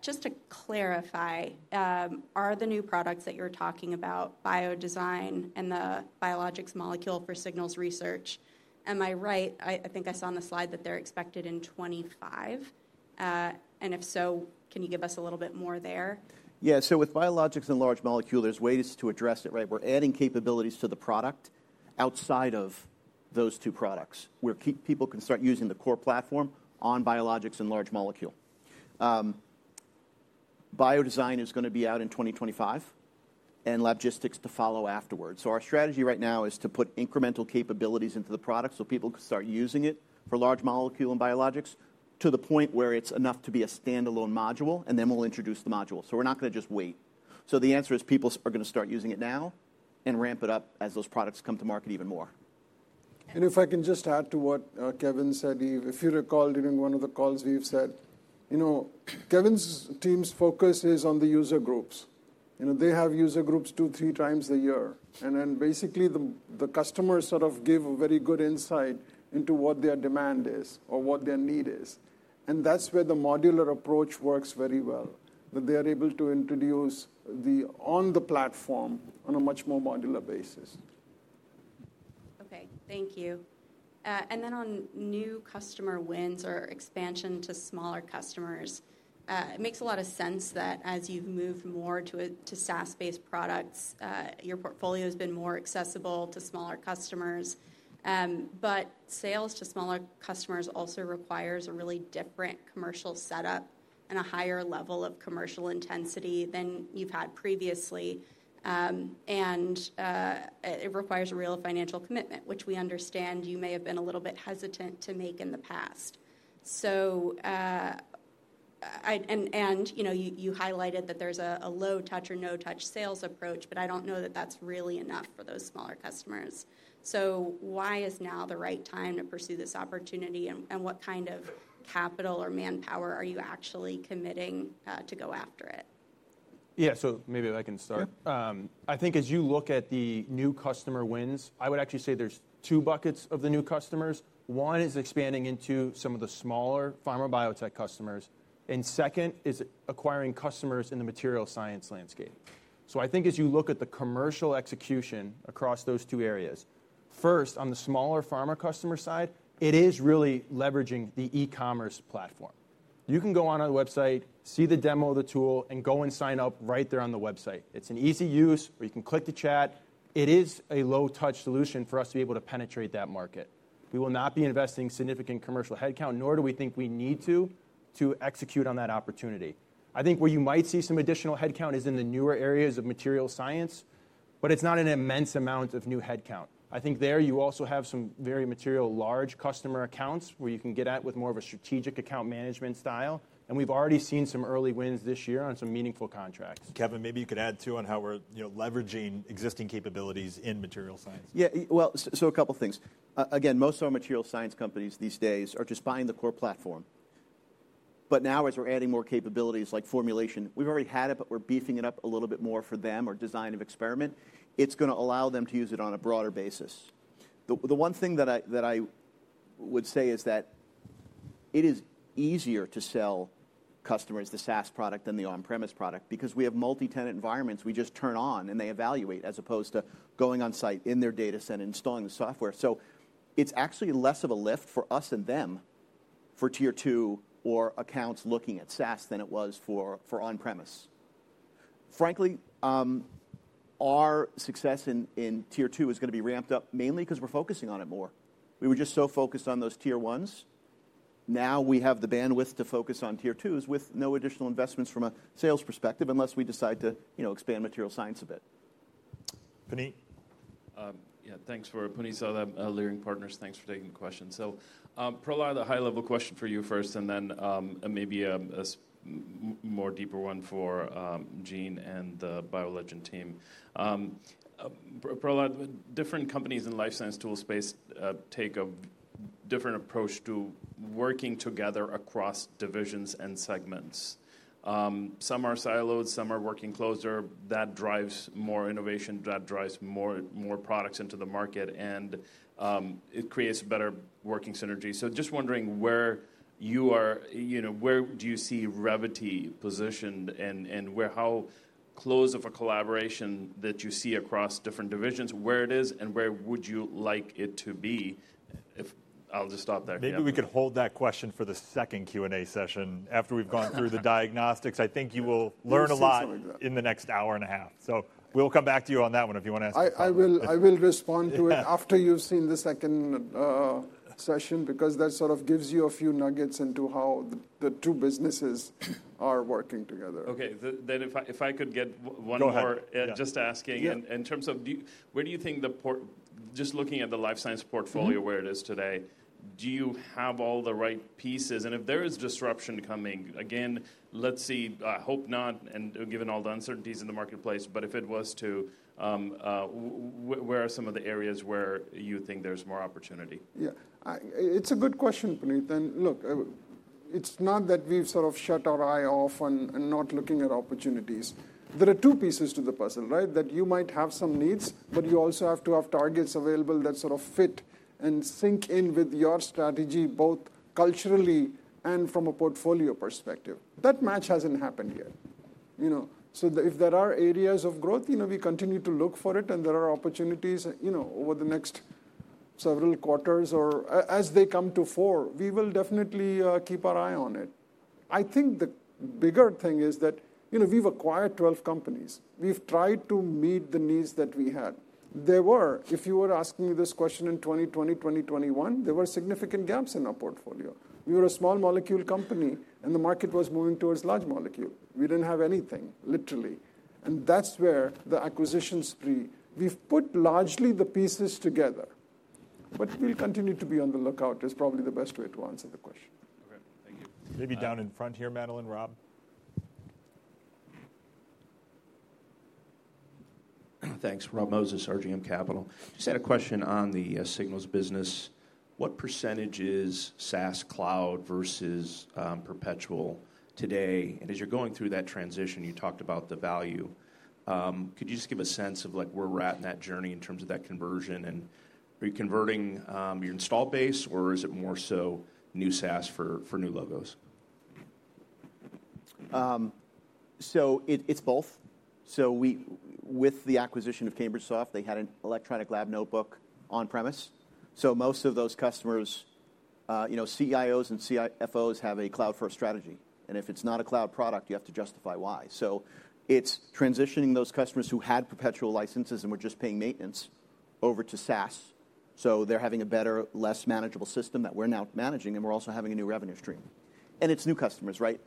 Just to clarify, are the new products that you're talking about, BioDesign and the biologics molecule for Signals research, am I right? I think I saw on the slide that they're expected in 2025. And if so, can you give us a little bit more there? Yeah. So with biologics and large molecule, there's ways to address it, right? We're adding capabilities to the product outside of those two products where people can start using the core platform on biologics and large molecule. BioDesign is going to be out in 2025, and Labgistics to follow afterwards. So our strategy right now is to put incremental capabilities into the product so people can start using it for large molecule and biologics to the point where it's enough to be a standalone module, and then we'll introduce the module. So we're not going to just wait. So the answer is people are going to start using it now and ramp it up as those products come to market even more. And if I can just add to what Kevin said, Eve, if you recall during one of the calls, we've said Kevin's team's focus is on the user groups. They have user groups two, three times a year. And then basically the customers sort of give a very good insight into what their demand is or what their need is. And that's where the modular approach works very well, that they are able to introduce the on-the-platform on a much more modular basis. Okay. Thank you. And then on new customer wins or expansion to smaller customers, it makes a lot of sense that as you've moved more to SaaS-based products, your portfolio has been more accessible to smaller customers. But sales to smaller customers also requires a really different commercial setup and a higher level of commercial intensity than you've had previously. And it requires a real financial commitment, which we understand you may have been a little bit hesitant to make in the past. And you highlighted that there's a low-touch or no-touch sales approach, but I don't know that that's really enough for those smaller customers. So why is now the right time to pursue this opportunity, and what kind of capital or manpower are you actually committing to go after it? Yeah. So maybe I can start. I think as you look at the new customer wins, I would actually say there's two buckets of the new customers. One is expanding into some of the smaller pharma biotech customers. And second is acquiring customers in the material science landscape. So I think as you look at the commercial execution across those two areas, first, on the smaller pharma customer side, it is really leveraging the e-commerce platform. You can go on our website, see the demo of the tool, and go and sign up right there on the website. It's an easy use, or you can click the chat. It is a low-touch solution for us to be able to penetrate that market. We will not be investing significant commercial headcount, nor do we think we need to, to execute on that opportunity. I think where you might see some additional headcount is in the newer areas of materials science, but it's not an immense amount of new headcount. I think there you also have some very material large customer accounts where you can get at with more of a strategic account management style, and we've already seen some early wins this year on some meaningful contracts. Kevin, maybe you could add, too, on how we're leveraging existing capabilities in materials science. Yeah, well, so a couple of things. Again, most of our materials science companies these days are just buying the core platform, but now as we're adding more capabilities like formulation, we've already had it, but we're beefing it up a little bit more for them or design of experiment. It's going to allow them to use it on a broader basis. The one thing that I would say is that it is easier to sell customers the SaaS product than the on-premise product because we have multi-tenant environments we just turn on and they evaluate as opposed to going on-site in their data center and installing the software. So it's actually less of a lift for us and them for tier two or accounts looking at SaaS than it was for on-premise. Frankly, our success in tier two is going to be ramped up mainly because we're focusing on it more. We were just so focused on those tier ones. Now we have the bandwidth to focus on tier twos with no additional investments from a sales perspective unless we decide to expand material science a bit. Puneet. Yeah. Thanks, Puneet Souda, Leerink Partners. Thanks for taking the question. So Prahlad, the high-level question for you first, and then maybe a more deeper one for Gene and the BioLegend team. Prahlad, different companies in the life science tool space take a different approach to working together across divisions and segments. Some are siloed, some are working closer. That drives more innovation, that drives more products into the market, and it creates better working synergy. So just wondering where you are, where do you see Revvity positioned and how close of a collaboration that you see across different divisions, where it is, and where would you like it to be? I'll just stop there. Maybe we could hold that question for the second Q&A session after we've gone through the diagnostics. I think you will learn a lot in the next hour and a half. So we'll come back to you on that one if you want to ask something. I will respond to it after you've seen the second session because that sort of gives you a few nuggets into how the two businesses are working together. Okay. Then if I could get one more, just asking in terms of where do you think the just looking at the life science portfolio where it is today, do you have all the right pieces? And if there is disruption coming, again, let's see. I hope not, and given all the uncertainties in the marketplace, but if it was to, where are some of the areas where you think there's more opportunity? Yeah. It's a good question, Puneet. And look, it's not that we've sort of shut our eye off and not looking at opportunities. There are two pieces to the puzzle, right, that you might have some needs, but you also have to have targets available that sort of fit and sync in with your strategy both culturally and from a portfolio perspective. That match hasn't happened yet. So if there are areas of growth, we continue to look for it, and there are opportunities over the next several quarters or as they come to the fore, we will definitely keep our eye on it. I think the bigger thing is that we've acquired 12 companies. We've tried to meet the needs that we had. There were, if you were asking me this question in 2020, 2021, there were significant gaps in our portfolio. We were a small molecule company, and the market was moving towards large molecule. We didn't have anything, literally. And that's where the acquisition spree. We've put largely the pieces together, but we'll continue to be on the lookout is probably the best way to answer the question. Okay. Thank you. Maybe down in front here, Madeline, Robert. Thanks. Robert Moses, RGM Capital. Just had a question on the Signals business. What percentage is SaaS cloud versus perpetual today? And as you're going through that transition, you talked about the value. Could you just give a sense of where we're at in that journey in terms of that conversion? And are you converting your installed base, or is it more so new SaaS for new logos? So it's both. So with the acquisition of CambridgeSoft, they had an electronic lab notebook on-premise. So most of those customers, CIOs and CFOs have a cloud-first strategy. And if it's not a cloud product, you have to justify why. It's transitioning those customers who had perpetual licenses and were just paying maintenance over to SaaS. So they're having a better, less manageable system that we're now managing, and we're also having a new revenue stream. And it's new customers, right?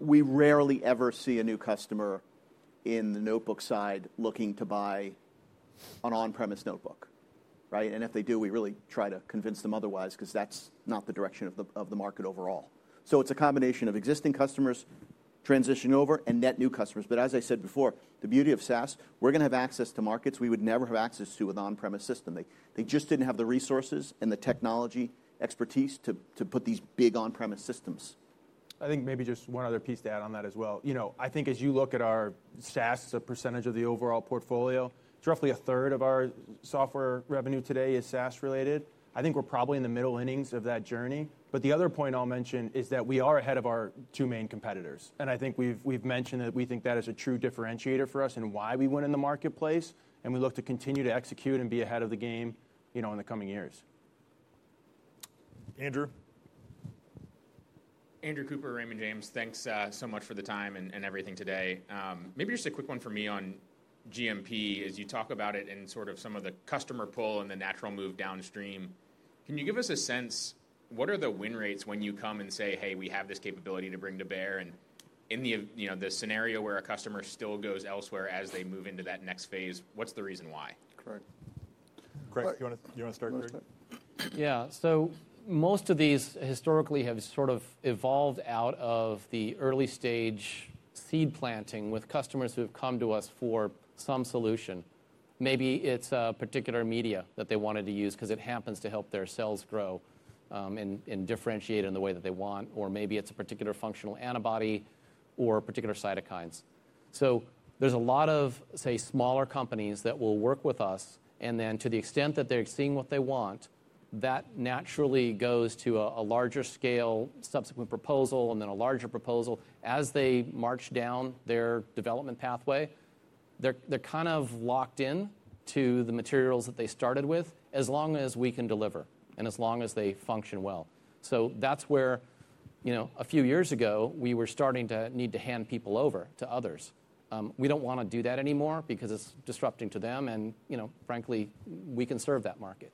We rarely ever see a new customer in the notebook side looking to buy an on-premise notebook, right? And if they do, we really try to convince them otherwise because that's not the direction of the market overall. So it's a combination of existing customers transitioning over and net new customers. But as I said before, the beauty of SaaS, we're going to have access to markets we would never have access to with an on-premise system. They just didn't have the resources and the technology expertise to put these big on-premise systems. I think maybe just one other piece to add on that as well. I think as you look at our SaaS as a percentage of the overall portfolio, it's roughly a third of our software revenue today is SaaS related. I think we're probably in the middle innings of that journey. But the other point I'll mention is that we are ahead of our two main competitors. And I think we've mentioned that we think that is a true differentiator for us and why we win in the marketplace. And we look to continue to execute and be ahead of the game in the coming years. Andrew. Andrew Cooper, Raymond James, thanks so much for the time and everything today. Maybe just a quick one for me on GMP as you talk about it and sort of some of the customer pull and the natural move downstream. Can you give us a sense what are the win rates when you come and say, "Hey, we have this capability to bring to bear?" And in the scenario where a customer still goes elsewhere as they move into that next phase, what's the reason why? Correct. Craig, do you want to start? Yeah. So most of these historically have sort of evolved out of the early stage seed planting with customers who have come to us for some solution. Maybe it's a particular media that they wanted to use because it happens to help their cells grow and differentiate in the way that they want. Or maybe it's a particular functional antibody or particular cytokines. So there's a lot of, say, smaller companies that will work with us. Then to the extent that they're seeing what they want, that naturally goes to a larger scale subsequent proposal and then a larger proposal as they march down their development pathway. They're kind of locked into the materials that they started with as long as we can deliver and as long as they function well. That's where a few years ago we were starting to need to hand people over to others. We don't want to do that anymore because it's disrupting to them. Frankly, we can serve that market.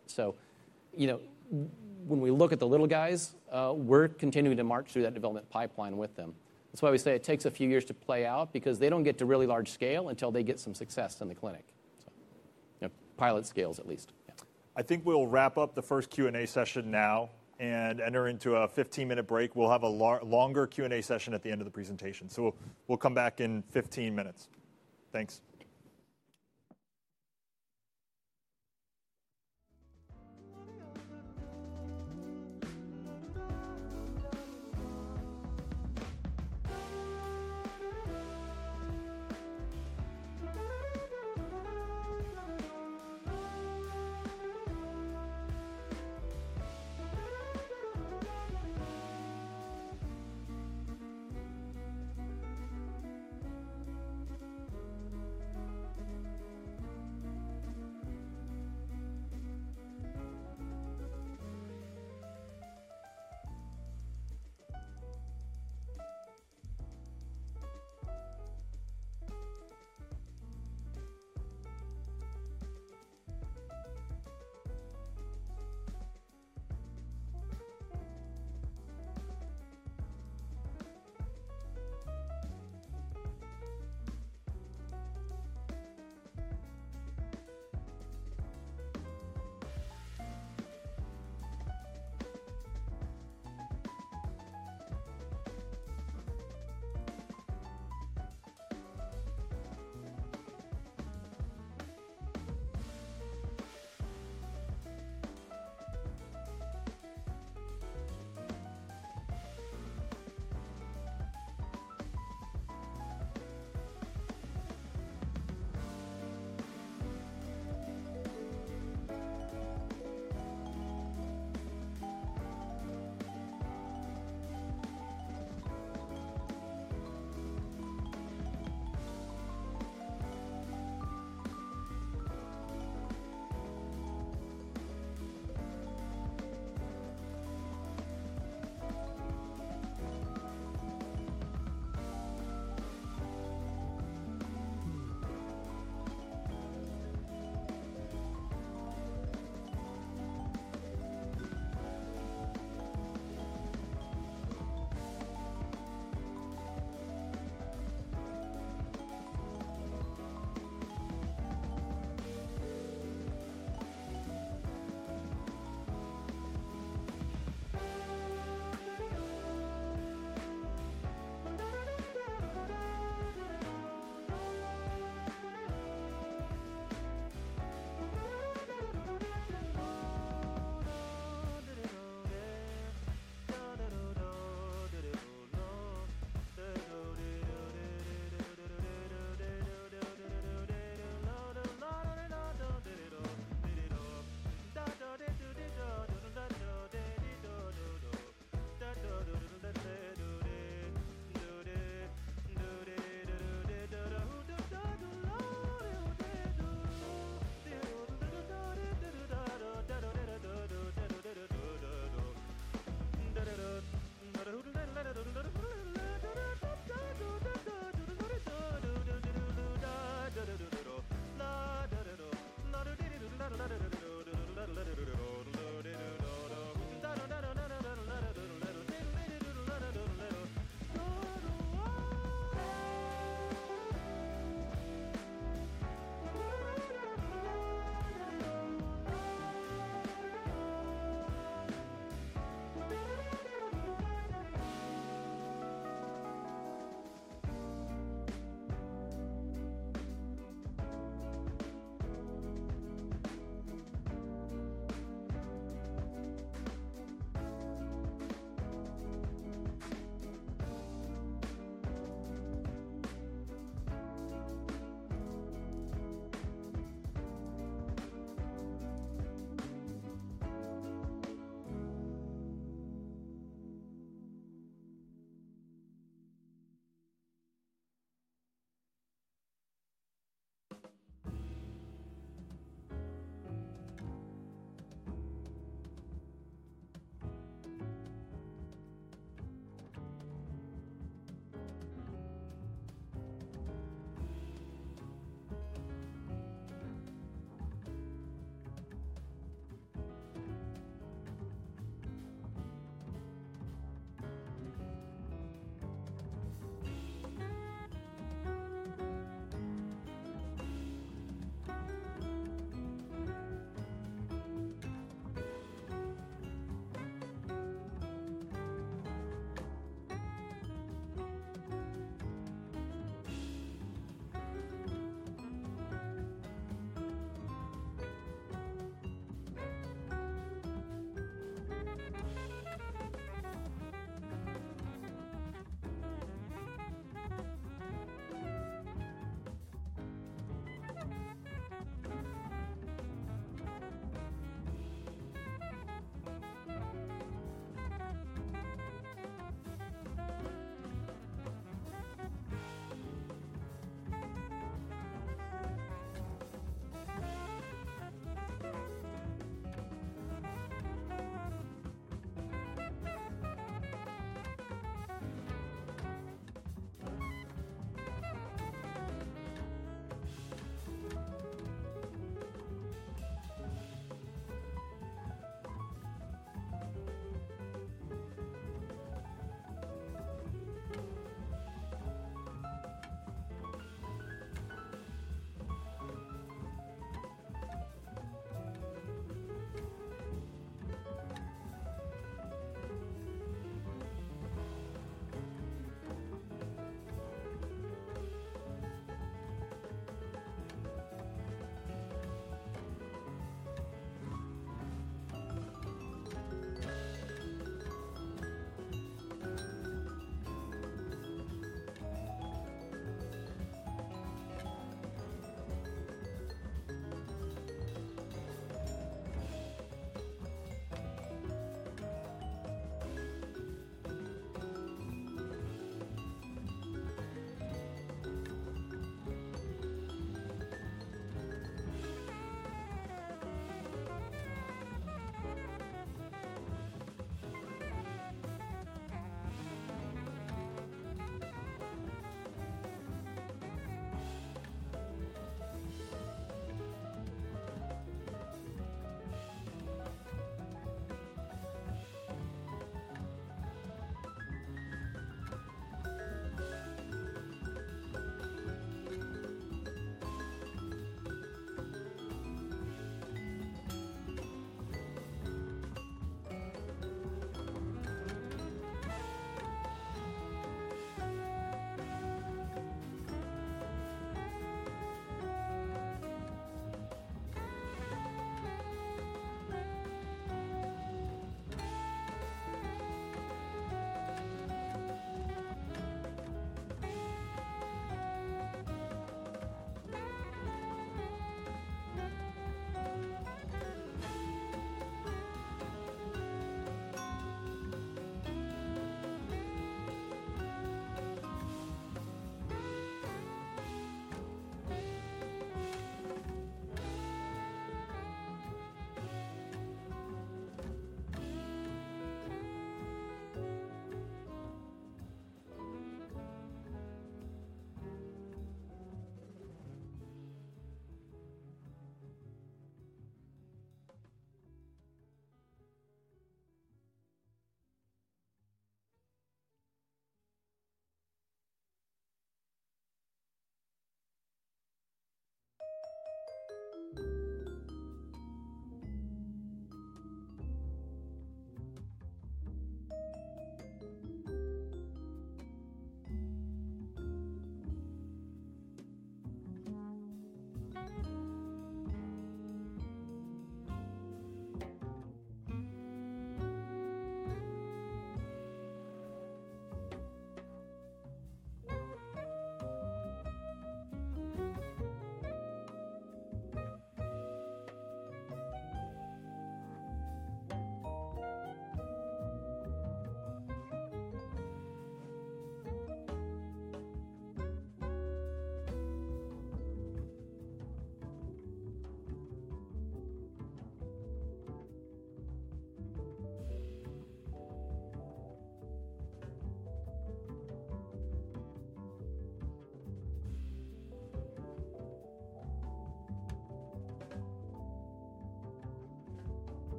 When we look at the little guys, we're continuing to march through that development pipeline with them. That's why we say it takes a few years to play out because they don't get to really large scale until they get some success in the clinic, pilot scales at least. I think we'll wrap up the first Q&A session now and enter into a 15-minute break. We'll have a longer Q&A session at the end of the presentation, so we'll come back in 15 minutes. Thanks.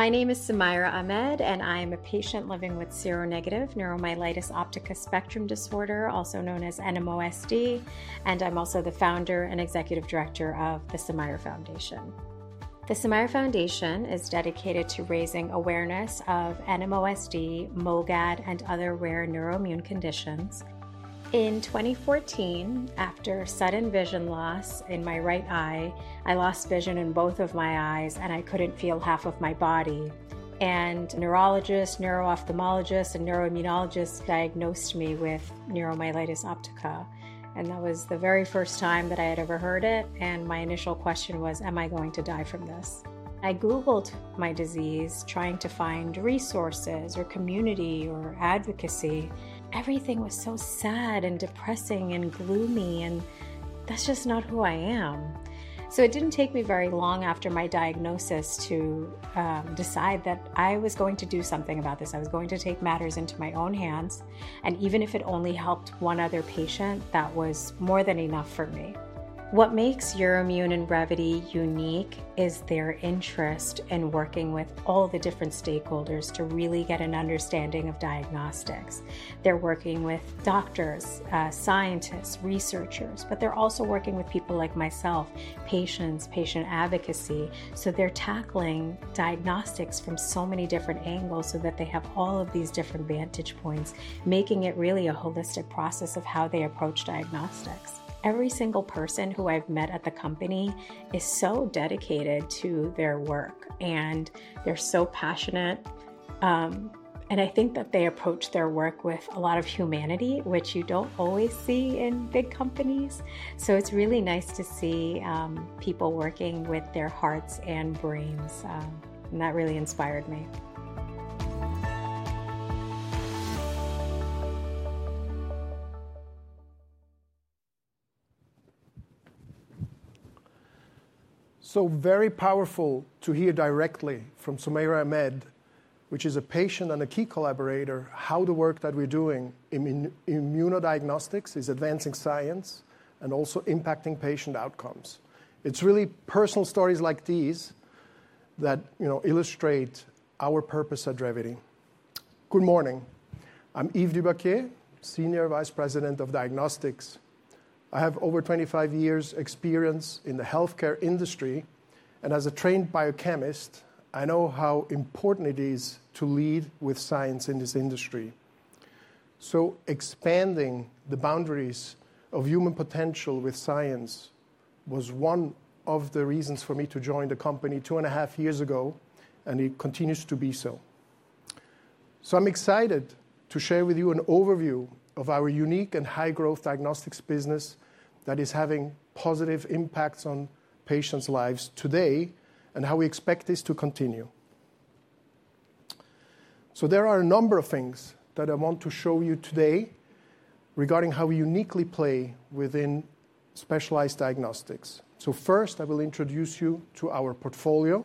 My name is Sumaira Ahmed, and I am a patient living with seronegative neuromyelitis optica spectrum disorder, also known as NMOSD. And I'm also the founder and executive director of the Sumaira Foundation. The Sumaira Foundation is dedicated to raising awareness of NMOSD, MOGAD, and other rare neuroimmune conditions. In 2014, after sudden vision loss in my right eye, I lost vision in both of my eyes, and I couldn't feel half of my body, and neurologists, neuro-ophthalmologists, and neuroimmunologists diagnosed me with neuromyelitis optica, and that was the very first time that I had ever heard it. My initial question was, "Am I going to die from this?" I Googled my disease, trying to find resources or community or advocacy. Everything was so sad and depressing and gloomy, and that's just not who I am. It didn't take me very long after my diagnosis to decide that I was going to do something about this. I was going to take matters into my own hands. Even if it only helped one other patient, that was more than enough for me. What makes Euroimmun and Revvity unique is their interest in working with all the different stakeholders to really get an understanding of diagnostics. They're working with doctors, scientists, researchers, but they're also working with people like myself, patients, patient advocacy. So they're tackling diagnostics from so many different angles so that they have all of these different vantage points, making it really a holistic process of how they approach diagnostics. Every single person who I've met at the company is so dedicated to their work, and they're so passionate, and I think that they approach their work with a lot of humanity, which you don't always see in big companies. So it's really nice to see people working with their hearts and brains, and that really inspired me. So very powerful to hear directly from Sumaira Ahmed, which is a patient and a key collaborator, how the work that we're doing in immunodiagnostics is advancing science and also impacting patient outcomes. It's really personal stories like these that, you know, illustrate our purpose at Revvity. Good morning. I'm Yves Dubaquié, Senior Vice President of Diagnostics. I have over 25 years' experience in the healthcare industry, and as a trained biochemist, I know how important it is to lead with science in this industry. So expanding the boundaries of human potential with science was one of the reasons for me to join the company two and a half years ago, and it continues to be so. So I'm excited to share with you an overview of our unique and high-growth diagnostics business that is having positive impacts on patients' lives today and how we expect this to continue. So there are a number of things that I want to show you today regarding how we uniquely play within specialized diagnostics. First, I will introduce you to our portfolio,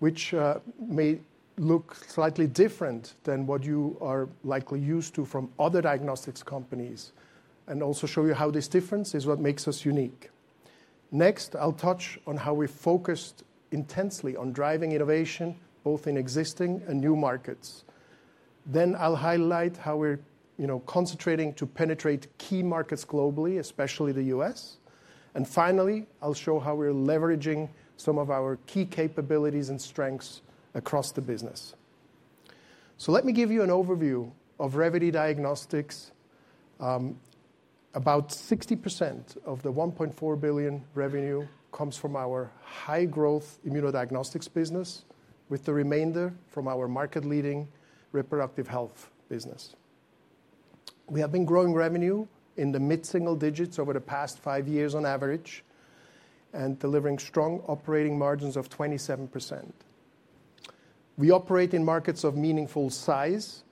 which may look slightly different than what you are likely used to from other diagnostics companies, and also show you how this difference is what makes us unique. Next, I'll touch on how we've focused intensely on driving innovation both in existing and new markets. Then I'll highlight how we're, you know, concentrating to penetrate key markets globally, especially the U.S. And finally, I'll show how we're leveraging some of our key capabilities and strengths across the business. So let me give you an overview of Revvity Diagnostics. About 60% of the $1.4 billion revenue comes from our high-growth immunodiagnostics business, with the remainder from our market-leading reproductive health business. We have been growing revenue in the mid-single digits over the past five years on average, and delivering strong operating margins of 27%. We operate in markets of meaningful size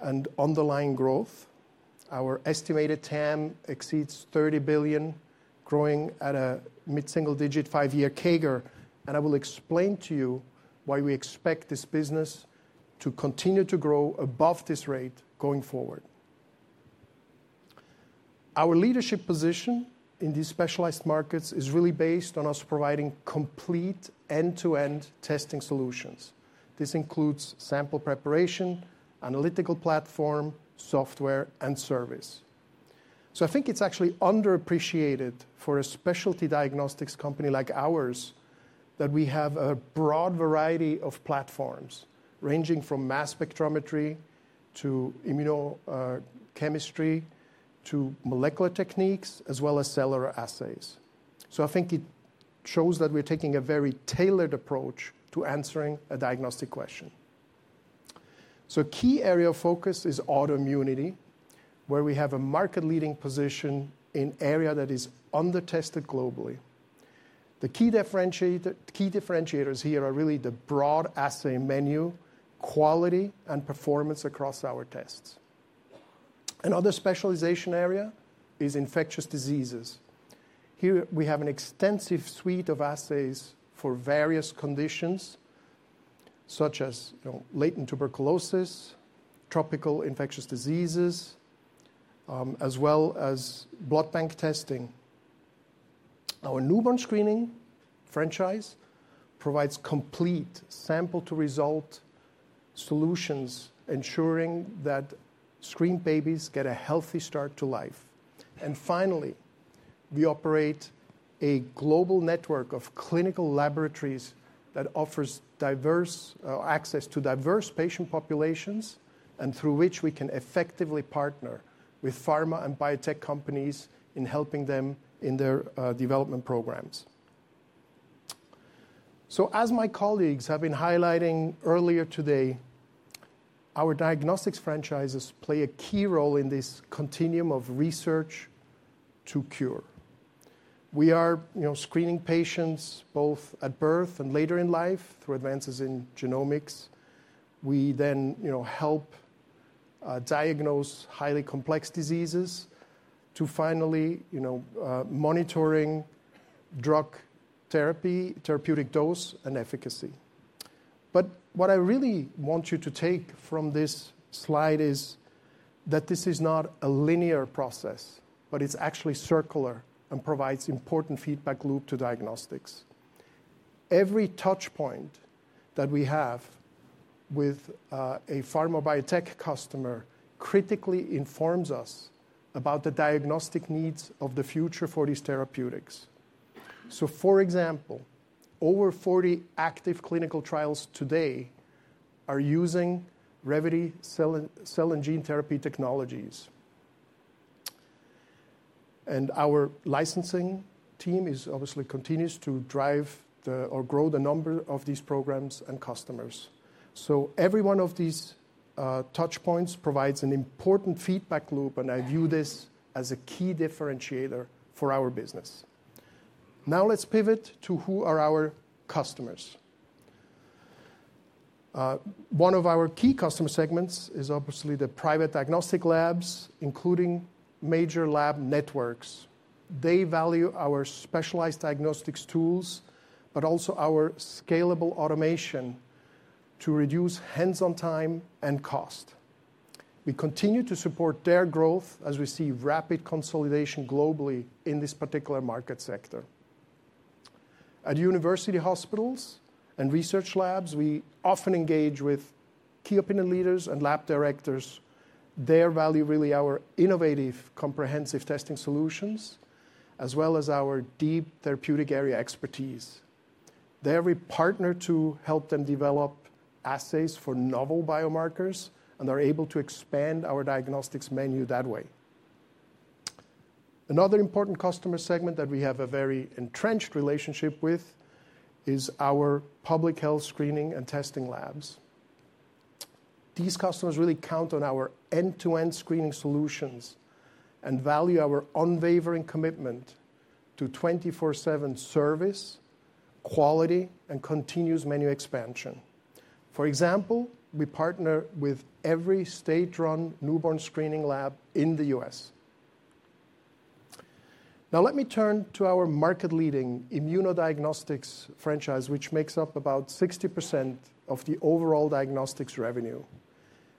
and underlying growth. Our estimated TAM exceeds $30 billion, growing at a mid-single digit five-year CAGR, and I will explain to you why we expect this business to continue to grow above this rate going forward. Our leadership position in these specialized markets is really based on us providing complete end-to-end testing solutions. This includes sample preparation, analytical platform, software, and service, so I think it's actually underappreciated for a specialty diagnostics company like ours that we have a broad variety of platforms ranging from mass spectrometry to immunochemistry to molecular techniques, as well as cellular assays, so I think it shows that we're taking a very tailored approach to answering a diagnostic question, so a key area of focus is autoimmunity, where we have a market-leading position in an area that is under-tested globally. The key differentiators here are really the broad assay menu, quality, and performance across our tests. Another specialization area is infectious diseases. Here we have an extensive suite of assays for various conditions, such as latent tuberculosis, tropical infectious diseases, as well as blood bank testing. Our newborn screening franchise provides complete sample-to-result solutions, ensuring that screened babies get a healthy start to life, and finally, we operate a global network of clinical laboratories that offers access to diverse patient populations and through which we can effectively partner with pharma and biotech companies in helping them in their development programs, so as my colleagues have been highlighting earlier today, our diagnostics franchises play a key role in this continuum of research to cure. We are, you know, screening patients both at birth and later in life through advances in genomics. We then, you know, help diagnose highly complex diseases to finally, you know, monitoring drug therapy, therapeutic dose, and efficacy. But what I really want you to take from this slide is that this is not a linear process, but it's actually circular and provides important feedback loop to diagnostics. Every touchpoint that we have with a pharma/biotech customer critically informs us about the diagnostic needs of the future for these therapeutics. So, for example, over 40 active clinical trials today are using Revvity Cell and Gene Therapy technologies. And our licensing team obviously continues to drive or grow the number of these programs and customers. So every one of these touchpoints provides an important feedback loop, and I view this as a key differentiator for our business. Now let's pivot to who are our customers. One of our key customer segments is obviously the private diagnostic labs, including major lab networks. They value our specialized diagnostics tools, but also our scalable automation to reduce hands-on time and cost. We continue to support their growth as we see rapid consolidation globally in this particular market sector. At university hospitals and research labs, we often engage with key opinion leaders and lab directors. They value really our innovative comprehensive testing solutions, as well as our deep therapeutic area expertise. We're a partner to help them develop assays for novel biomarkers and are able to expand our diagnostics menu that way. Another important customer segment that we have a very entrenched relationship with is our public health screening and testing labs. These customers really count on our end-to-end screening solutions and value our unwavering commitment to 24/7 service, quality, and continuous menu expansion. For example, we partner with every state-run newborn screening lab in the U.S. Now let me turn to our market-leading immunodiagnostics franchise, which makes up about 60% of the overall diagnostics revenue.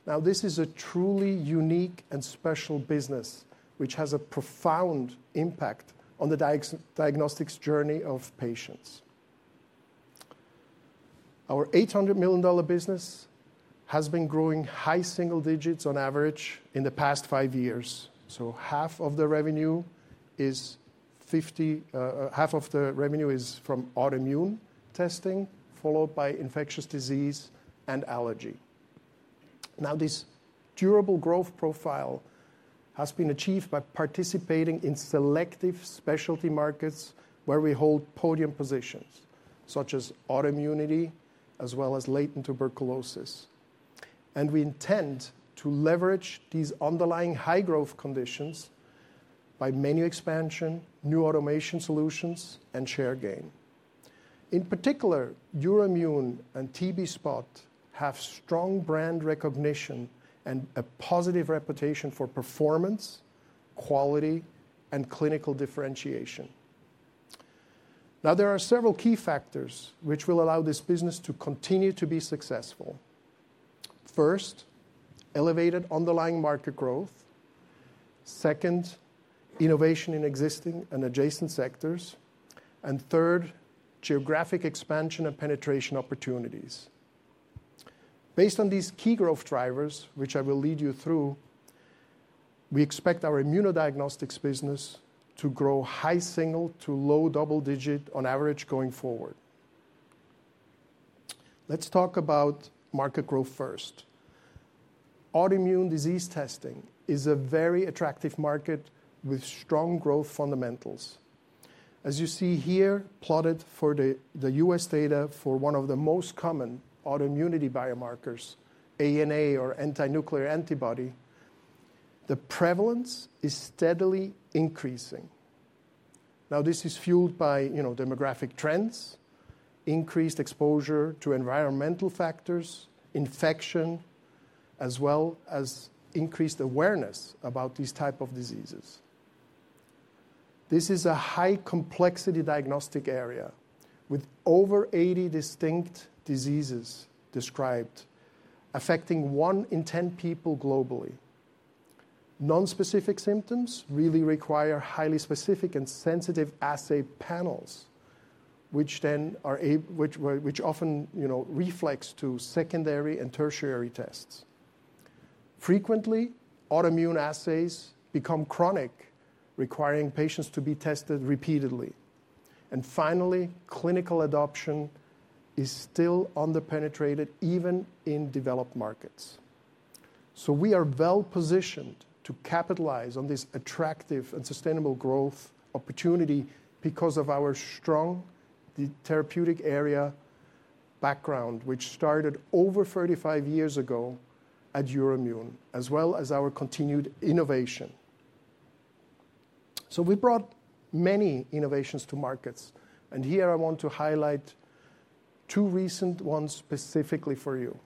Now, this is a truly unique and special business, which has a profound impact on the diagnostics journey of patients. Our $800 million business has been growing high single digits on average in the past five years. So 50% of the revenue is from autoimmune testing, followed by infectious disease and allergy. Now, this durable growth profile has been achieved by participating in selective specialty markets where we hold podium positions, such as autoimmunity, as well as latent tuberculosis. We intend to leverage these underlying high-growth conditions by menu expansion, new automation solutions, and share gain. In particular, Euroimmun and T-SPOT.TB have strong brand recognition and a positive reputation for performance, quality, and clinical differentiation. Now, there are several key factors which will allow this business to continue to be successful. First, elevated underlying market growth. Second, innovation in existing and adjacent sectors. And third, geographic expansion and penetration opportunities. Based on these key growth drivers, which I will lead you through, we expect our immunodiagnostics business to grow high single- to low double-digit on average going forward. Let's talk about market growth first. Autoimmune disease testing is a very attractive market with strong growth fundamentals. As you see here, plotted for the U.S. data for one of the most common autoimmunity biomarkers, ANA, or antinuclear antibody, the prevalence is steadily increasing. Now, this is fueled by, you know, demographic trends, increased exposure to environmental factors, infection, as well as increased awareness about these types of diseases. This is a high-complexity diagnostic area with over 80 distinct diseases described, affecting one in 10 people globally. Nonspecific symptoms really require highly specific and sensitive assay panels, which often, you know, reflects to secondary and tertiary tests. Frequently, autoimmune assays become chronic, requiring patients to be tested repeatedly. And finally, clinical adoption is still under-penetrated even in developed markets. So we are well-positioned to capitalize on this attractive and sustainable growth opportunity because of our strong therapeutic area background, which started over 35 years ago at Euroimmun, as well as our continued innovation. So we brought many innovations to markets. And here I want to highlight two recent ones specifically for you.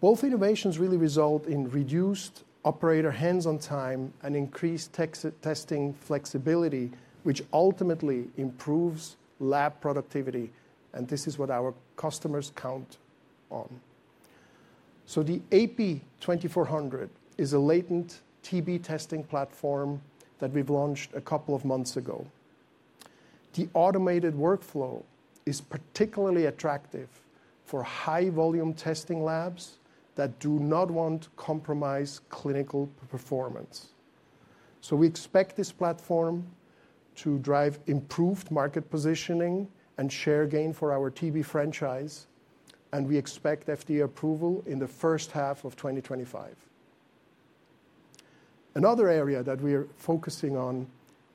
Both innovations really result in reduced operator hands-on time and increased testing flexibility, which ultimately improves lab productivity. And this is what our customers count on. So the AP2400 is a latent TB testing platform that we've launched a couple of months ago. The automated workflow is particularly attractive for high-volume testing labs that do not want to compromise clinical performance. So we expect this platform to drive improved market positioning and share gain for our TB franchise. And we expect FDA approval in the first half of 2025. Another area that we are focusing on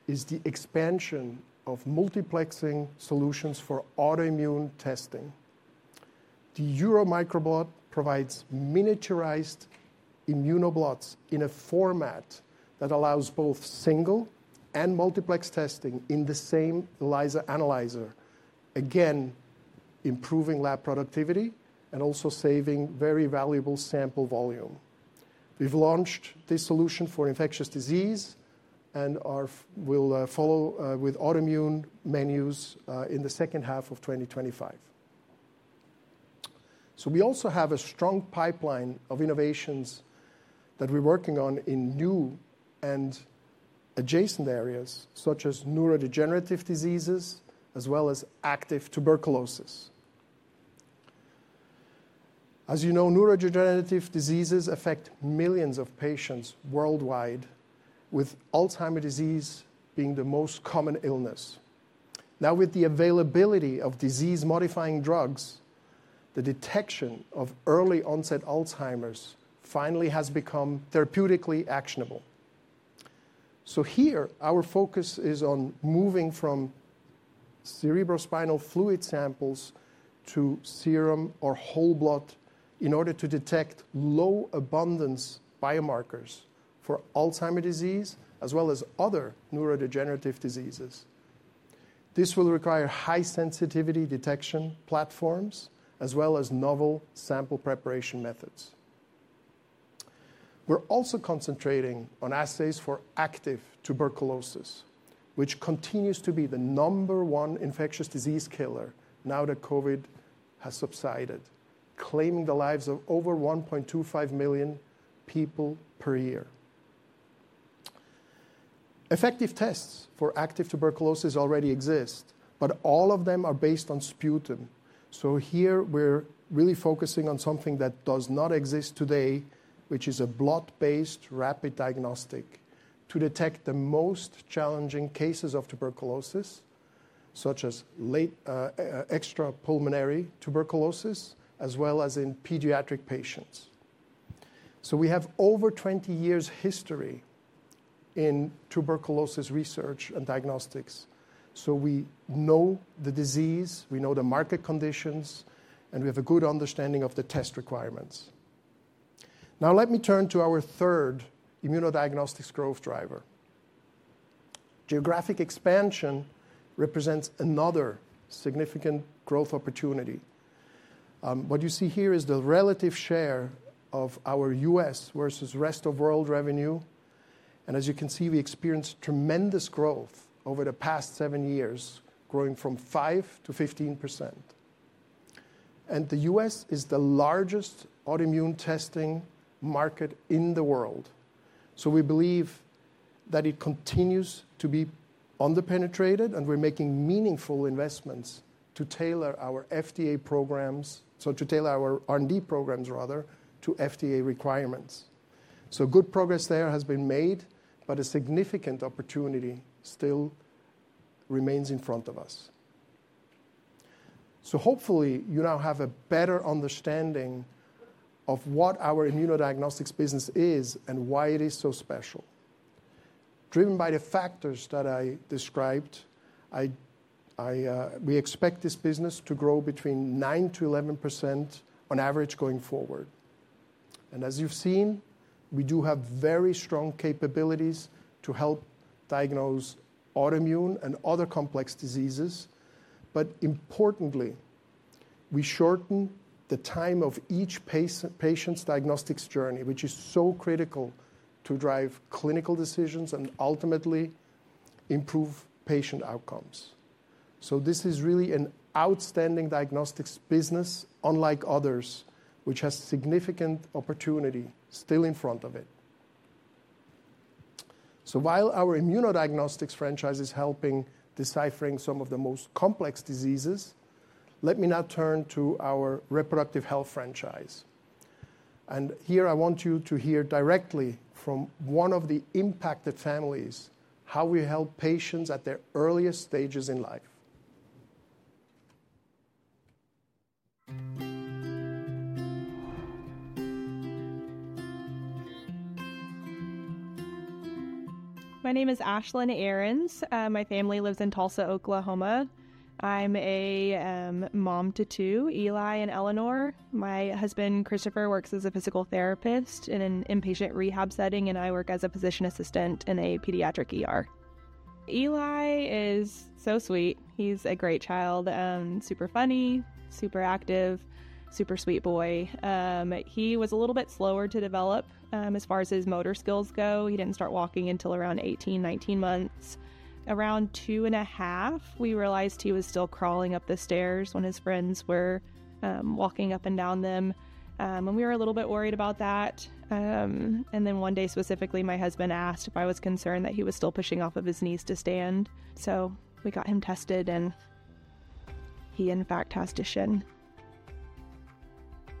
is the expansion of multiplexing solutions for autoimmune testing. The EUROBlotOne provides miniaturized immunoblots in a format that allows both single and multiplex testing in the same ELISA analyzer, again, improving lab productivity and also saving very valuable sample volume. We've launched this solution for infectious disease and will follow with autoimmune menus in the second half of 2025, so we also have a strong pipeline of innovations that we're working on in new and adjacent areas, such as neurodegenerative diseases, as well as active tuberculosis. As you know, neurodegenerative diseases affect millions of patients worldwide, with Alzheimer's disease being the most common illness. Now, with the availability of disease-modifying drugs, the detection of early-onset Alzheimer's finally has become therapeutically actionable, so here, our focus is on moving from cerebrospinal fluid samples to serum or whole blood in order to detect low-abundance biomarkers for Alzheimer's disease, as well as other neurodegenerative diseases. This will require high-sensitivity detection platforms, as well as novel sample preparation methods. We're also concentrating on assays for active tuberculosis, which continues to be the number one infectious disease killer now that COVID has subsided, claiming the lives of over 1.25 million people per year. Effective tests for active tuberculosis already exist, but all of them are based on sputum. So here, we're really focusing on something that does not exist today, which is a blot-based rapid diagnostic to detect the most challenging cases of tuberculosis, such as late extrapulmonary tuberculosis, as well as in pediatric patients. So we have over 20 years' history in tuberculosis research and diagnostics. So we know the disease, we know the market conditions, and we have a good understanding of the test requirements. Now, let me turn to our third immunodiagnostics growth driver. Geographic expansion represents another significant growth opportunity. What you see here is the relative share of our U.S. versus rest of world revenue. As you can see, we experienced tremendous growth over the past seven years, growing from five to 15%. The U.S. is the largest autoimmune testing market in the world. We believe that it continues to be under-penetrated, and we're making meaningful investments to tailor our FDA programs, so to tailor our R&D programs, rather, to FDA requirements. Good progress there has been made, but a significant opportunity still remains in front of us. Hopefully, you now have a better understanding of what our immunodiagnostics business is and why it is so special. Driven by the factors that I described, we expect this business to grow between 9%-11% on average going forward. As you've seen, we do have very strong capabilities to help diagnose autoimmune and other complex diseases. But importantly, we shorten the time of each patient's diagnostics journey, which is so critical to drive clinical decisions and ultimately improve patient outcomes. So this is really an outstanding diagnostics business, unlike others, which has significant opportunity still in front of it. So while our immunodiagnostics franchise is helping deciphering some of the most complex diseases, let me now turn to our reproductive health franchise. And here, I want you to hear directly from one of the impacted families how we help patients at their earliest stages in life. My name is Ashlyn Ahrens. My family lives in Tulsa, Oklahoma. I'm a mom to two, Eli and Eleanor. My husband, Christopher, works as a physical therapist in an inpatient rehab setting, and I work as a physician assistant in pediatrics. Eli is so sweet. He's a great child, super funny, super active, super sweet boy. He was a little bit slower to develop as far as his motor skills go. He didn't start walking until around 18, 19 months. Around two and a half, we realized he was still crawling up the stairs when his friends were walking up and down them. And we were a little bit worried about that. And then one day, specifically, my husband asked if I was concerned that he was still pushing off of his knees to stand. So we got him tested, and he, in fact, has Duchenne.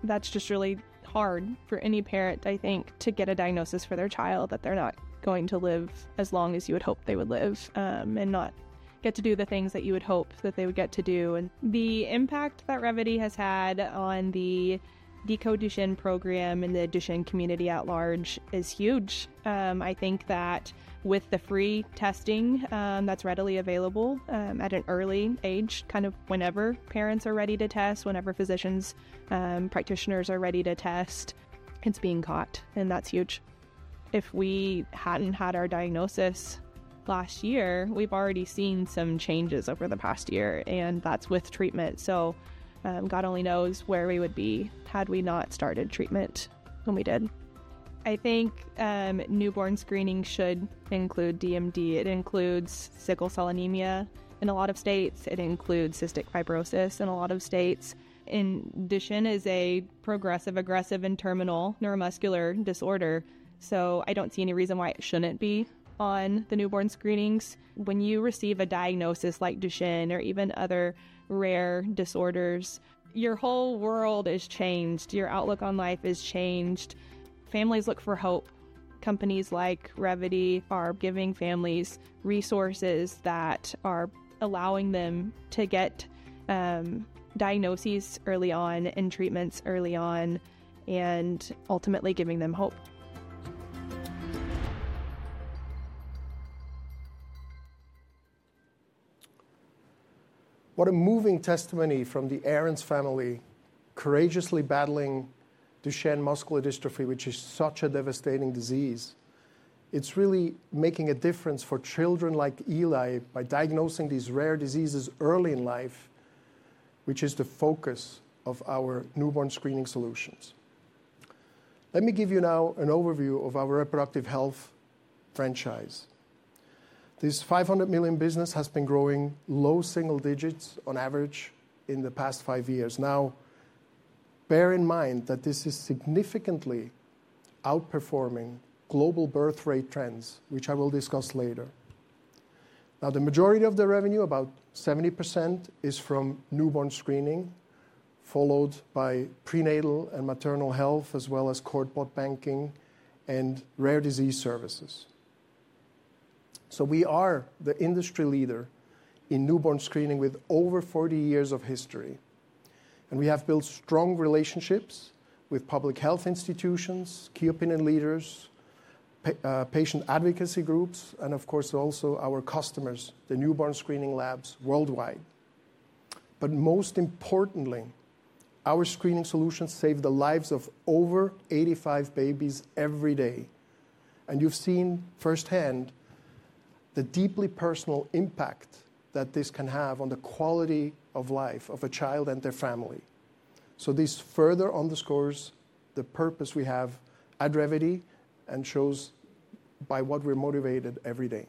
That's just really hard for any parent, I think, to get a diagnosis for their child that they're not going to live as long as you would hope they would live and not get to do the things that you would hope that they would get to do. The impact that Revvity has had on the Duchenne program and the Duchenne community at large is huge. I think that with the free testing that's readily available at an early age, kind of whenever parents are ready to test, whenever physicians, practitioners are ready to test, it's being caught, and that's huge. If we hadn't had our diagnosis last year, we've already seen some changes over the past year, and that's with treatment. So God only knows where we would be had we not started treatment when we did. I think newborn screening should include DMD. It includes sickle cell anemia in a lot of states. It includes cystic fibrosis in a lot of states. Duchenne is a progressive, aggressive, and terminal neuromuscular disorder. So I don't see any reason why it shouldn't be on the newborn screenings. When you receive a diagnosis like Duchenne or even other rare disorders, your whole world is changed. Your outlook on life is changed. Families look for hope. Companies like Revvity are giving families resources that are allowing them to get diagnoses early on and treatments early on and ultimately giving them hope. What a moving testimony from the Ahrens family, courageously battling Duchenne muscular dystrophy, which is such a devastating disease. It's really making a difference for children like Eli by diagnosing these rare diseases early in life, which is the focus of our newborn screening solutions. Let me give you now an overview of our reproductive health franchise. This $500 million business has been growing low single digits on average in the past five years. Now, bear in mind that this is significantly outperforming global birth rate trends, which I will discuss later. Now, the majority of the revenue, about 70%, is from newborn screening, followed by prenatal and maternal health, as well as cord blood banking and rare disease services. So we are the industry leader in newborn screening with over 40 years of history. And we have built strong relationships with public health institutions, key opinion leaders, patient advocacy groups, and of course, also our customers, the newborn screening labs worldwide. But most importantly, our screening solutions save the lives of over 85 babies every day. And you've seen firsthand the deeply personal impact that this can have on the quality of life of a child and their family. So this further underscores the purpose we have at Revvity and shows by what we're motivated every day.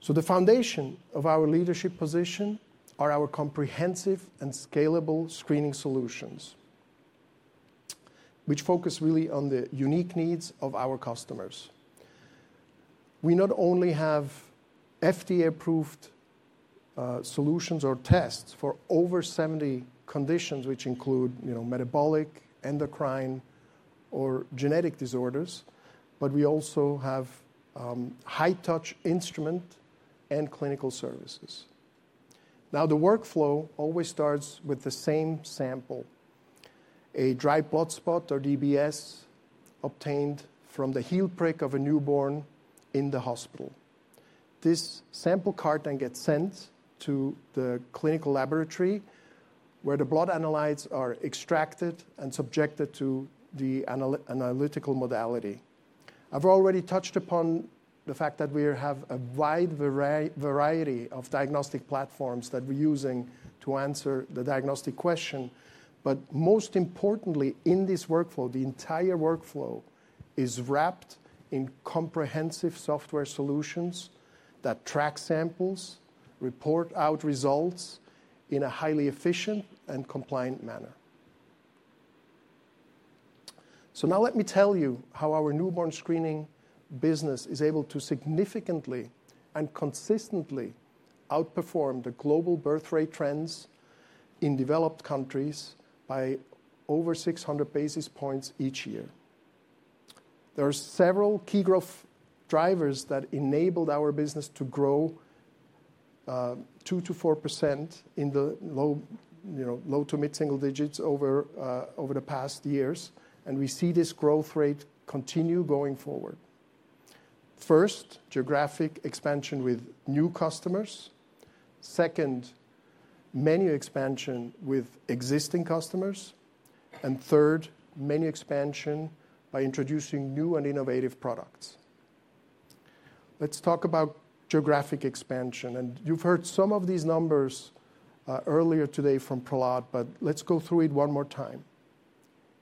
So the foundation of our leadership position are our comprehensive and scalable screening solutions, which focus really on the unique needs of our customers. We not only have FDA-approved solutions or tests for over 70 conditions, which include metabolic, endocrine, or genetic disorders, but we also have high-touch instrument and clinical services. Now, the workflow always starts with the same sample, a Dried Blood Spot or DBS obtained from the heel prick of a newborn in the hospital. This sample carton gets sent to the clinical laboratory where the blood analytes are extracted and subjected to the analytical modality. I've already touched upon the fact that we have a wide variety of diagnostic platforms that we're using to answer the diagnostic question. But most importantly, in this workflow, the entire workflow is wrapped in comprehensive software solutions that track samples, report out results in a highly efficient and compliant manner. Now let me tell you how our newborn screening business is able to significantly and consistently outperform the global birth rate trends in developed countries by over 600 basis points each year. There are several key growth drivers that enabled our business to grow 2%-4% in the low to mid-single digits over the past years. We see this growth rate continue going forward. First, geographic expansion with new customers. Second, menu expansion with existing customers. Third, menu expansion by introducing new and innovative products. Let's talk about geographic expansion. You've heard some of these numbers earlier today from Prahlad, but let's go through it one more time.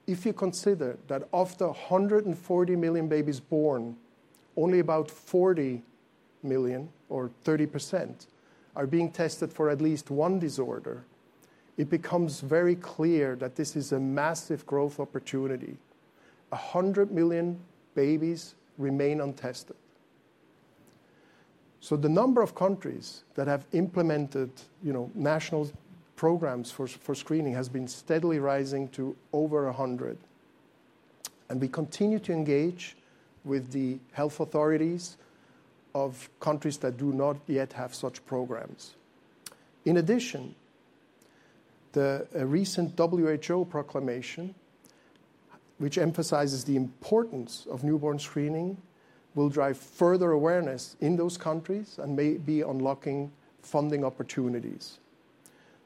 If you consider that of the 140 million babies born, only about 40 million, or 30%, are being tested for at least one disorder, it becomes very clear that this is a massive growth opportunity. 100 million babies remain untested. So the number of countries that have implemented national programs for screening has been steadily rising to over 100. And we continue to engage with the health authorities of countries that do not yet have such programs. In addition, the recent WHO proclamation, which emphasizes the importance of newborn screening, will drive further awareness in those countries and may be unlocking funding opportunities.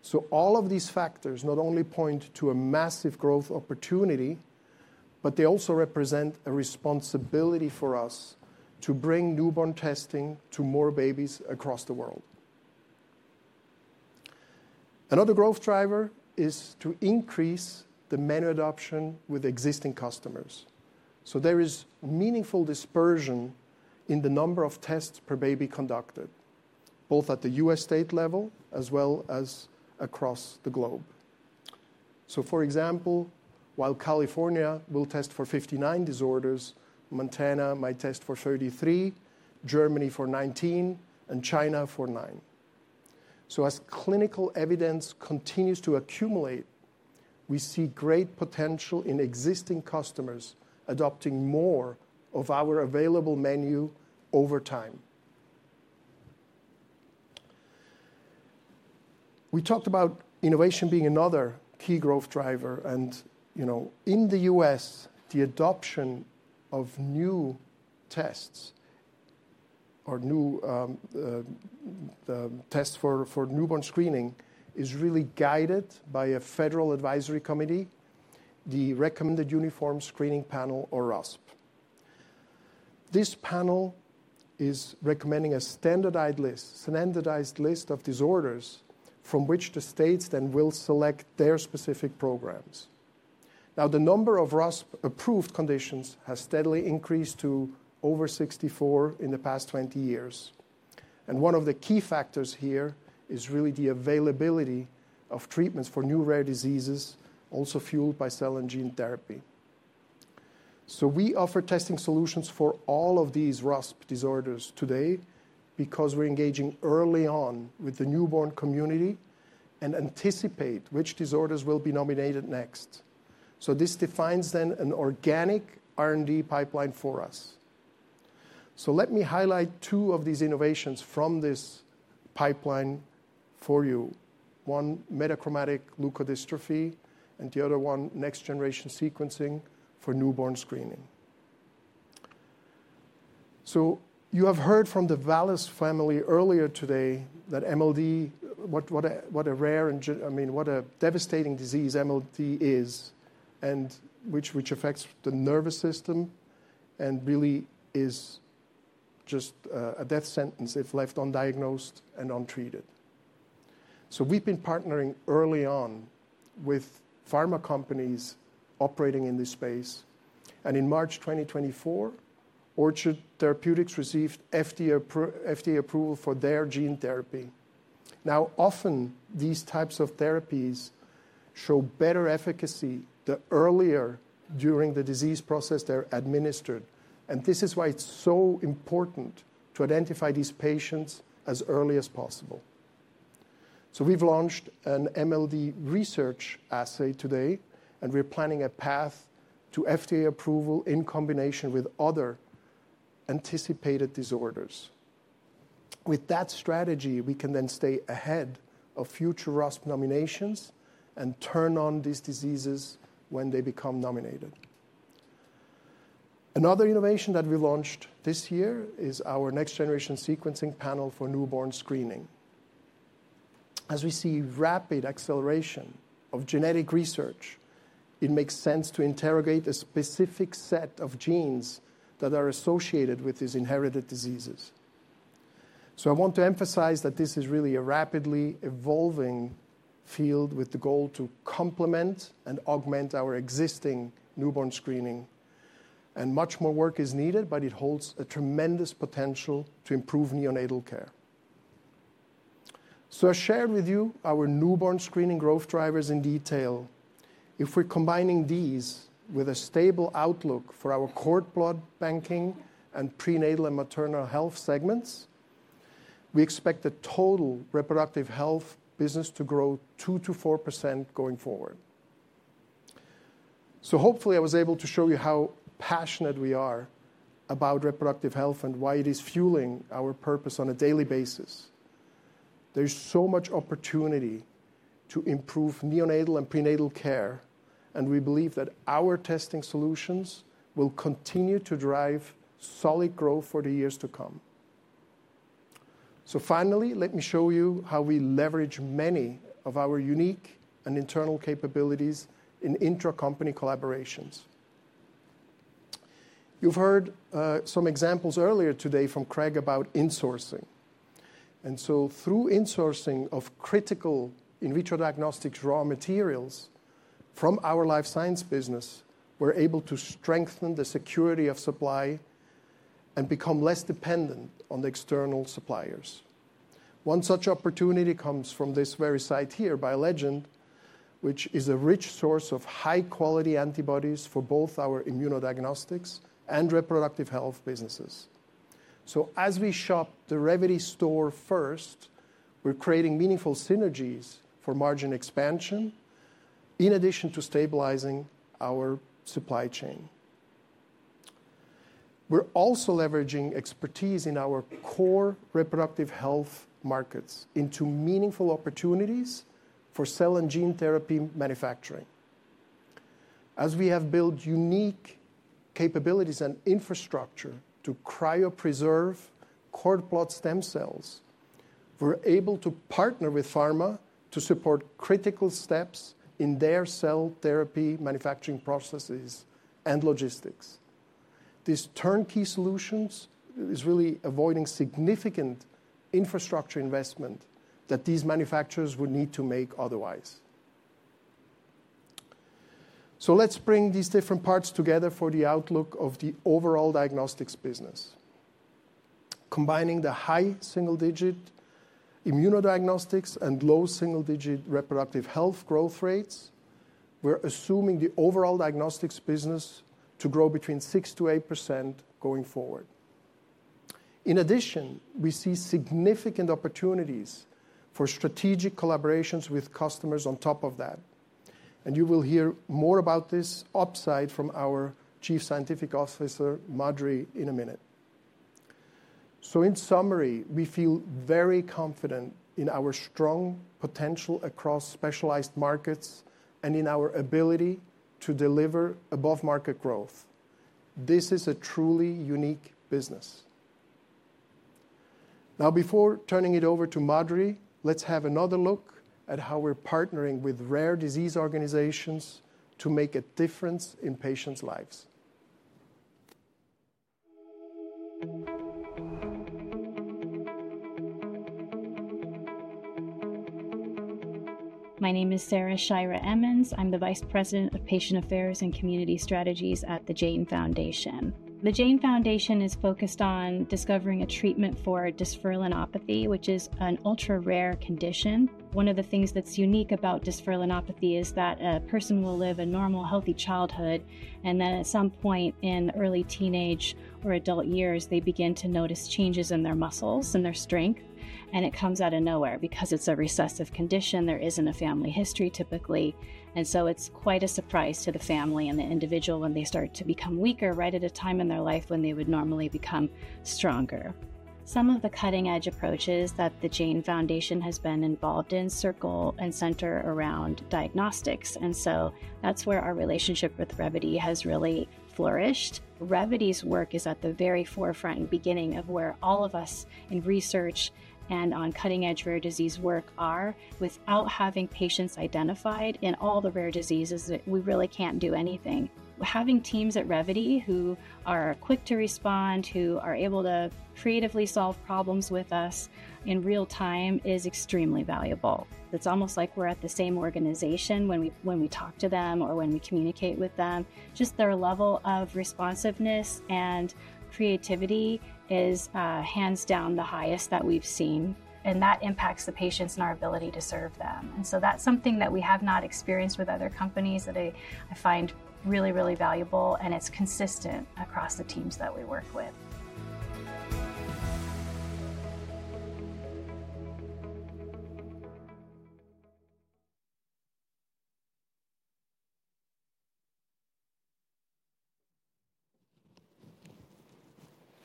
So all of these factors not only point to a massive growth opportunity, but they also represent a responsibility for us to bring newborn testing to more babies across the world. Another growth driver is to increase the menu adoption with existing customers. So there is meaningful dispersion in the number of tests per baby conducted, both at the U.S. state level as well as across the globe. So for example, while California will test for 59 disorders, Montana might test for 33, Germany for 19, and China for nine. So as clinical evidence continues to accumulate, we see great potential in existing customers adopting more of our available menu over time. We talked about innovation being another key growth driver. And in the U.S., the adoption of new tests or new tests for newborn screening is really guided by a federal advisory committee, the Recommended Uniform Screening Panel, or RUSP. This panel is recommending a standardized list of disorders from which the states then will select their specific programs. Now, the number of RUSP-approved conditions has steadily increased to over 64 in the past 20 years. And one of the key factors here is really the availability of treatments for new rare diseases, also fueled by cell and gene therapy. We offer testing solutions for all of these RUSP disorders today because we're engaging early on with the newborn community and anticipate which disorders will be nominated next. This defines then an organic R&D pipeline for us. Let me highlight two of these innovations from this pipeline for you. One, Metachromatic Leukodystrophy, and the other one, next-generation sequencing for newborn screening. You have heard from the Wallace family earlier today that MLD, what a rare and, I mean, what a devastating disease MLD is, and which affects the nervous system and really is just a death sentence if left undiagnosed and untreated. We've been partnering early on with pharma companies operating in this space. In March 2024, Orchard Therapeutics received FDA approval for their gene therapy. Now, often these types of therapies show better efficacy the earlier during the disease process they're administered. This is why it's so important to identify these patients as early as possible. We've launched an MLD research assay today, and we're planning a path to FDA approval in combination with other anticipated disorders. With that strategy, we can then stay ahead of future RUSP nominations and turn on these diseases when they become nominated. Another innovation that we launched this year is our next-generation sequencing panel for newborn screening. As we see rapid acceleration of genetic research, it makes sense to interrogate a specific set of genes that are associated with these inherited diseases. I want to emphasize that this is really a rapidly evolving field with the goal to complement and augment our existing newborn screening. Much more work is needed, but it holds a tremendous potential to improve neonatal care. I shared with you our newborn screening growth drivers in detail. If we're combining these with a stable outlook for our cord blood banking and prenatal and maternal health segments, we expect the total reproductive health business to grow 2%-4% going forward. So hopefully, I was able to show you how passionate we are about reproductive health and why it is fueling our purpose on a daily basis. There's so much opportunity to improve neonatal and prenatal care, and we believe that our testing solutions will continue to drive solid growth for the years to come. So finally, let me show you how we leverage many of our unique and internal capabilities in intra-company collaborations. You've heard some examples earlier today from Craig about insourcing. And so through insourcing of critical in vitro diagnostic raw materials from our life science business, we're able to strengthen the security of supply and become less dependent on the external suppliers. One such opportunity comes from this very site here, BioLegend, which is a rich source of high-quality antibodies for both our immunodiagnostics and reproductive health businesses, so as we shop the Revvity store first, we're creating meaningful synergies for margin expansion in addition to stabilizing our supply chain. We're also leveraging expertise in our core reproductive health markets into meaningful opportunities for cell and gene therapy manufacturing. As we have built unique capabilities and infrastructure to cryopreserve cord blood stem cells, we're able to partner with pharma to support critical steps in their cell therapy manufacturing processes and logistics. These turnkey solutions are really avoiding significant infrastructure investment that these manufacturers would need to make otherwise, so let's bring these different parts together for the outlook of the overall diagnostics business. Combining the high single-digit immunodiagnostics and low single-digit reproductive health growth rates, we're assuming the overall diagnostics business to grow between 6% to 8% going forward. In addition, we see significant opportunities for strategic collaborations with customers on top of that. And you will hear more about this upside from our Chief Scientific Officer, Madhuri, in a minute. So in summary, we feel very confident in our strong potential across specialized markets and in our ability to deliver above-market growth. This is a truly unique business. Now, before turning it over to Madhuri, let's have another look at how we're partnering with rare disease organizations to make a difference in patients' lives. My name is Sarah Shira Emmons. I'm the Vice President of Patient Affairs and Community Strategies at The Jane Foundation. The Jane Foundation is focused on discovering a treatment for dysferlinopathy, which is an ultra-rare condition. One of the things that's unique about dysferlinopathy is that a person will live a normal, healthy childhood, and then at some point in early teenage or adult years, they begin to notice changes in their muscles and their strength, and it comes out of nowhere because it's a recessive condition. There isn't a family history typically, and so it's quite a surprise to the family and the individual when they start to become weaker right at a time in their life when they would normally become stronger. Some of the cutting-edge approaches that the Jane Foundation has been involved in revolve and center around diagnostics, and so that's where our relationship with Revvity has really flourished. Revvity's work is at the very forefront and beginning of where all of us in research and on cutting-edge rare disease work are. Without having patients identified in all the rare diseases, we really can't do anything. Having teams at Revvity who are quick to respond, who are able to creatively solve problems with us in real time is extremely valuable. It's almost like we're at the same organization when we talk to them or when we communicate with them. Just their level of responsiveness and creativity is hands down the highest that we've seen. And that impacts the patients and our ability to serve them. And so that's something that we have not experienced with other companies that I find really, really valuable. And it's consistent across the teams that we work with.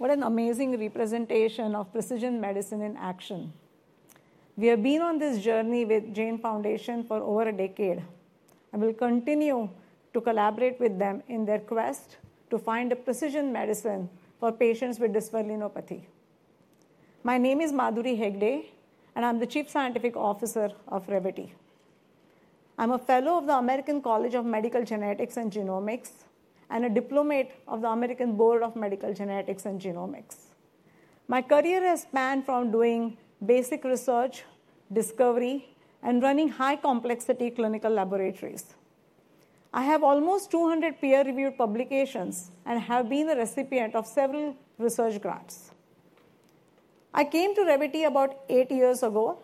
What an amazing representation of precision medicine in action. We have been on this journey with Jane Foundation for over a decade and will continue to collaborate with them in their quest to find precision medicine for patients with dysferlinopathy. My name is Madhuri Hegde, and I'm the Chief Scientific Officer of Revvity. I'm a fellow of the American College of Medical Genetics and Genomics and a diplomat of the American Board of Medical Genetics and Genomics. My career has spanned from doing basic research, discovery, and running high-complexity clinical laboratories. I have almost 200 peer-reviewed publications and have been the recipient of several research grants. I came to Revvity about eight years ago,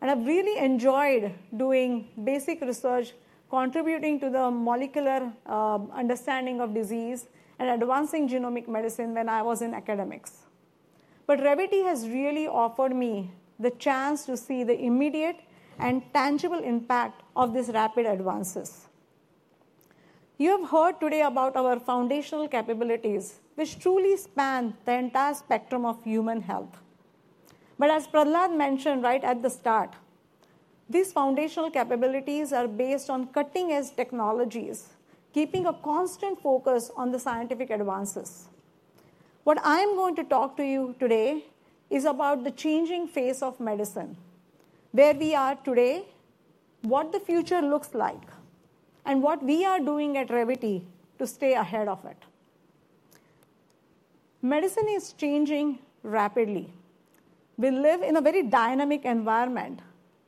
and I've really enjoyed doing basic research, contributing to the molecular understanding of disease and advancing genomic medicine when I was in academics. But Revvity has really offered me the chance to see the immediate and tangible impact of these rapid advances. You have heard today about our foundational capabilities, which truly span the entire spectrum of human health, but as Prahlad mentioned right at the start, these foundational capabilities are based on cutting-edge technologies, keeping a constant focus on the scientific advances. What I'm going to talk to you today is about the changing face of medicine, where we are today, what the future looks like, and what we are doing at Revvity to stay ahead of it. Medicine is changing rapidly. We live in a very dynamic environment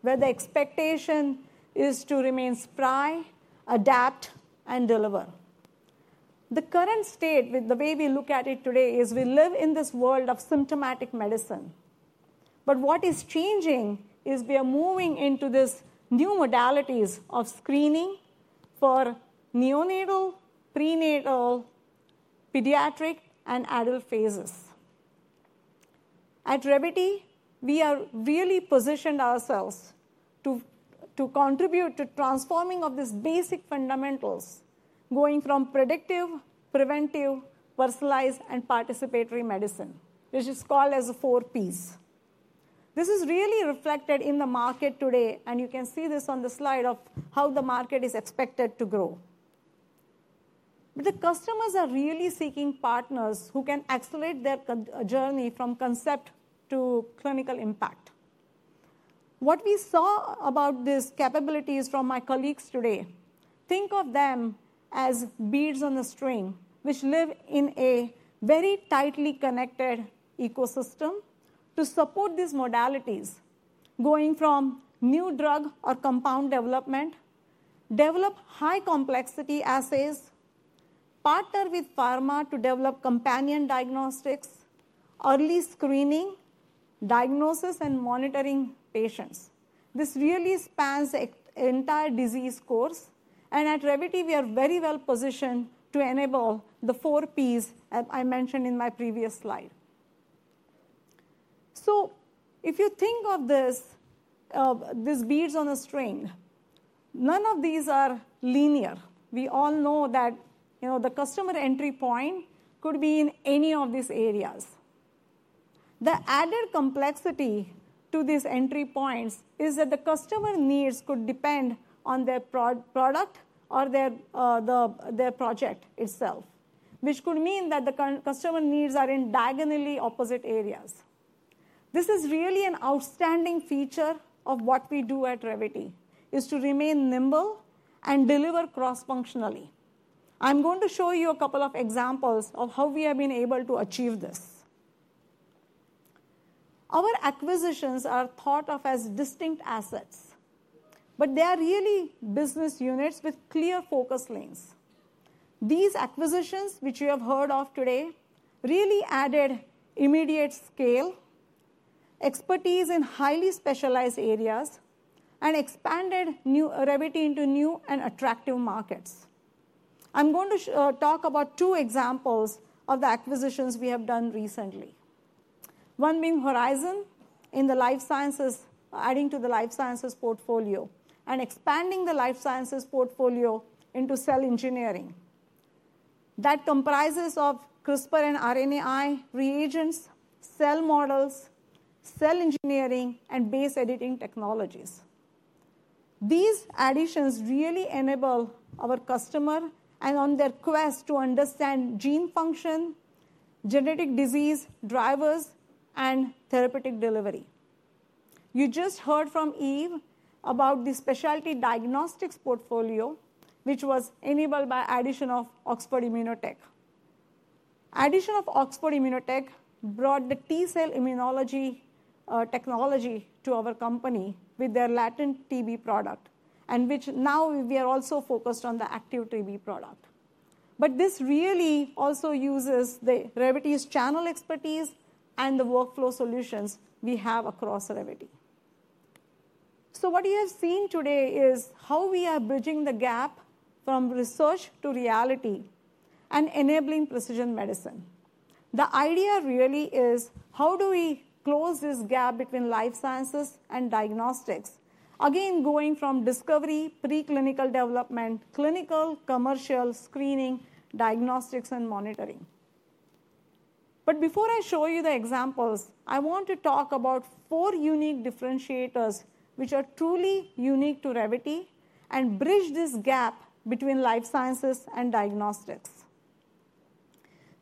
where the expectation is to remain spry, adapt, and deliver. The current state, the way we look at it today, is we live in this world of symptomatic medicine, but what is changing is we are moving into these new modalities of screening for neonatal, prenatal, pediatric, and adult phases. At Revvity, we are really positioned ourselves to contribute to transforming these basic fundamentals going from predictive, preventive, personalized, and participatory medicine, which is called P4. This is really reflected in the market today, and you can see this on the slide of how the market is expected to grow. But the customers are really seeking partners who can accelerate their journey from concept to clinical impact. What we saw about these capabilities from my colleagues today, think of them as beads on a string, which live in a very tightly connected ecosystem to support these modalities going from new drug or compound development, develop high-complexity assays, partner with pharma to develop companion diagnostics, early screening, diagnosis, and monitoring patients. This really spans the entire disease course. And at Revvity, we are very well positioned to enable the P4 that I mentioned in my previous slide. If you think of these beads on a string, none of these are linear. We all know that the customer entry point could be in any of these areas. The added complexity to these entry points is that the customer needs could depend on their product or their project itself, which could mean that the customer needs are in diagonally opposite areas. This is really an outstanding feature of what we do at Revvity, is to remain nimble and deliver cross-functionally. I'm going to show you a couple of examples of how we have been able to achieve this. Our acquisitions are thought of as distinct assets, but they are really business units with clear focus lanes. These acquisitions, which you have heard of today, really added immediate scale, expertise in highly specialized areas, and expanded Revvity into new and attractive markets. I'm going to talk about two examples of the acquisitions we have done recently. One being Horizon in the life sciences, adding to the life sciences portfolio and expanding the life sciences portfolio into cell engineering. That comprises of CRISPR and RNAi reagents, cell models, cell engineering, and base editing technologies. These additions really enable our customers in their quest to understand gene function, genetic disease drivers, and therapeutic delivery. You just heard from Yves about the specialty diagnostics portfolio, which was enabled by the addition of Oxford Immunotec. Addition of Oxford Immunotec brought the T-cell immunology technology to our company with their latent TB product, and now we are also focused on the active TB product. But this really also uses Revvity's channel expertise and the workflow solutions we have across Revvity. What you have seen today is how we are bridging the gap from research to reality and enabling precision medicine. The idea really is how do we close this gap between life sciences and diagnostics, again, going from discovery, preclinical development, clinical, commercial screening, diagnostics, and monitoring. But before I show you the examples, I want to talk about four unique differentiators, which are truly unique to Revvity and bridge this gap between life sciences and diagnostics.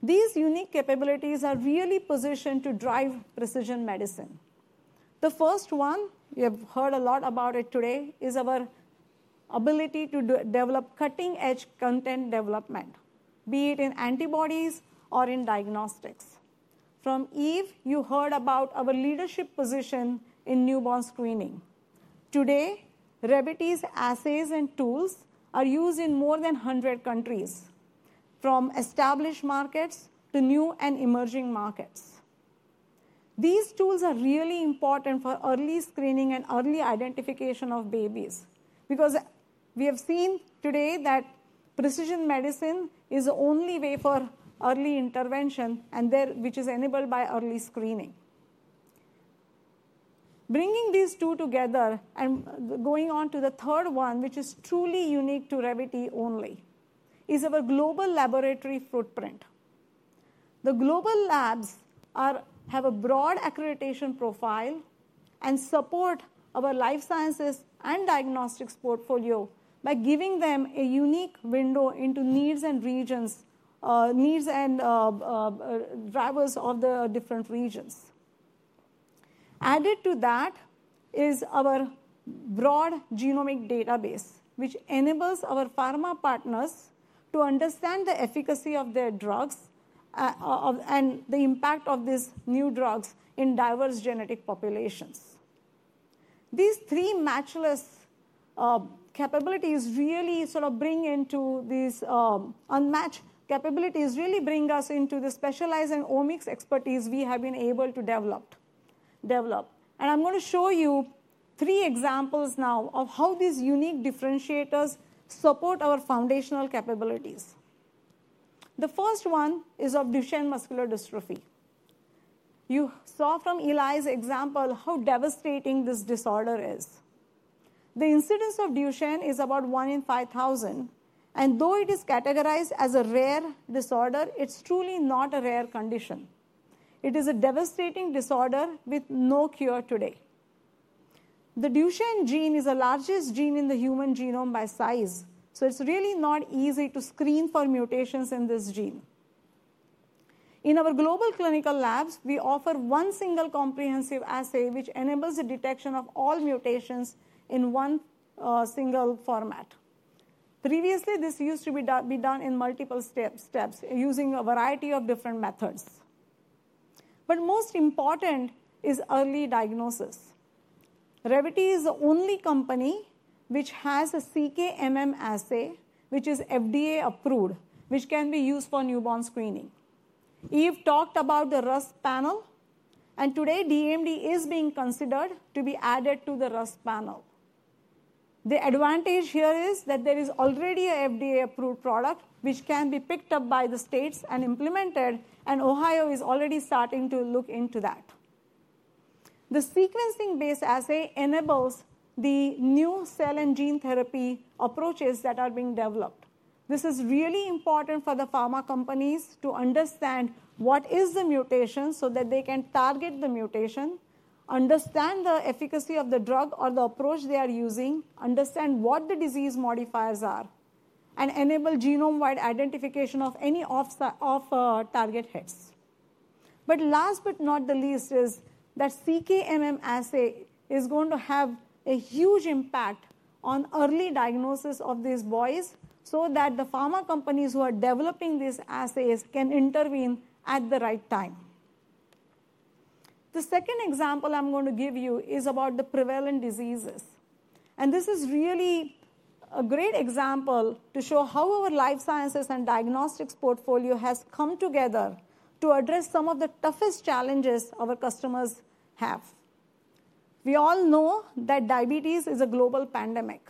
These unique capabilities are really positioned to drive precision medicine. The first one, you have heard a lot about it today, is our ability to develop cutting-edge content development, be it in antibodies or in diagnostics. From Eve, you heard about our leadership position in newborn screening. Today, Revvity's assays and tools are used in more than 100 countries, from established markets to new and emerging markets. These tools are really important for early screening and early identification of babies because we have seen today that precision medicine is the only way for early intervention, which is enabled by early screening. Bringing these two together and going on to the third one, which is truly unique to Revvity only, is our global laboratory footprint. The global labs have a broad accreditation profile and support our life sciences and diagnostics portfolio by giving them a unique window into needs and regions, needs and drivers of the different regions. Added to that is our broad genomic database, which enables our pharma partners to understand the efficacy of their drugs and the impact of these new drugs in diverse genetic populations. These three matchless capabilities really sort of bring into these unmatched capabilities, really bring us into the specialized and omics expertise we have been able to develop. I'm going to show you three examples now of how these unique differentiators support our foundational capabilities. The first one is of Duchenne muscular dystrophy. You saw from Eli's example how devastating this disorder is. The incidence of Duchenne is about one in 5,000. Though it is categorized as a rare disorder, it's truly not a rare condition. It is a devastating disorder with no cure today. The Duchenne gene is the largest gene in the human genome by size. So it's really not easy to screen for mutations in this gene. In our global clinical labs, we offer one single comprehensive assay, which enables the detection of all mutations in one single format. Previously, this used to be done in multiple steps using a variety of different methods. Most important is early diagnosis. Revvity is the only company which has a CK-MM assay, which is FDA approved, which can be used for newborn screening. Yves talked about the RUSP panel, and today DMD is being considered to be added to the RUSP panel. The advantage here is that there is already an FDA approved product, which can be picked up by the states and implemented, and Ohio is already starting to look into that. The sequencing-based assay enables the new cell and gene therapy approaches that are being developed. This is really important for the pharma companies to understand what is the mutation so that they can target the mutation, understand the efficacy of the drug or the approach they are using, understand what the disease modifiers are, and enable genome-wide identification of any of target hits. But last but not least is that CK-MM assay is going to have a huge impact on early diagnosis of these boys so that the pharma companies who are developing these assays can intervene at the right time. The second example I'm going to give you is about the prevalent diseases. And this is really a great example to show how our life sciences and diagnostics portfolio has come together to address some of the toughest challenges our customers have. We all know that diabetes is a global pandemic.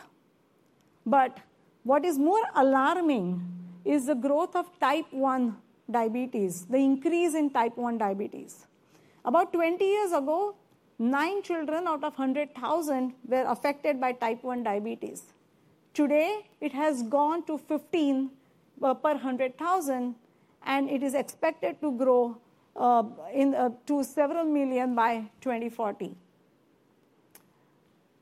But what is more alarming is the growth of Type 1 diabetes, the increase in Type 1 diabetes. About 20 years ago, nine children out of 100,000 were affected by Type 1 diabetes. Today, it has gone to 15 per 100,000, and it is expected to grow to several million by 2040.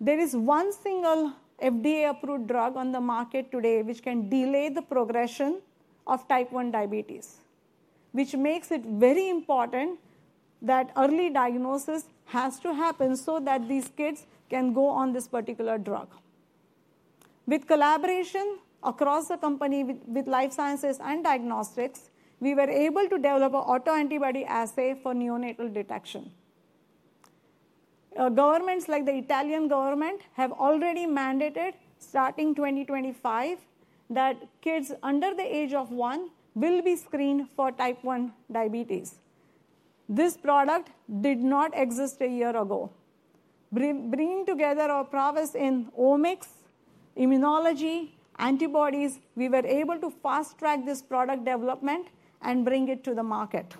There is one single FDA-approved drug on the market today which can delay the progression of Type 1 diabetes, which makes it very important that early diagnosis has to happen so that these kids can go on this particular drug. With collaboration across the company with life sciences and diagnostics, we were able to develop an autoantibody assay for neonatal detection. Governments like the Italian government have already mandated, starting 2025, that kids under the age of one will be screened for Type 1 diabetes. This product did not exist a year ago. Bringing together our prowess in omics, immunology, antibodies, we were able to fast-track this product development and bring it to the market.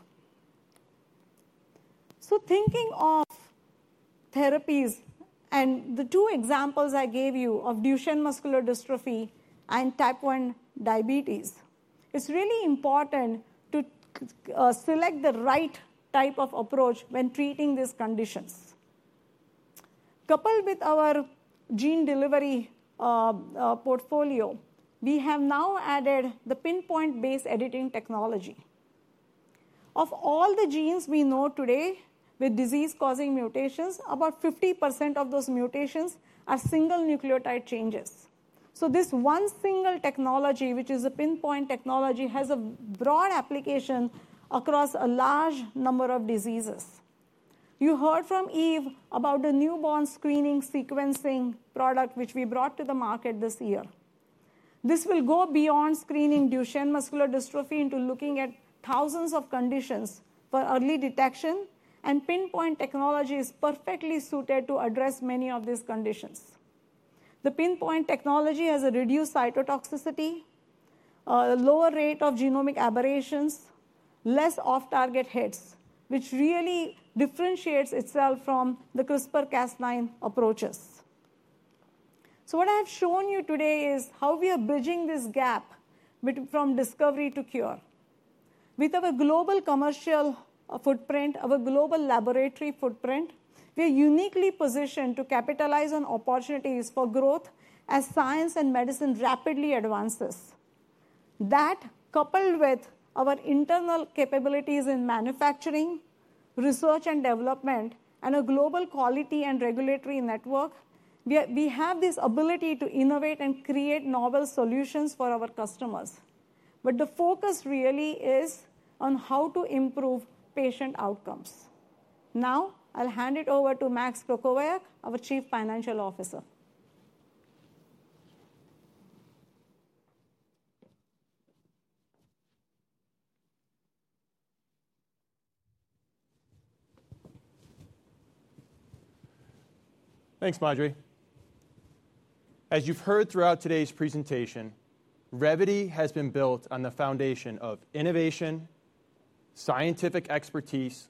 So thinking of therapies and the two examples I gave you of Duchenne Muscular Dystrophy and Type 1 diabetes, it's really important to select the right type of approach when treating these conditions. Coupled with our gene delivery portfolio, we have now added the Pin-point base editing technology. Of all the genes we know today with disease-causing mutations, about 50% of those mutations are single nucleotide changes. So this one single technology, which is a Pin-point technology, has a broad application across a large number of diseases. You heard from Yves about a newborn screening sequencing product which we brought to the market this year. This will go beyond screening Duchenne muscular dystrophy into looking at thousands of conditions for early detection, and Pin-point technology is perfectly suited to address many of these conditions. The Pin-point technology has a reduced cytotoxicity, a lower rate of genomic aberrations, less off-target hits, which really differentiates itself from the CRISPR-Cas9 approaches. So what I have shown you today is how we are bridging this gap from discovery to cure. With our global commercial footprint, our global laboratory footprint, we are uniquely positioned to capitalize on opportunities for growth as science and medicine rapidly advances. That, coupled with our internal capabilities in manufacturing, research, and development, and a global quality and regulatory network, we have this ability to innovate and create novel solutions for our customers. But the focus really is on how to improve patient outcomes. Now, I'll hand it over to Maxwell Krakowiak, our Chief Financial Officer. Thanks, Madhuri. As you've heard throughout today's presentation, Revvity has been built on the foundation of innovation, scientific expertise,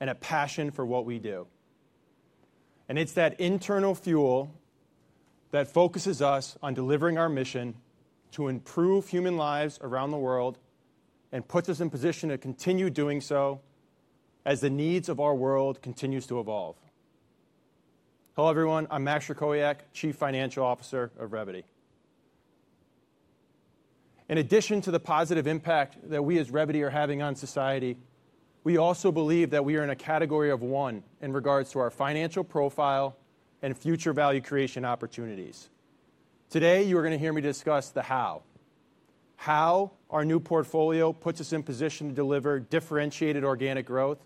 and a passion for what we do. And it's that internal fuel that focuses us on delivering our mission to improve human lives around the world and puts us in position to continue doing so as the needs of our world continue to evolve. Hello, everyone. I'm Max Krakowiak, Chief Financial Officer of Revvity. In addition to the positive impact that we as Revvity are having on society, we also believe that we are in a category of one in regards to our financial profile and future value creation opportunities. Today, you are going to hear me discuss the how. How our new portfolio puts us in position to deliver differentiated organic growth.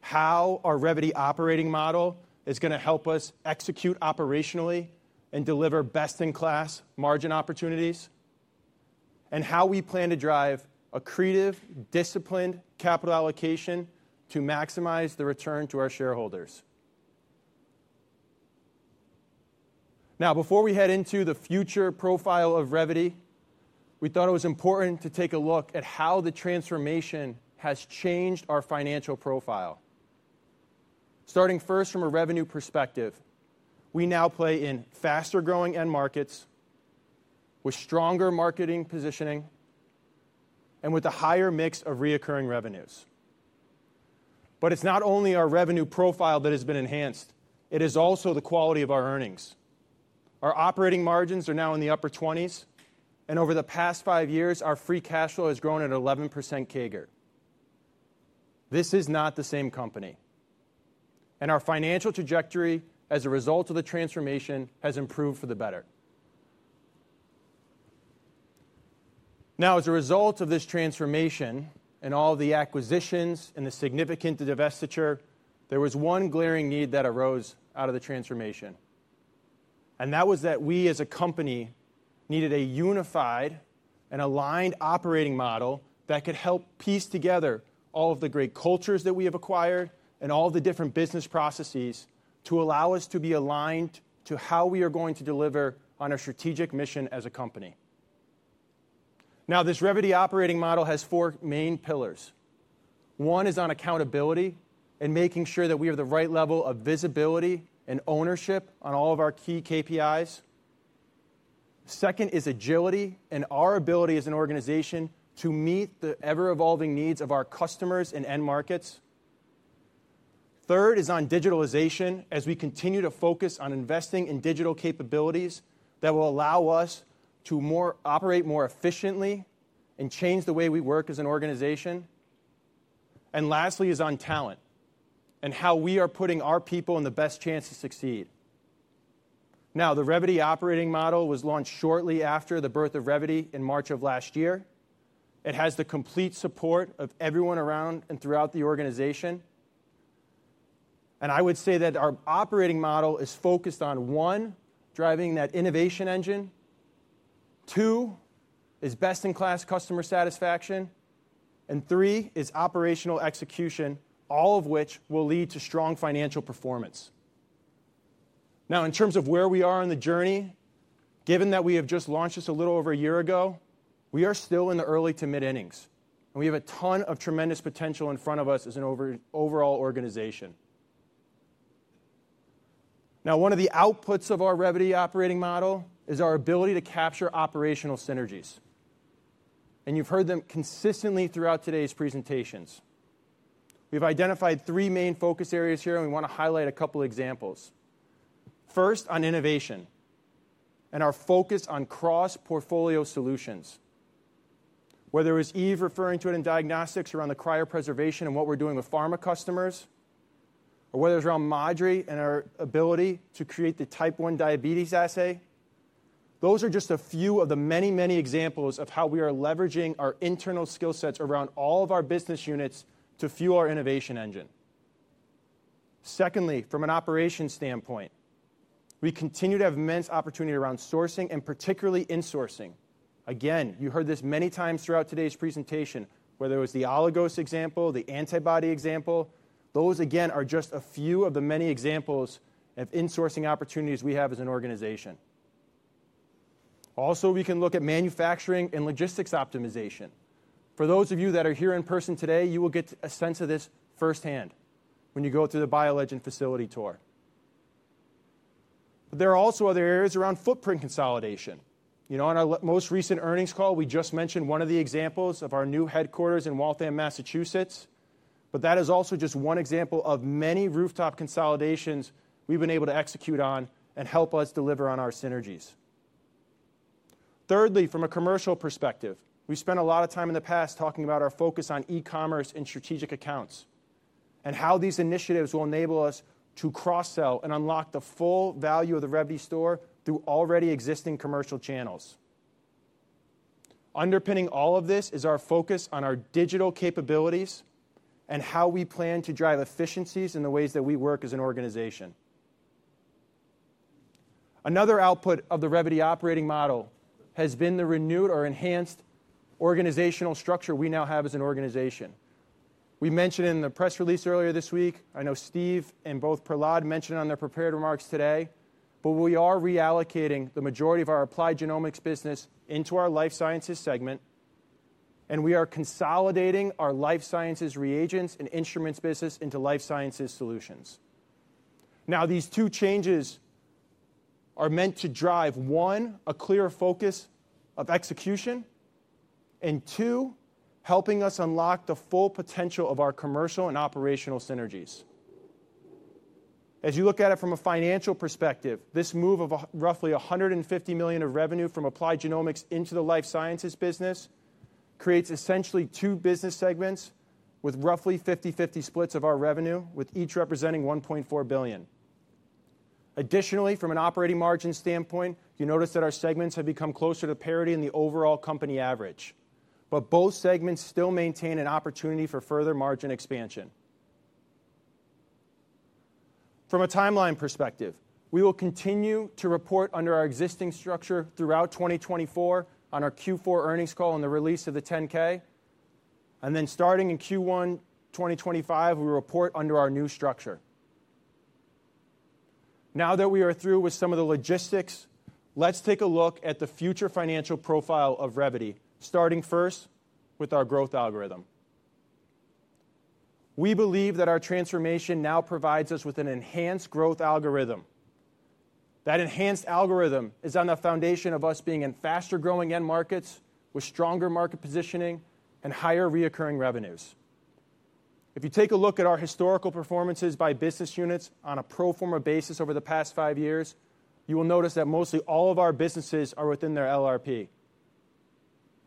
How our Revvity operating model is going to help us execute operationally and deliver best-in-class margin opportunities. How we plan to drive a creative, disciplined capital allocation to maximize the return to our shareholders. Now, before we head into the future profile of Revvity, we thought it was important to take a look at how the transformation has changed our financial profile. Starting first from a revenue perspective, we now play in faster-growing end markets with stronger market positioning and with a higher mix of recurring revenues. But it's not only our revenue profile that has been enhanced. It is also the quality of our earnings. Our operating margins are now in the upper 20s. And over the past five years, our free cash flow has grown at 11% CAGR. This is not the same company. And our financial trajectory as a result of the transformation has improved for the better. Now, as a result of this transformation and all of the acquisitions and the significant divestiture, there was one glaring need that arose out of the transformation, and that was that we as a company needed a unified and aligned operating model that could help piece together all of the great cultures that we have acquired and all of the different business processes to allow us to be aligned to how we are going to deliver on our strategic mission as a company. Now, this Revvity operating model has four main pillars. One is on accountability and making sure that we have the right level of visibility and ownership on all of our key KPIs. Second is agility and our ability as an organization to meet the ever-evolving needs of our customers and end markets. Third is on digitalization as we continue to focus on investing in digital capabilities that will allow us to operate more efficiently and change the way we work as an organization. And lastly is on talent and how we are putting our people in the best chance to succeed. Now, the Revvity operating model was launched shortly after the birth of Revvity in March of last year. It has the complete support of everyone around and throughout the organization. And I would say that our operating model is focused on, one, driving that innovation engine, two, is best-in-class customer satisfaction, and three, is operational execution, all of which will lead to strong financial performance. Now, in terms of where we are on the journey, given that we have just launched this a little over a year ago, we are still in the early to mid-innings. We have a ton of tremendous potential in front of us as an overall organization. Now, one of the outputs of our Revvity operating model is our ability to capture operational synergies. You've heard them consistently throughout today's presentations. We've identified three main focus areas here, and we want to highlight a couple of examples. First, on innovation and our focus on cross-portfolio solutions. Whether it was Yves referring to it in diagnostics around the cryopreservation and what we're doing with pharma customers, or whether it was around Madhuri and our ability to create the Type 1 diabetes assay, those are just a few of the many, many examples of how we are leveraging our internal skill sets around all of our business units to fuel our innovation engine. Secondly, from an operations standpoint, we continue to have immense opportunity around sourcing and particularly insourcing. Again, you heard this many times throughout today's presentation, whether it was the oligos example, the antibody example. Those, again, are just a few of the many examples of insourcing opportunities we have as an organization. Also, we can look at manufacturing and logistics optimization. For those of you that are here in person today, you will get a sense of this firsthand when you go through the BioLegend facility tour. But there are also other areas around footprint consolidation. On our most recent earnings call, we just mentioned one of the examples of our new headquarters in Waltham, Massachusetts. But that is also just one example of many footprint consolidations we've been able to execute on and help us deliver on our synergies. Thirdly, from a commercial perspective, we spent a lot of time in the past talking about our focus on e-commerce and strategic accounts and how these initiatives will enable us to cross-sell and unlock the full value of the Revvity store through already existing commercial channels. Underpinning all of this is our focus on our digital capabilities and how we plan to drive efficiencies in the ways that we work as an organization. Another output of the Revvity operating model has been the renewed or enhanced organizational structure we now have as an organization. We mentioned in the press release earlier this week. I know Steve and both Prahlad mentioned it on their prepared remarks today, but we are reallocating the majority of our applied genomics business into our life sciences segment, and we are consolidating our life sciences reagents and instruments business into life sciences solutions. Now, these two changes are meant to drive, one, a clear focus of execution and, two, helping us unlock the full potential of our commercial and operational synergies. As you look at it from a financial perspective, this move of roughly $150 million of revenue from applied genomics into the life sciences business creates essentially two business segments with roughly 50/50 splits of our revenue, with each representing $1.4 billion. Additionally, from an operating margin standpoint, you notice that our segments have become closer to parity in the overall company average. But both segments still maintain an opportunity for further margin expansion. From a timeline perspective, we will continue to report under our existing structure throughout 2024 on our Q4 earnings call and the release of the 10-K. And then starting in Q1 2025, we report under our new structure. Now that we are through with some of the logistics, let's take a look at the future financial profile of Revvity, starting first with our growth algorithm. We believe that our transformation now provides us with an enhanced growth algorithm. That enhanced algorithm is on the foundation of us being in faster-growing end markets with stronger market positioning and higher recurring revenues. If you take a look at our historical performances by business units on a pro forma basis over the past five years, you will notice that mostly all of our businesses are within their LRP.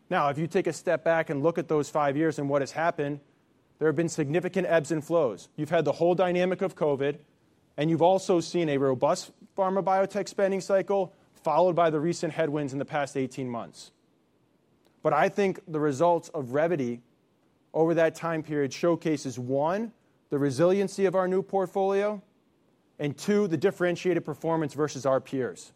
Now, if you take a step back and look at those five years and what has happened, there have been significant ebbs and flows. You've had the whole dynamic of COVID, and you've also seen a robust pharma biotech spending cycle followed by the recent headwinds in the past 18 months. But I think the results of Revvity over that time period showcases, one, the resiliency of our new portfolio and, two, the differentiated performance versus our peers.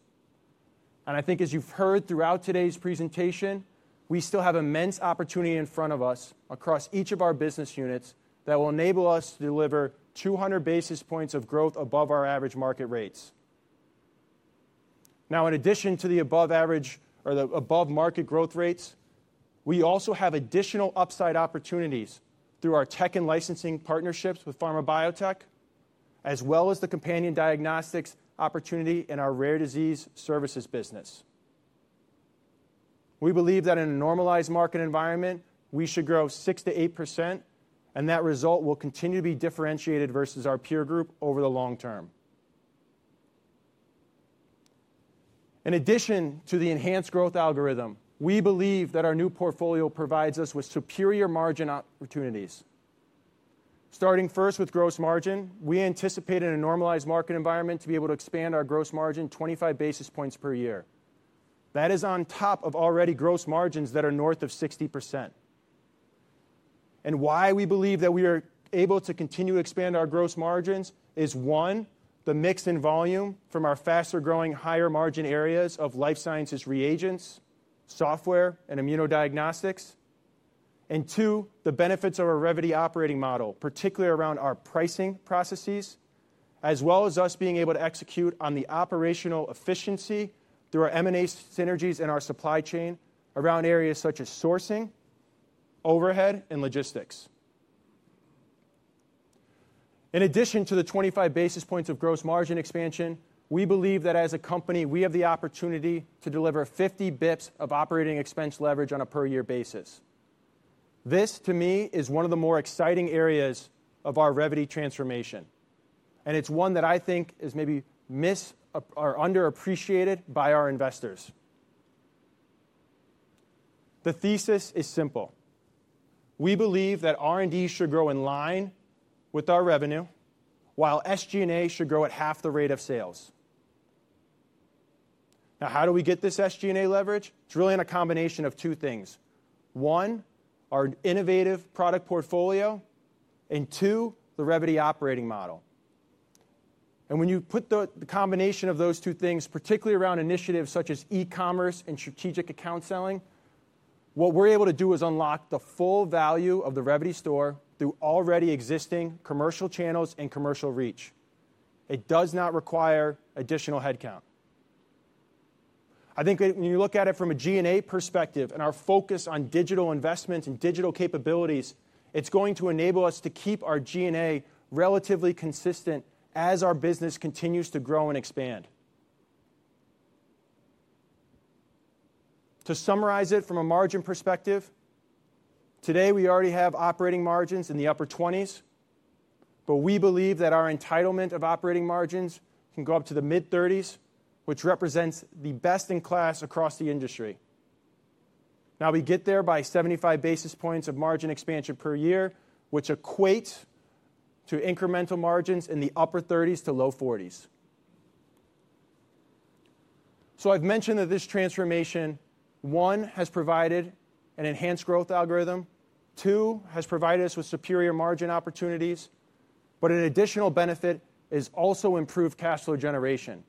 And I think, as you've heard throughout today's presentation, we still have immense opportunity in front of us across each of our business units that will enable us to deliver 200 basis points of growth above our average market rates. Now, in addition to the above-market growth rates, we also have additional upside opportunities through our tech and licensing partnerships with pharma biotech, as well as the companion diagnostics opportunity in our rare disease services business. We believe that in a normalized market environment, we should grow 6%-8%, and that result will continue to be differentiated versus our peer group over the long term. In addition to the enhanced growth algorithm, we believe that our new portfolio provides us with superior margin opportunities. Starting first with gross margin, we anticipate in a normalized market environment to be able to expand our gross margin 25 basis points per year. That is on top of already gross margins that are north of 60%. Why we believe that we are able to continue to expand our gross margins is, one, the mix in volume from our faster-growing, higher margin areas of life sciences reagents, software, and immunodiagnostics. Two, the benefits of our Revvity operating model, particularly around our pricing processes, as well as us being able to execute on the operational efficiency through our M&A synergies and our supply chain around areas such as sourcing, overhead, and logistics. In addition to the 25 basis points of gross margin expansion, we believe that as a company, we have the opportunity to deliver 50 basis points of operating expense leverage on a per-year basis. This, to me, is one of the more exciting areas of our Revvity transformation. And it's one that I think is maybe underappreciated by our investors. The thesis is simple. We believe that R&D should grow in line with our revenue, while SG&A should grow at half the rate of sales. Now, how do we get this SG&A leverage? It's really a combination of two things. One, our innovative product portfolio, and two, the Revvity operating model. And when you put the combination of those two things, particularly around initiatives such as e-commerce and strategic account selling, what we're able to do is unlock the full value of the Revvity store through already existing commercial channels and commercial reach. It does not require additional headcount. I think when you look at it from a G&A perspective and our focus on digital investments and digital capabilities, it's going to enable us to keep our G&A relatively consistent as our business continues to grow and expand. To summarize it from a margin perspective, today we already have operating margins in the upper 20s%. But we believe that our entitlement of operating margins can go up to the mid-30s%, which represents the best in class across the industry. Now, we get there by 75 basis points of margin expansion per year, which equates to incremental margins in the upper 30s to low 40s. So I've mentioned that this transformation, one, has provided an enhanced growth algorithm. Two, has provided us with superior margin opportunities. But an additional benefit is also improved cash flow generation.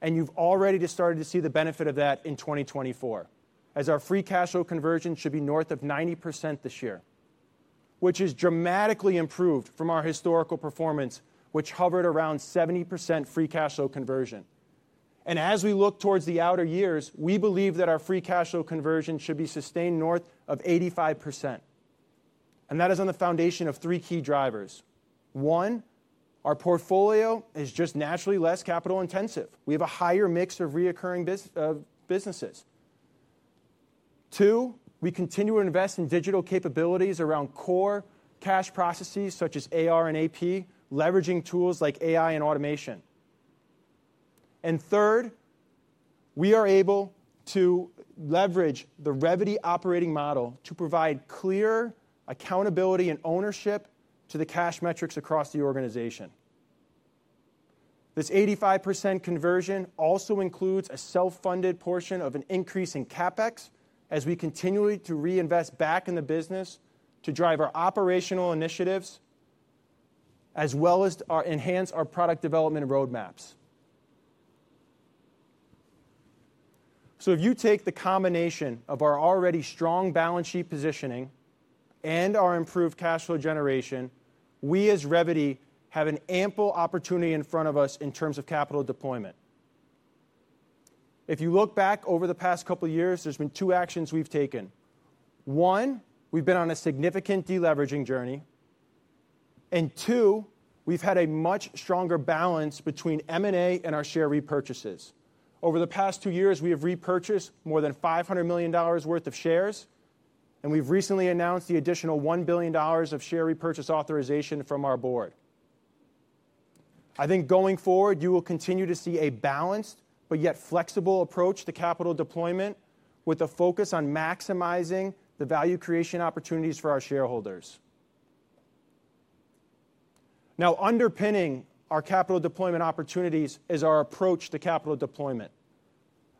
And you've already started to see the benefit of that in 2024, as our free cash flow conversion should be north of 90% this year, which is dramatically improved from our historical performance, which hovered around 70% free cash flow conversion. And as we look towards the outer years, we believe that our free cash flow conversion should be sustained north of 85%. And that is on the foundation of three key drivers. One, our portfolio is just naturally less capital intensive. We have a higher mix of recurring businesses. Two, we continue to invest in digital capabilities around core cash processes such as AR and AP, leveraging tools like AI and automation. And third, we are able to leverage the Revvity operating model to provide clear accountability and ownership to the cash metrics across the organization. This 85% conversion also includes a self-funded portion of an increase in CapEx as we continue to reinvest back in the business to drive our operational initiatives, as well as enhance our product development roadmaps. So if you take the combination of our already strong balance sheet positioning and our improved cash flow generation, we as Revvity have an ample opportunity in front of us in terms of capital deployment. If you look back over the past couple of years, there's been two actions we've taken. One, we've been on a significant deleveraging journey. Two, we've had a much stronger balance between M&A and our share repurchases. Over the past two years, we have repurchased more than $500 million worth of shares. We've recently announced the additional $1 billion of share repurchase authorization from our board. I think going forward, you will continue to see a balanced but yet flexible approach to capital deployment with a focus on maximizing the value creation opportunities for our shareholders. Now, underpinning our capital deployment opportunities is our approach to capital deployment.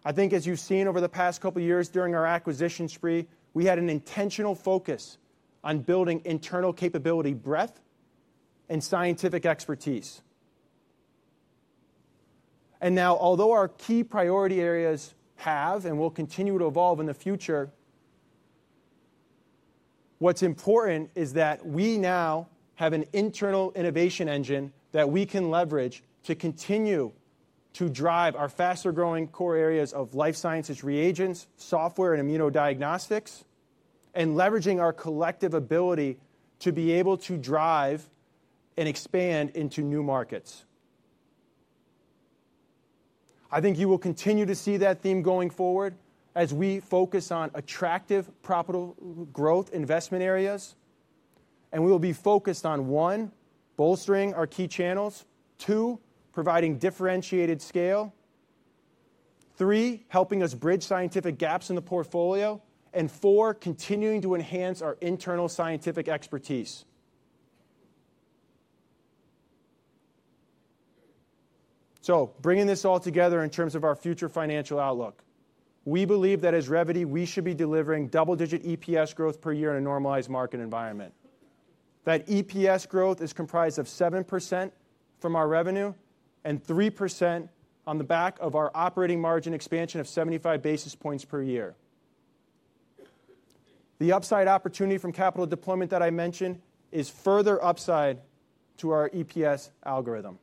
I think, as you've seen over the past couple of years during our acquisition spree, we had an intentional focus on building internal capability breadth and scientific expertise. And now, although our key priority areas have and will continue to evolve in the future, what's important is that we now have an internal innovation engine that we can leverage to continue to drive our faster-growing core areas of life sciences reagents, software, and immunodiagnostics, and leveraging our collective ability to be able to drive and expand into new markets. I think you will continue to see that theme going forward as we focus on attractive profitable growth investment areas. And we will be focused on one, bolstering our key channels, two, providing differentiated scale, three, helping us bridge scientific gaps in the portfolio, and four, continuing to enhance our internal scientific expertise. So bringing this all together in terms of our future financial outlook, we believe that as Revvity, we should be delivering double-digit EPS growth per year in a normalized market environment. That EPS growth is comprised of 7% from our revenue and 3% on the back of our operating margin expansion of 75 basis points per year. The upside opportunity from capital deployment that I mentioned is further upside to our EPS algorithm.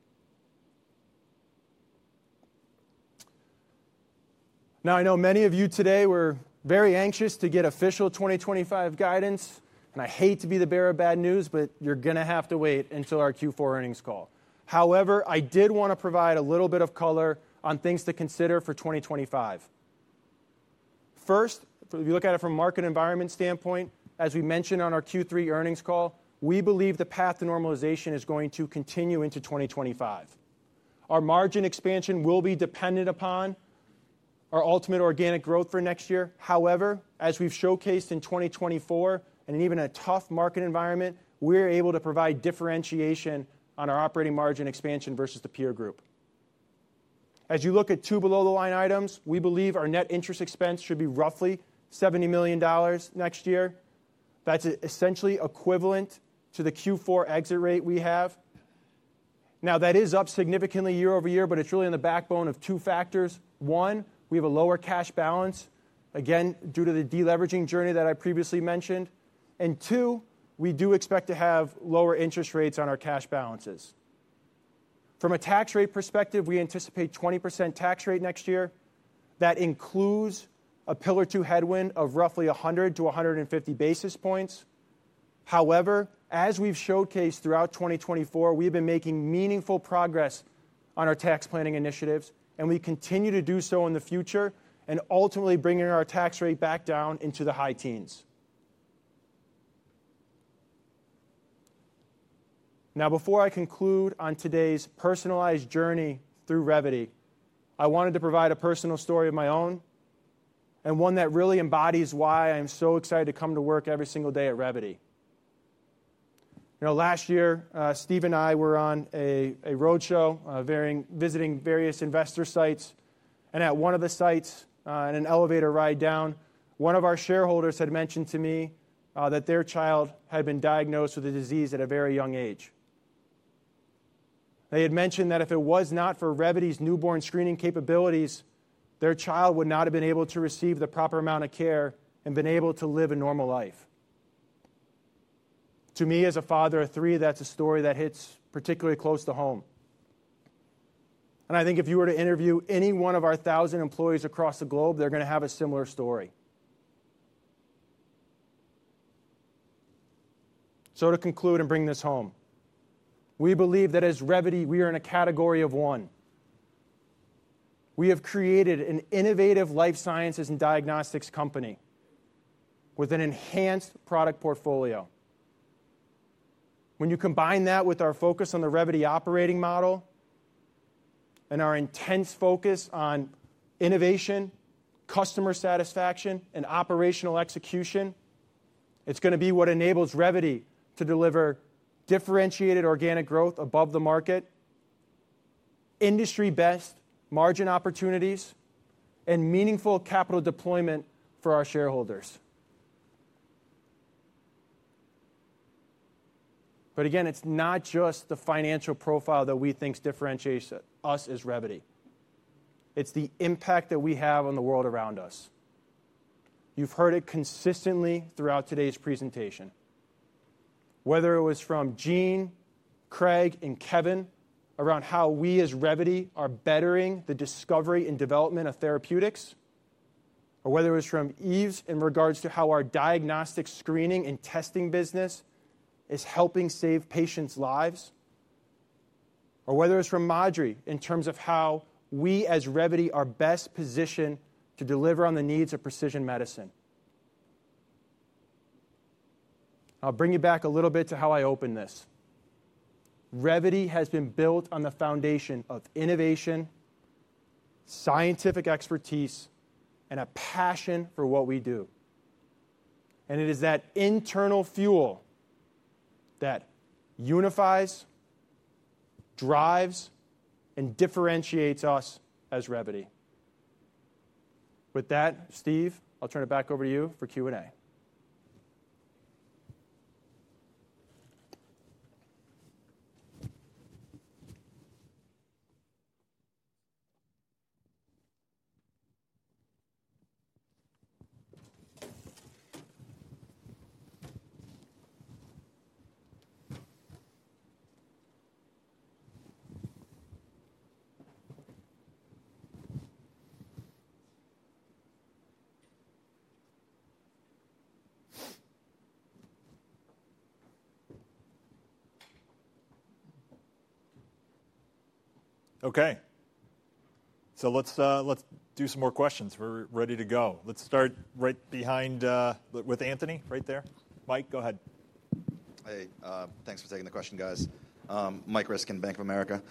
Now, I know many of you today were very anxious to get official 2025 guidance, and I hate to be the bearer of bad news, but you're going to have to wait until our Q4 earnings call. However, I did want to provide a little bit of color on things to consider for 2025. First, if you look at it from a market environment standpoint, as we mentioned on our Q3 earnings call, we believe the path to normalization is going to continue into 2025. Our margin expansion will be dependent upon our ultimate organic growth for next year. However, as we've showcased in 2024 and even in a tough market environment, we're able to provide differentiation on our operating margin expansion versus the peer group. As you look at two below-the-line items, we believe our net interest expense should be roughly $70 million next year. That's essentially equivalent to the Q4 exit rate we have. Now, that is up significantly year over year, but it's really on the backbone of two factors. One, we have a lower cash balance, again, due to the deleveraging journey that I previously mentioned. And two, we do expect to have lower interest rates on our cash balances. From a tax rate perspective, we anticipate a 20% tax rate next year. That includes a Pillar Two headwind of roughly 100-150 basis points. However, as we've showcased throughout 2024, we have been making meaningful progress on our tax planning initiatives. We continue to do so in the future and ultimately bringing our tax rate back down into the high teens. Now, before I conclude on today's personalized journey through Revvity, I wanted to provide a personal story of my own and one that really embodies why I'm so excited to come to work every single day at Revvity. Last year, Steve and I were on a roadshow, visiting various investor sites. At one of the sites, in an elevator ride down, one of our shareholders had mentioned to me that their child had been diagnosed with a disease at a very young age. They had mentioned that if it was not for Revvity's newborn screening capabilities, their child would not have been able to receive the proper amount of care and been able to live a normal life. To me, as a father of three, that's a story that hits particularly close to home, and I think if you were to interview any one of our 1,000 employees across the globe, they're going to have a similar story, so to conclude and bring this home, we believe that as Revvity, we are in a category of one. We have created an innovative life sciences and diagnostics company with an enhanced product portfolio. When you combine that with our focus on the Revvity operating model and our intense focus on innovation, customer satisfaction, and operational execution, it's going to be what enables Revvity to deliver differentiated organic growth above the market, industry-best margin opportunities, and meaningful capital deployment for our shareholders, but again, it's not just the financial profile that we think differentiates us as Revvity. It's the impact that we have on the world around us. You've heard it consistently throughout today's presentation, whether it was from Gene, Craig, and Kevin around how we as Revvity are bettering the discovery and development of therapeutics, or whether it was from Yves in regards to how our diagnostic screening and testing business is helping save patients' lives, or whether it's from Madhuri in terms of how we as Revvity are best positioned to deliver on the needs of precision medicine. I'll bring you back a little bit to how I open this. Revvity has been built on the foundation of innovation, scientific expertise, and a passion for what we do, and it is that internal fuel that unifies, drives, and differentiates us as Revvity. With that, Steve, I'll turn it back over to you for Q&A. Okay, so let's do some more questions. We're ready to go. Let's start right behind with Anthony right there. Michael, go ahead. Hey. Thanks for taking the question, guys. Michael Ryskin from Bank of America.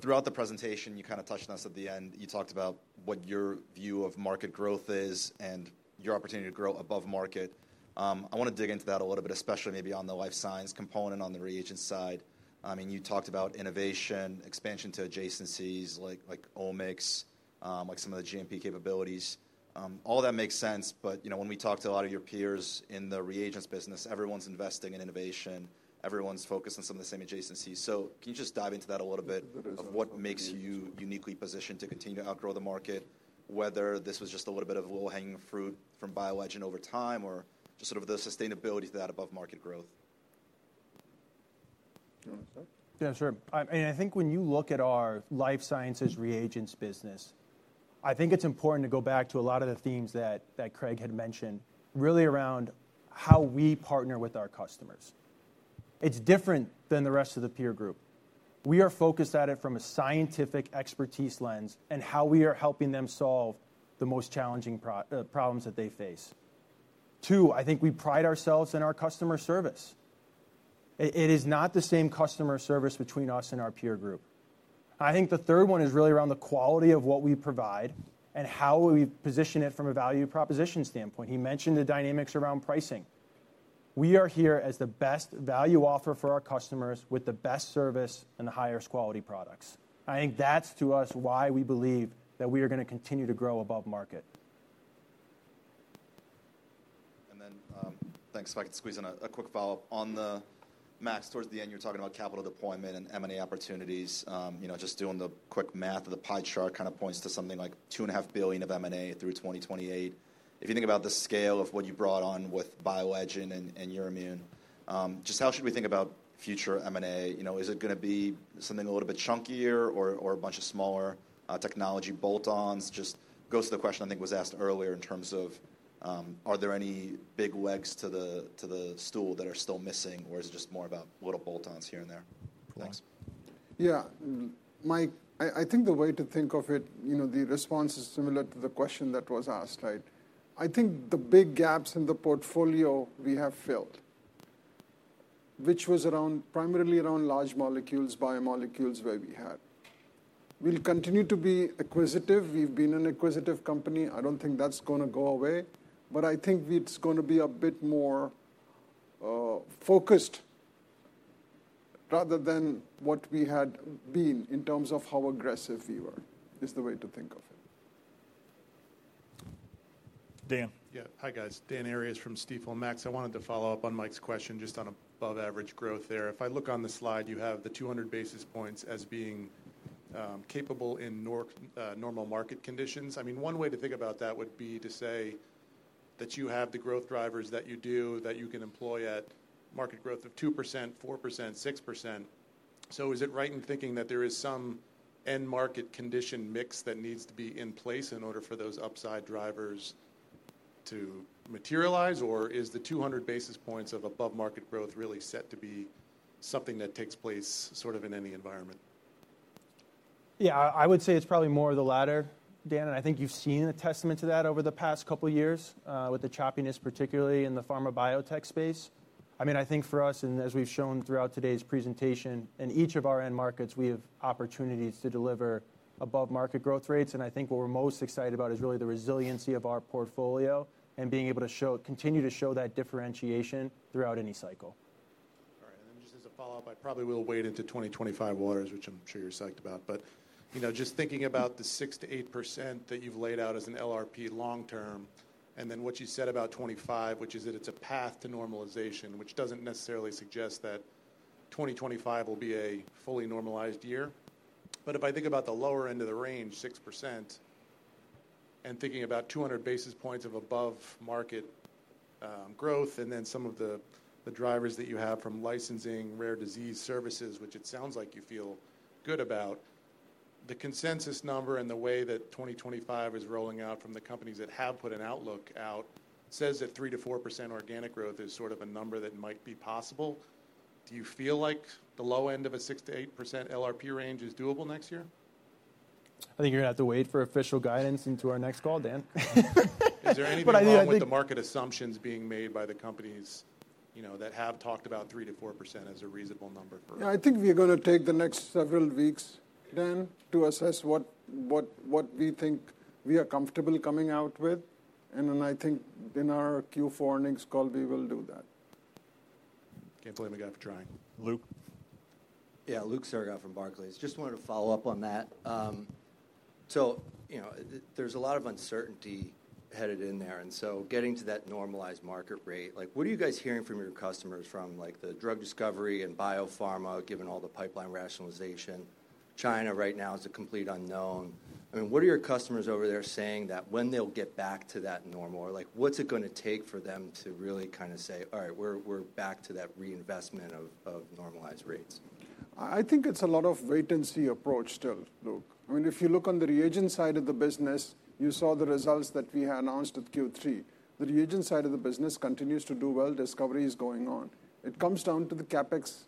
Throughout the presentation, you kind of touched on this at the end. You talked about what your view of market growth is and your opportunity to grow above market. I want to dig into that a little bit, especially maybe on the life science component on the reagent side. I mean, you talked about innovation, expansion to adjacencies like omics, like some of the GMP capabilities. All that makes sense. But when we talk to a lot of your peers in the reagents business, everyone's investing in innovation. Everyone's focused on some of the same adjacencies. So can you just dive into that a little bit of what makes you uniquely positioned to continue to outgrow the market, whether this was just a little bit of low-hanging fruit from BioLegend over time or just sort of the sustainability of that above-market growth? Yeah, sure. I think when you look at our life sciences reagents business, I think it's important to go back to a lot of the themes that Craig had mentioned, really around how we partner with our customers. It's different than the rest of the peer group. We are focused at it from a scientific expertise lens and how we are helping them solve the most challenging problems that they face. Two, I think we pride ourselves in our customer service. It is not the same customer service between us and our peer group. I think the third one is really around the quality of what we provide and how we position it from a value proposition standpoint. He mentioned the dynamics around pricing. We are here as the best value offer for our customers with the best service and the highest quality products. I think that's, to us, why we believe that we are going to continue to grow above market. Then thanks. If I could squeeze in a quick follow-up. On the Maxwell towards the end, you were talking about capital deployment and M&A opportunities. Just doing the quick math of the pie chart kind of points to something like $2.5 billion of M&A through 2028. If you think about the scale of what you brought on with BioLegend and Euroimmun, just how should we think about future M&A? Is it going to be something a little bit chunkier or a bunch of smaller technology bolt-ons? Just goes to the question I think was asked earlier in terms of, are there any big legs to the stool that are still missing, or is it just more about little bolt-ons here and there? Thanks. Yeah. Michael, I think the way to think of it, the response is similar to the question that was asked. I think the big gaps in the portfolio we have filled, which was primarily around large molecules, biomolecules where we had. We'll continue to be acquisitive. We've been an acquisitive company. I don't think that's going to go away. But I think it's going to be a bit more focused rather than what we had been in terms of how aggressive we were is the way to think of it. Dan. Yeah. Hi, guys. Dan Arias from Stifel. I wanted to follow up on Mike's question just on above-average growth there. If I look on the slide, you have the 200 basis points as being capable in normal market conditions. I mean, one way to think about that would be to say that you have the growth drivers that you do, that you can employ at market growth of 2%, 4%, 6%. So is it right in thinking that there is some end-market condition mix that needs to be in place in order for those upside drivers to materialize? Or is the 200 basis points of above-market growth really set to be something that takes place sort of in any environment? Yeah. I would say it's probably more of the latter, Dan. And I think you've seen a testament to that over the past couple of years with the choppiness, particularly in the pharma biotech space. I mean, I think for us, and as we've shown throughout today's presentation, in each of our end markets, we have opportunities to deliver above-market growth rates. And I think what we're most excited about is really the resiliency of our portfolio and being able to continue to show that differentiation throughout any cycle. All right. And then just as a follow-up, I probably will wait into 2025 waters, which I'm sure you're psyched about. But just thinking about the 6%-8% that you've laid out as an LRP long-term, and then what you said about 25%, which is that it's a path to normalization, which doesn't necessarily suggest that 2025 will be a fully normalized year. But if I think about the lower end of the range, 6%, and thinking about 200 basis points of above-market growth, and then some of the drivers that you have from licensing, rare disease services, which it sounds like you feel good about, the consensus number and the way that 2025 is rolling out from the companies that have put an outlook out says that 3%-4% organic growth is sort of a number that might be possible. Do you feel like the low end of a 6%-8% LRP range is doable next year? I think you're going to have to wait for official guidance into our next call, Dan. Is there anything about what the market assumptions being made by the companies that have talked about 3%-4% as a reasonable number for? Yeah. I think we're going to take the next several weeks, Dan, to assess what we think we are comfortable coming out with. And then I think in our Q4 earnings call, we will do that. Can't blame a guy for trying. Luke. Yeah. Luke Sergott from Barclays. Just wanted to follow up on that so there's a lot of uncertainty headed in there and so getting to that normalized market rate, what are you guys hearing from your customers from the drug discovery and biopharma, given all the pipeline rationalization? China right now is a complete unknown. I mean, what are your customers over there saying that when they'll get back to that normal? Or what's it going to take for them to really kind of say, "All right. We're back to that reinvestment of normalized rates"? I think it's a lot of wait-and-see approach still, Luke. I mean, if you look on the reagent side of the business, you saw the results that we announced at Q3. The reagent side of the business continues to do well. Discovery is going on. It comes down to the CapEx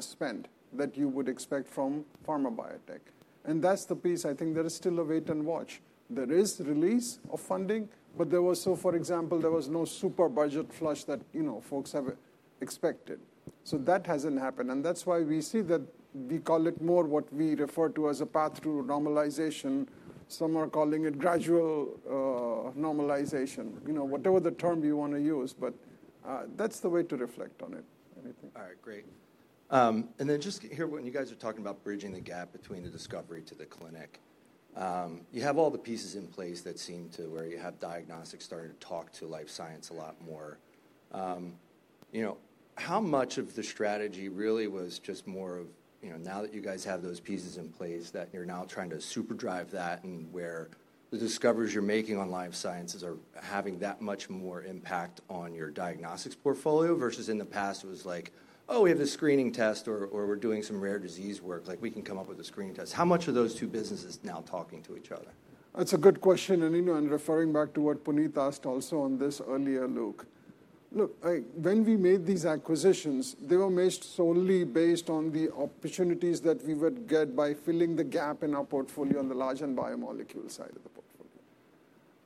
spend that you would expect from pharma biotech, and that's the piece I think there is still a wait-and-watch. There is release of funding, but there was so, for example, there was no super budget flush that folks have expected. So that hasn't happened, and that's why we see that we call it more what we refer to as a path to normalization. Some are calling it gradual normalization, whatever the term you want to use, but that's the way to reflect on it. All right. Great. And then just here when you guys are talking about bridging the gap between the discovery to the clinic, you have all the pieces in place that seem to where you have diagnostics starting to talk to life science a lot more. How much of the strategy really was just more of now that you guys have those pieces in place that you're now trying to super drive that and where the discoveries you're making on life sciences are having that much more impact on your diagnostics portfolio versus in the past it was like, "Oh, we have this screening test," or, "We're doing some rare disease work. We can come up with a screening test." How much are those two businesses now talking to each other? That's a good question, and referring back to what Puneet asked also on this earlier, Luke, look, when we made these acquisitions, they were made solely based on the opportunities that we would get by filling the gap in our portfolio on the large and biomolecule side of the portfolio.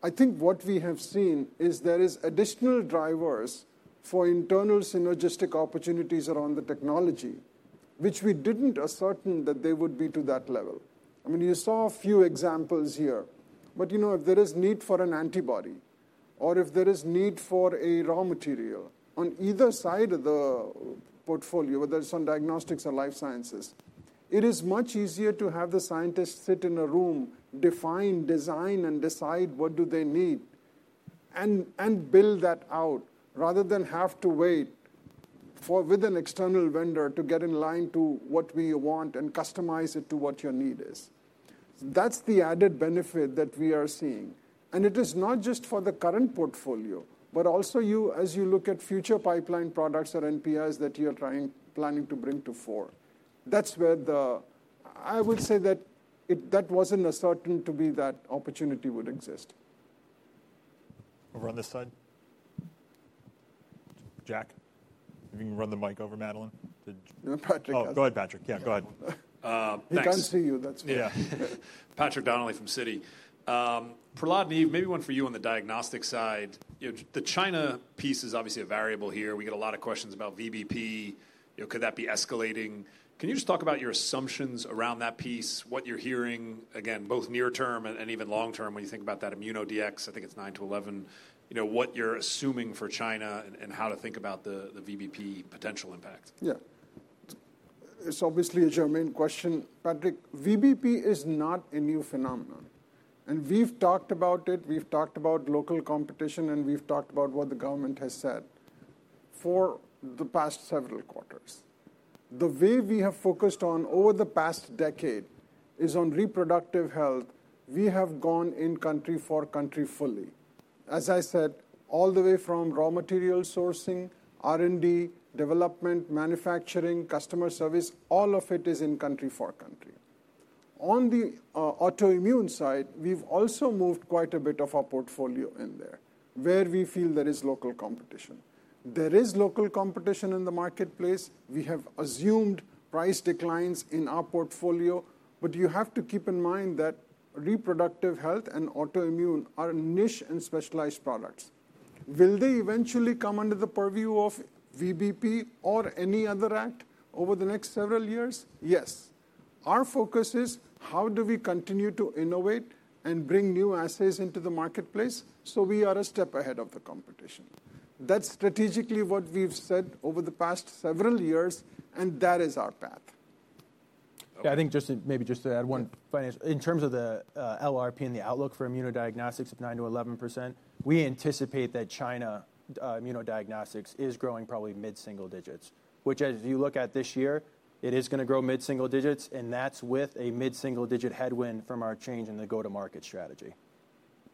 I think what we have seen is there are additional drivers for internal synergistic opportunities around the technology, which we didn't assert that they would be to that level. I mean, you saw a few examples here. But if there is need for an antibody or if there is need for a raw material on either side of the portfolio, whether it's on diagnostics or life sciences, it is much easier to have the scientists sit in a room, define, design, and decide what do they need, and build that out rather than have to wait with an external vendor to get in line to what we want and customize it to what your need is. That's the added benefit that we are seeing. And it is not just for the current portfolio, but also as you look at future pipeline products or NPIs that you're planning to bring to fore. That's where I would say that that wasn't asserting to be that opportunity would exist. Over on this side. Jack, if you can run the mic over Madeline. Patrick. Oh, go ahead, Patrick. Yeah. Go ahead. We can't see you. That's fine. Yeah. Patrick Donnelly from Citi. Prahlad and Yves, maybe one for you on the diagnostic side. The China piece is obviously a variable here. We get a lot of questions about VBP. Could that be escalating? Can you just talk about your assumptions around that piece, what you're hearing, again, both near-term and even long-term when you think about that immuno DX, I think it's 9%-11%, what you're assuming for China and how to think about the VBP potential impact? Yeah. It's obviously a germane question, Patrick. VBP is not a new phenomenon, and we've talked about it. We've talked about local competition, and we've talked about what the government has said for the past several quarters. The way we have focused on over the past decade is on reproductive health. We have gone in country for country fully. As I said, all the way from raw material sourcing, R&D, development, manufacturing, customer service, all of it is in country for country. On the autoimmune side, we've also moved quite a bit of our portfolio in there where we feel there is local competition. There is local competition in the marketplace. We have assumed price declines in our portfolio. But you have to keep in mind that reproductive health and autoimmune are niche and specialized products. Will they eventually come under the purview of VBP or any other act over the next several years? Yes. Our focus is how do we continue to innovate and bring new assays into the marketplace so we are a step ahead of the competition. That's strategically what we've said over the past several years, and that is our path. Yeah. I think just maybe just to add one financial in terms of the LRP and the outlook for immunodiagnostics of 9%-11%, we anticipate that China immunodiagnostics is growing probably mid-single digits, which as you look at this year, it is going to grow mid-single digits. And that's with a mid-single digit headwind from our change in the go-to-market strategy.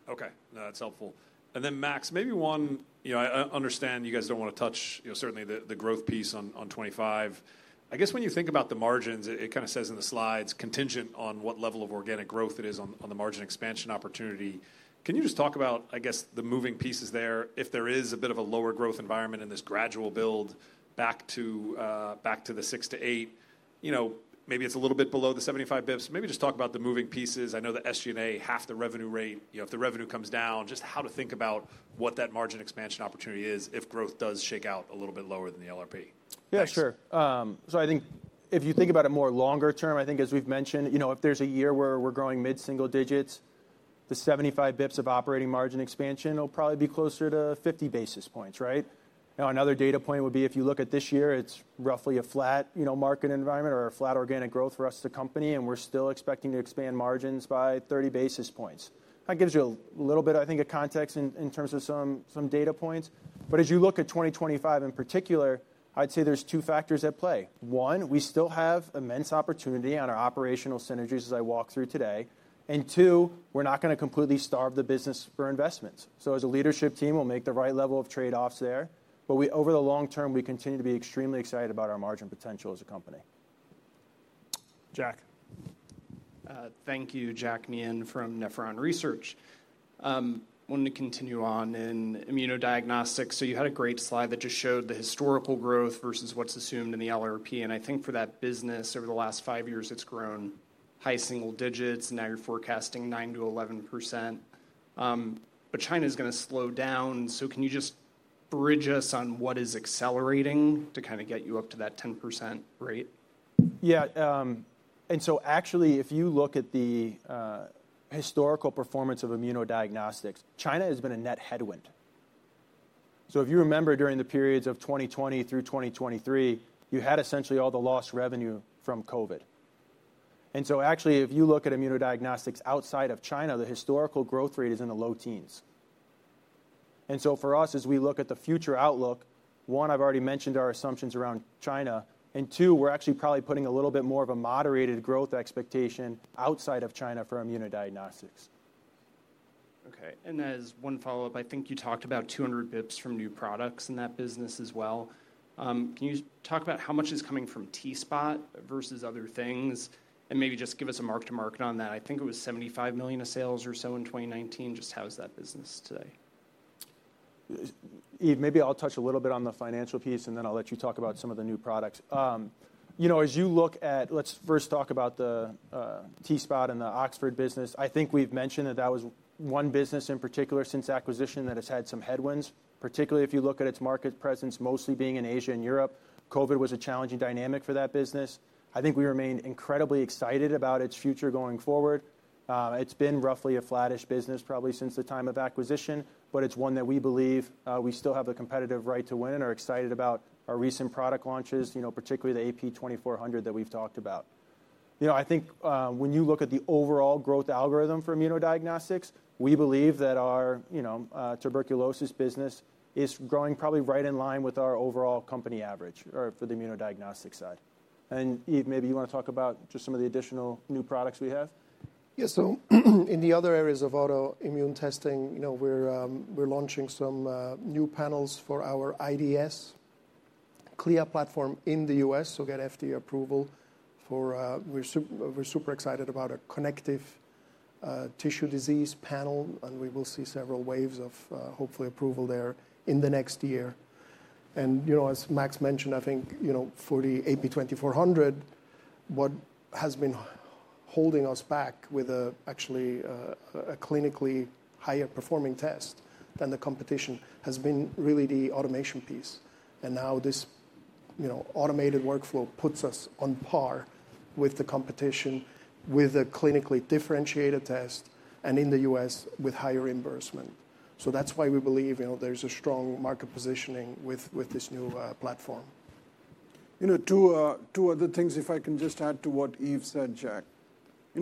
OK. No, that's helpful. And then Max, maybe one I understand you guys don't want to touch certainly the growth piece on 25. I guess when you think about the margins, it kind of says in the slides contingent on what level of organic growth it is on the margin expansion opportunity. Can you just talk about, I guess, the moving pieces there if there is a bit of a lower growth environment in this gradual build back to the 6%-8%? Maybe it's a little bit below the 75 basis points. Maybe just talk about the moving pieces. I know the SG&A, half the revenue rate. If the revenue comes down, just how to think about what that margin expansion opportunity is if growth does shake out a little bit lower than the LRP. Yeah. Sure. So I think if you think about it more longer term, I think as we've mentioned, if there's a year where we're growing mid-single digits, the 75 basis points of operating margin expansion will probably be closer to 50 basis points. Right? Now, another data point would be if you look at this year, it's roughly a flat market environment or a flat organic growth for us as a company. And we're still expecting to expand margins by 30 basis points. That gives you a little bit, I think, of context in terms of some data points. But as you look at 2025 in particular, I'd say there's two factors at play. One, we still have immense opportunity on our operational synergies as I walk through today. And two, we're not going to completely starve the business for investments. So as a leadership team, we'll make the right level of trade-offs there. But over the long term, we continue to be extremely excited about our margin potential as a company. Jack. Thank you, Jack Meehan from Nephron Research. I wanted to continue on in immunodiagnostics. So you had a great slide that just showed the historical growth versus what's assumed in the LRP. And I think for that business over the last five years, it's grown high single digits. And now you're forecasting 9%-11%. But China is going to slow down. So can you just bridge us on what is accelerating to kind of get you up to that 10% rate? Yeah. And so actually, if you look at the historical performance of immunodiagnostics, China has been a net headwind. So if you remember during the periods of 2020 through 2023, you had essentially all the lost revenue from COVID. And so actually, if you look at immunodiagnostics outside of China, the historical growth rate is in the low teens. And so for us, as we look at the future outlook, one, I've already mentioned our assumptions around China. And two, we're actually probably putting a little bit more of a moderated growth expectation outside of China for immunodiagnostics. OK. And as one follow-up, I think you talked about 200 basis points from new products in that business as well. Can you talk about how much is coming from T-SPOT versus other things? And maybe just give us a mark-to-market on that. I think it was $75 million of sales or so in 2019. Just how is that business today? Eve, maybe I'll touch a little bit on the financial piece, and then I'll let you talk about some of the new products. As you look at, let's first talk about the T-SPOT and the Oxford business. I think we've mentioned that that was one business in particular since acquisition that has had some headwinds, particularly if you look at its market presence, mostly being in Asia and Europe. COVID was a challenging dynamic for that business. I think we remain incredibly excited about its future going forward. It's been roughly a flattish business probably since the time of acquisition, but it's one that we believe we still have the competitive right to win and are excited about our recent product launches, particularly the AP2400 that we've talked about. I think when you look at the overall growth algorithm for immunodiagnostics, we believe that our tuberculosis business is growing probably right in line with our overall company average for the immunodiagnostics side. And Yves, maybe you want to talk about just some of the additional new products we have? Yeah. So in the other areas of autoimmune testing, we're launching some new panels for our IDS, CLIA platform in the US, so get FDA approval. We're super excited about a connective tissue disease panel. And we will see several waves of hopefully approval there in the next year. And as Max mentioned, I think for the AP2400, what has been holding us back with actually a clinically higher performing test than the competition has been really the automation piece. Now this automated workflow puts us on par with the competition with a clinically differentiated test and in the US with higher reimbursement. That's why we believe there's a strong market positioning with this new platform. Two other things, if I can just add to what Yves said, Jack.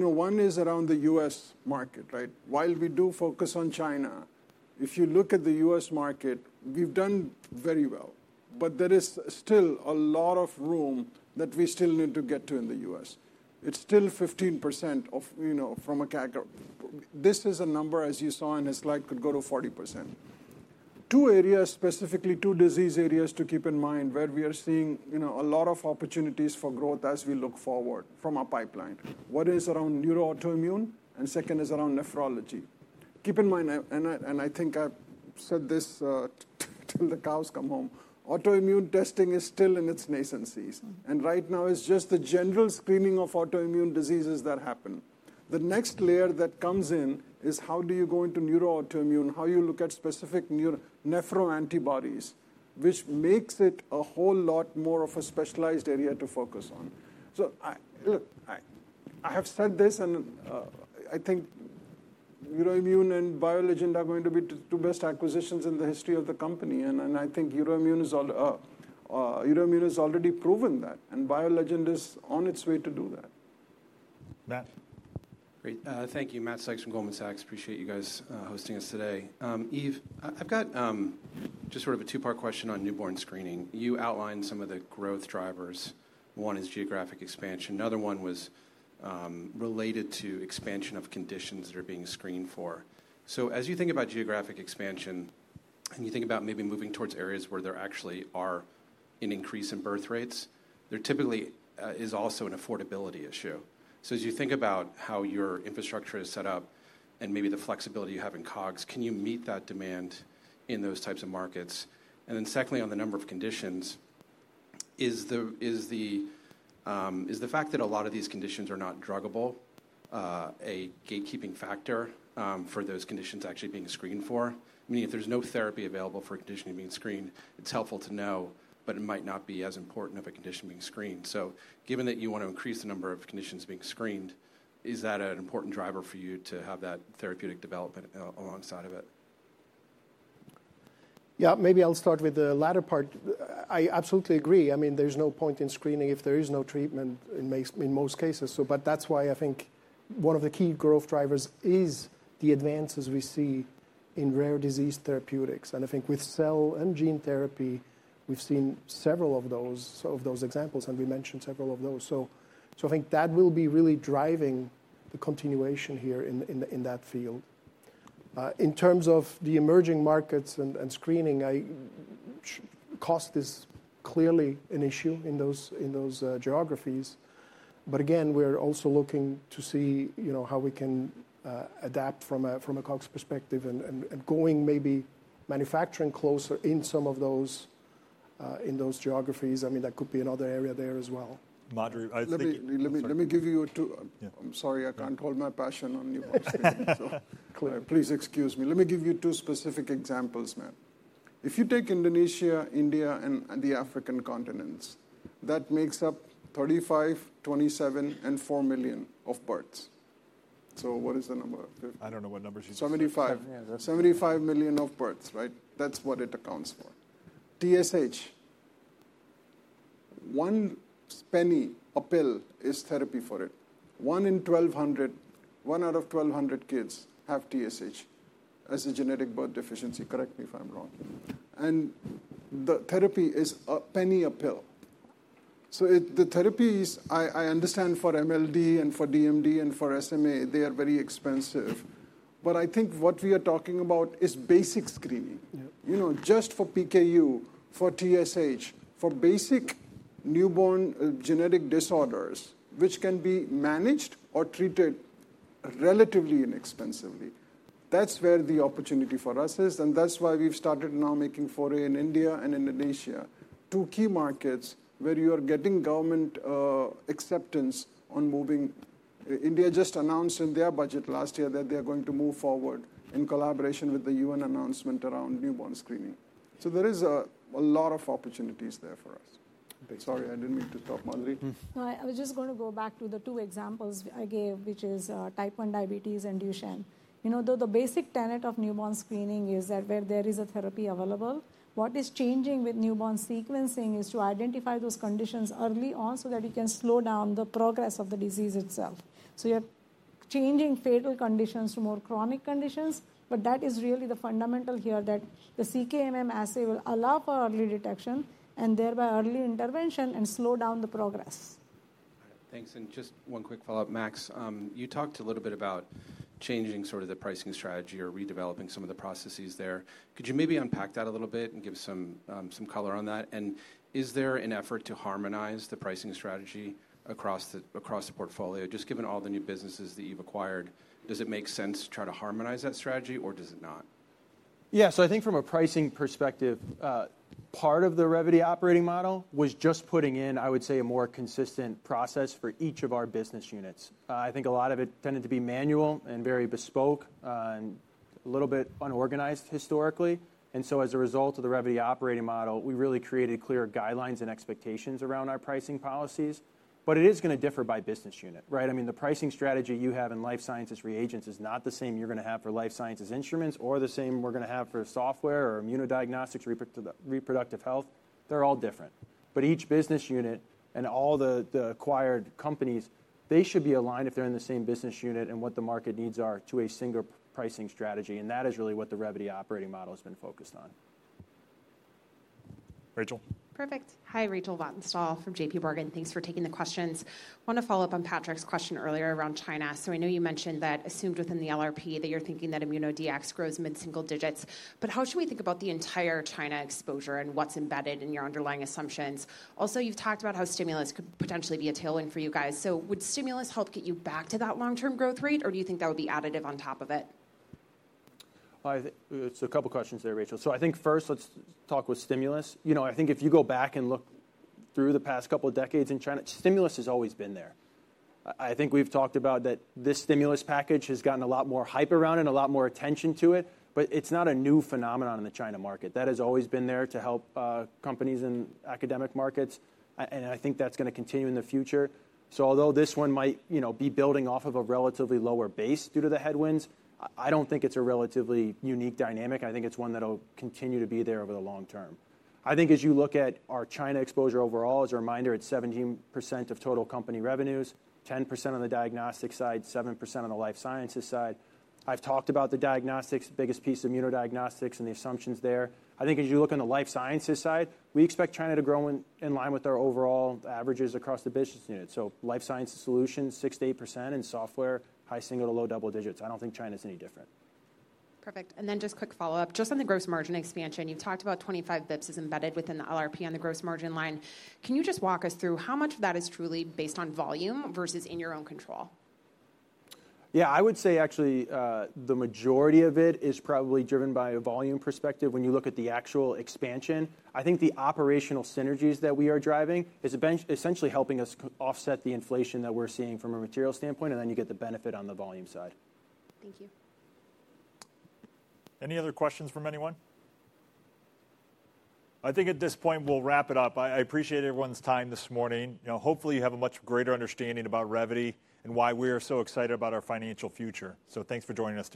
One is around the US market. While we do focus on China, if you look at the US market, we've done very well. But there is still a lot of room that we still need to get to in the US. It's still 15% from a CAGR. This is a number, as you saw in his slide, could go to 40%. Two areas, specifically two disease areas to keep in mind where we are seeing a lot of opportunities for growth as we look forward from our pipeline. One is around neuro autoimmune, and second is around nephrology. Keep in mind, and I think I've said this till the cows come home, autoimmune testing is still in its infancy. And right now, it's just the general screening of autoimmune diseases that happen. The next layer that comes in is how do you go into neuro autoimmune, how you look at specific neuroantibodies, which makes it a whole lot more of a specialized area to focus on. So I have said this, and I think Euroimmun and BioLegend are going to be the two best acquisitions in the history of the company. And I think Euroimmun has already proven that. And BioLegend is on its way to do that. Matt. Great. Thank you. Matt Sykes from Goldman Sachs. Appreciate you guys hosting us today. Yves, I've got just sort of a two-part question on newborn screening. You outlined some of the growth drivers. One is geographic expansion. Another one was related to expansion of conditions that are being screened for. So as you think about geographic expansion and you think about maybe moving towards areas where there actually are an increase in birth rates, there typically is also an affordability issue. So as you think about how your infrastructure is set up and maybe the flexibility you have in COGS, can you meet that demand in those types of markets? And then secondly, on the number of conditions, is the fact that a lot of these conditions are not druggable a gatekeeping factor for those conditions actually being screened for? Meaning if there's no therapy available for a condition being screened, it's helpful to know, but it might not be as important of a condition being screened. So given that you want to increase the number of conditions being screened, is that an important driver for you to have that therapeutic development alongside of it? Yeah. Maybe I'll start with the latter part. I absolutely agree. I mean, there's no point in screening if there is no treatment in most cases, but that's why I think one of the key growth drivers is the advances we see in rare disease therapeutics, and I think with cell and gene therapy, we've seen several of those examples, and we mentioned several of those, so I think that will be really driving the continuation here in that field. In terms of the emerging markets and screening, cost is clearly an issue in those geographies, but again, we're also looking to see how we can adapt from a COGS perspective and going maybe manufacturing closer in some of those geographies. I mean, that could be another area there as well. Madhuri, I think. Let me give you. I'm sorry. I can't hold my passion on you. Please excuse me. Let me give you two specific examples, Matt. If you take Indonesia, India, and the African continents, that makes up 35, 27, and four million of births. So what is the number? I don't know what numbers you said. 75 million of births. That's what it accounts for. TSH. One penny a pill is therapy for it. One in 1,200, one out of 1,200 kids have TSH as a genetic birth deficiency. Correct me if I'm wrong. And the therapy is a penny a pill. So the therapies, I understand for MLD and for DMD and for SMA, they are very expensive. But I think what we are talking about is basic screening. Just for PKU, for TSH, for basic newborn genetic disorders, which can be managed or treated relatively inexpensively. That's where the opportunity for us is. And that's why we've started now making foray in India and Indonesia, two key markets where you are getting government acceptance on moving. India just announced in their budget last year that they are going to move forward in collaboration with the UN announcement around newborn screening. So there is a lot of opportunities there for us. Sorry, I didn't mean to stop, Madhuri. I was just going to go back to the two examples I gave, which is Type 1 diabetes and Duchenne. Though the basic tenet of newborn screening is that where there is a therapy available, what is changing with newborn sequencing is to identify those conditions early on so that you can slow down the progress of the disease itself. So you're changing fatal conditions to more chronic conditions. But that is really the fundamental here that the CK-MM assay will allow for early detection and thereby early intervention and slow down the progress. Thanks. And just one quick follow-up. Max, you talked a little bit about changing sort of the pricing strategy or redeveloping some of the processes there. Could you maybe unpack that a little bit and give some color on that? And is there an effort to harmonize the pricing strategy across the portfolio? Just given all the new businesses that you've acquired, does it make sense to try to harmonize that strategy, or does it not? Yeah. So I think from a pricing perspective, part of the Revvity operating model was just putting in, I would say, a more consistent process for each of our business units. I think a lot of it tended to be manual and very bespoke and a little bit unorganized historically. And so as a result of the Revvity operating model, we really created clear guidelines and expectations around our pricing policies. But it is going to differ by business unit. I mean, the pricing strategy you have in life sciences reagents is not the same you're going to have for life sciences instruments or the same we're going to have for software or immunodiagnostics, reproductive health. They're all different. But each business unit and all the acquired companies, they should be aligned if they're in the same business unit and what the market needs are to a single pricing strategy. That is really what the Revvity operating model has been focused on. Rachel. Perfect. Hi, Rachel Vatnsdal from JPMorgan. Thanks for taking the questions. I want to follow up on Patrick's question earlier around China. So I know you mentioned that assumed within the LRP that you're thinking that immuno DX grows mid-single digits. But how should we think about the entire China exposure and what's embedded in your underlying assumptions? Also, you've talked about how stimulus could potentially be a tailwind for you guys. So would stimulus help get you back to that long-term growth rate, or do you think that would be additive on top of it? It's a couple of questions there, Rachel. So I think first, let's talk about stimulus. I think if you go back and look through the past couple of decades in China, stimulus has always been there. I think we've talked about that this stimulus package has gotten a lot more hype around it, a lot more attention to it. But it's not a new phenomenon in the China market. That has always been there to help companies and academic markets. And I think that's going to continue in the future. So although this one might be building off of a relatively lower base due to the headwinds, I don't think it's a relatively unique dynamic. I think it's one that will continue to be there over the long term. I think as you look at our China exposure overall, as a reminder, it's 17% of total company revenues, 10% on the diagnostic side, 7% on the life sciences side. I've talked about the diagnostics, biggest piece of immunodiagnostics and the assumptions there. I think as you look on the life sciences side, we expect China to grow in line with our overall averages across the business unit. So life sciences solutions, 6% to 8%, and software, high single to low double digits. I don't think China is any different. Perfect. And then just quick follow-up. Just on the gross margin expansion, you've talked about 25 basis points is embedded within the LRP on the gross margin line. Can you just walk us through how much of that is truly based on volume versus in your own control? Yeah. I would say actually the majority of it is probably driven by a volume perspective. When you look at the actual expansion, I think the operational synergies that we are driving is essentially helping us offset the inflation that we're seeing from a material standpoint, and then you get the benefit on the volume side. Thank you. Any other questions from anyone? I think at this point, we'll wrap it up. I appreciate everyone's time this morning. Hopefully, you have a much greater understanding about Revvity and why we are so excited about our financial future. So thanks for joining us today.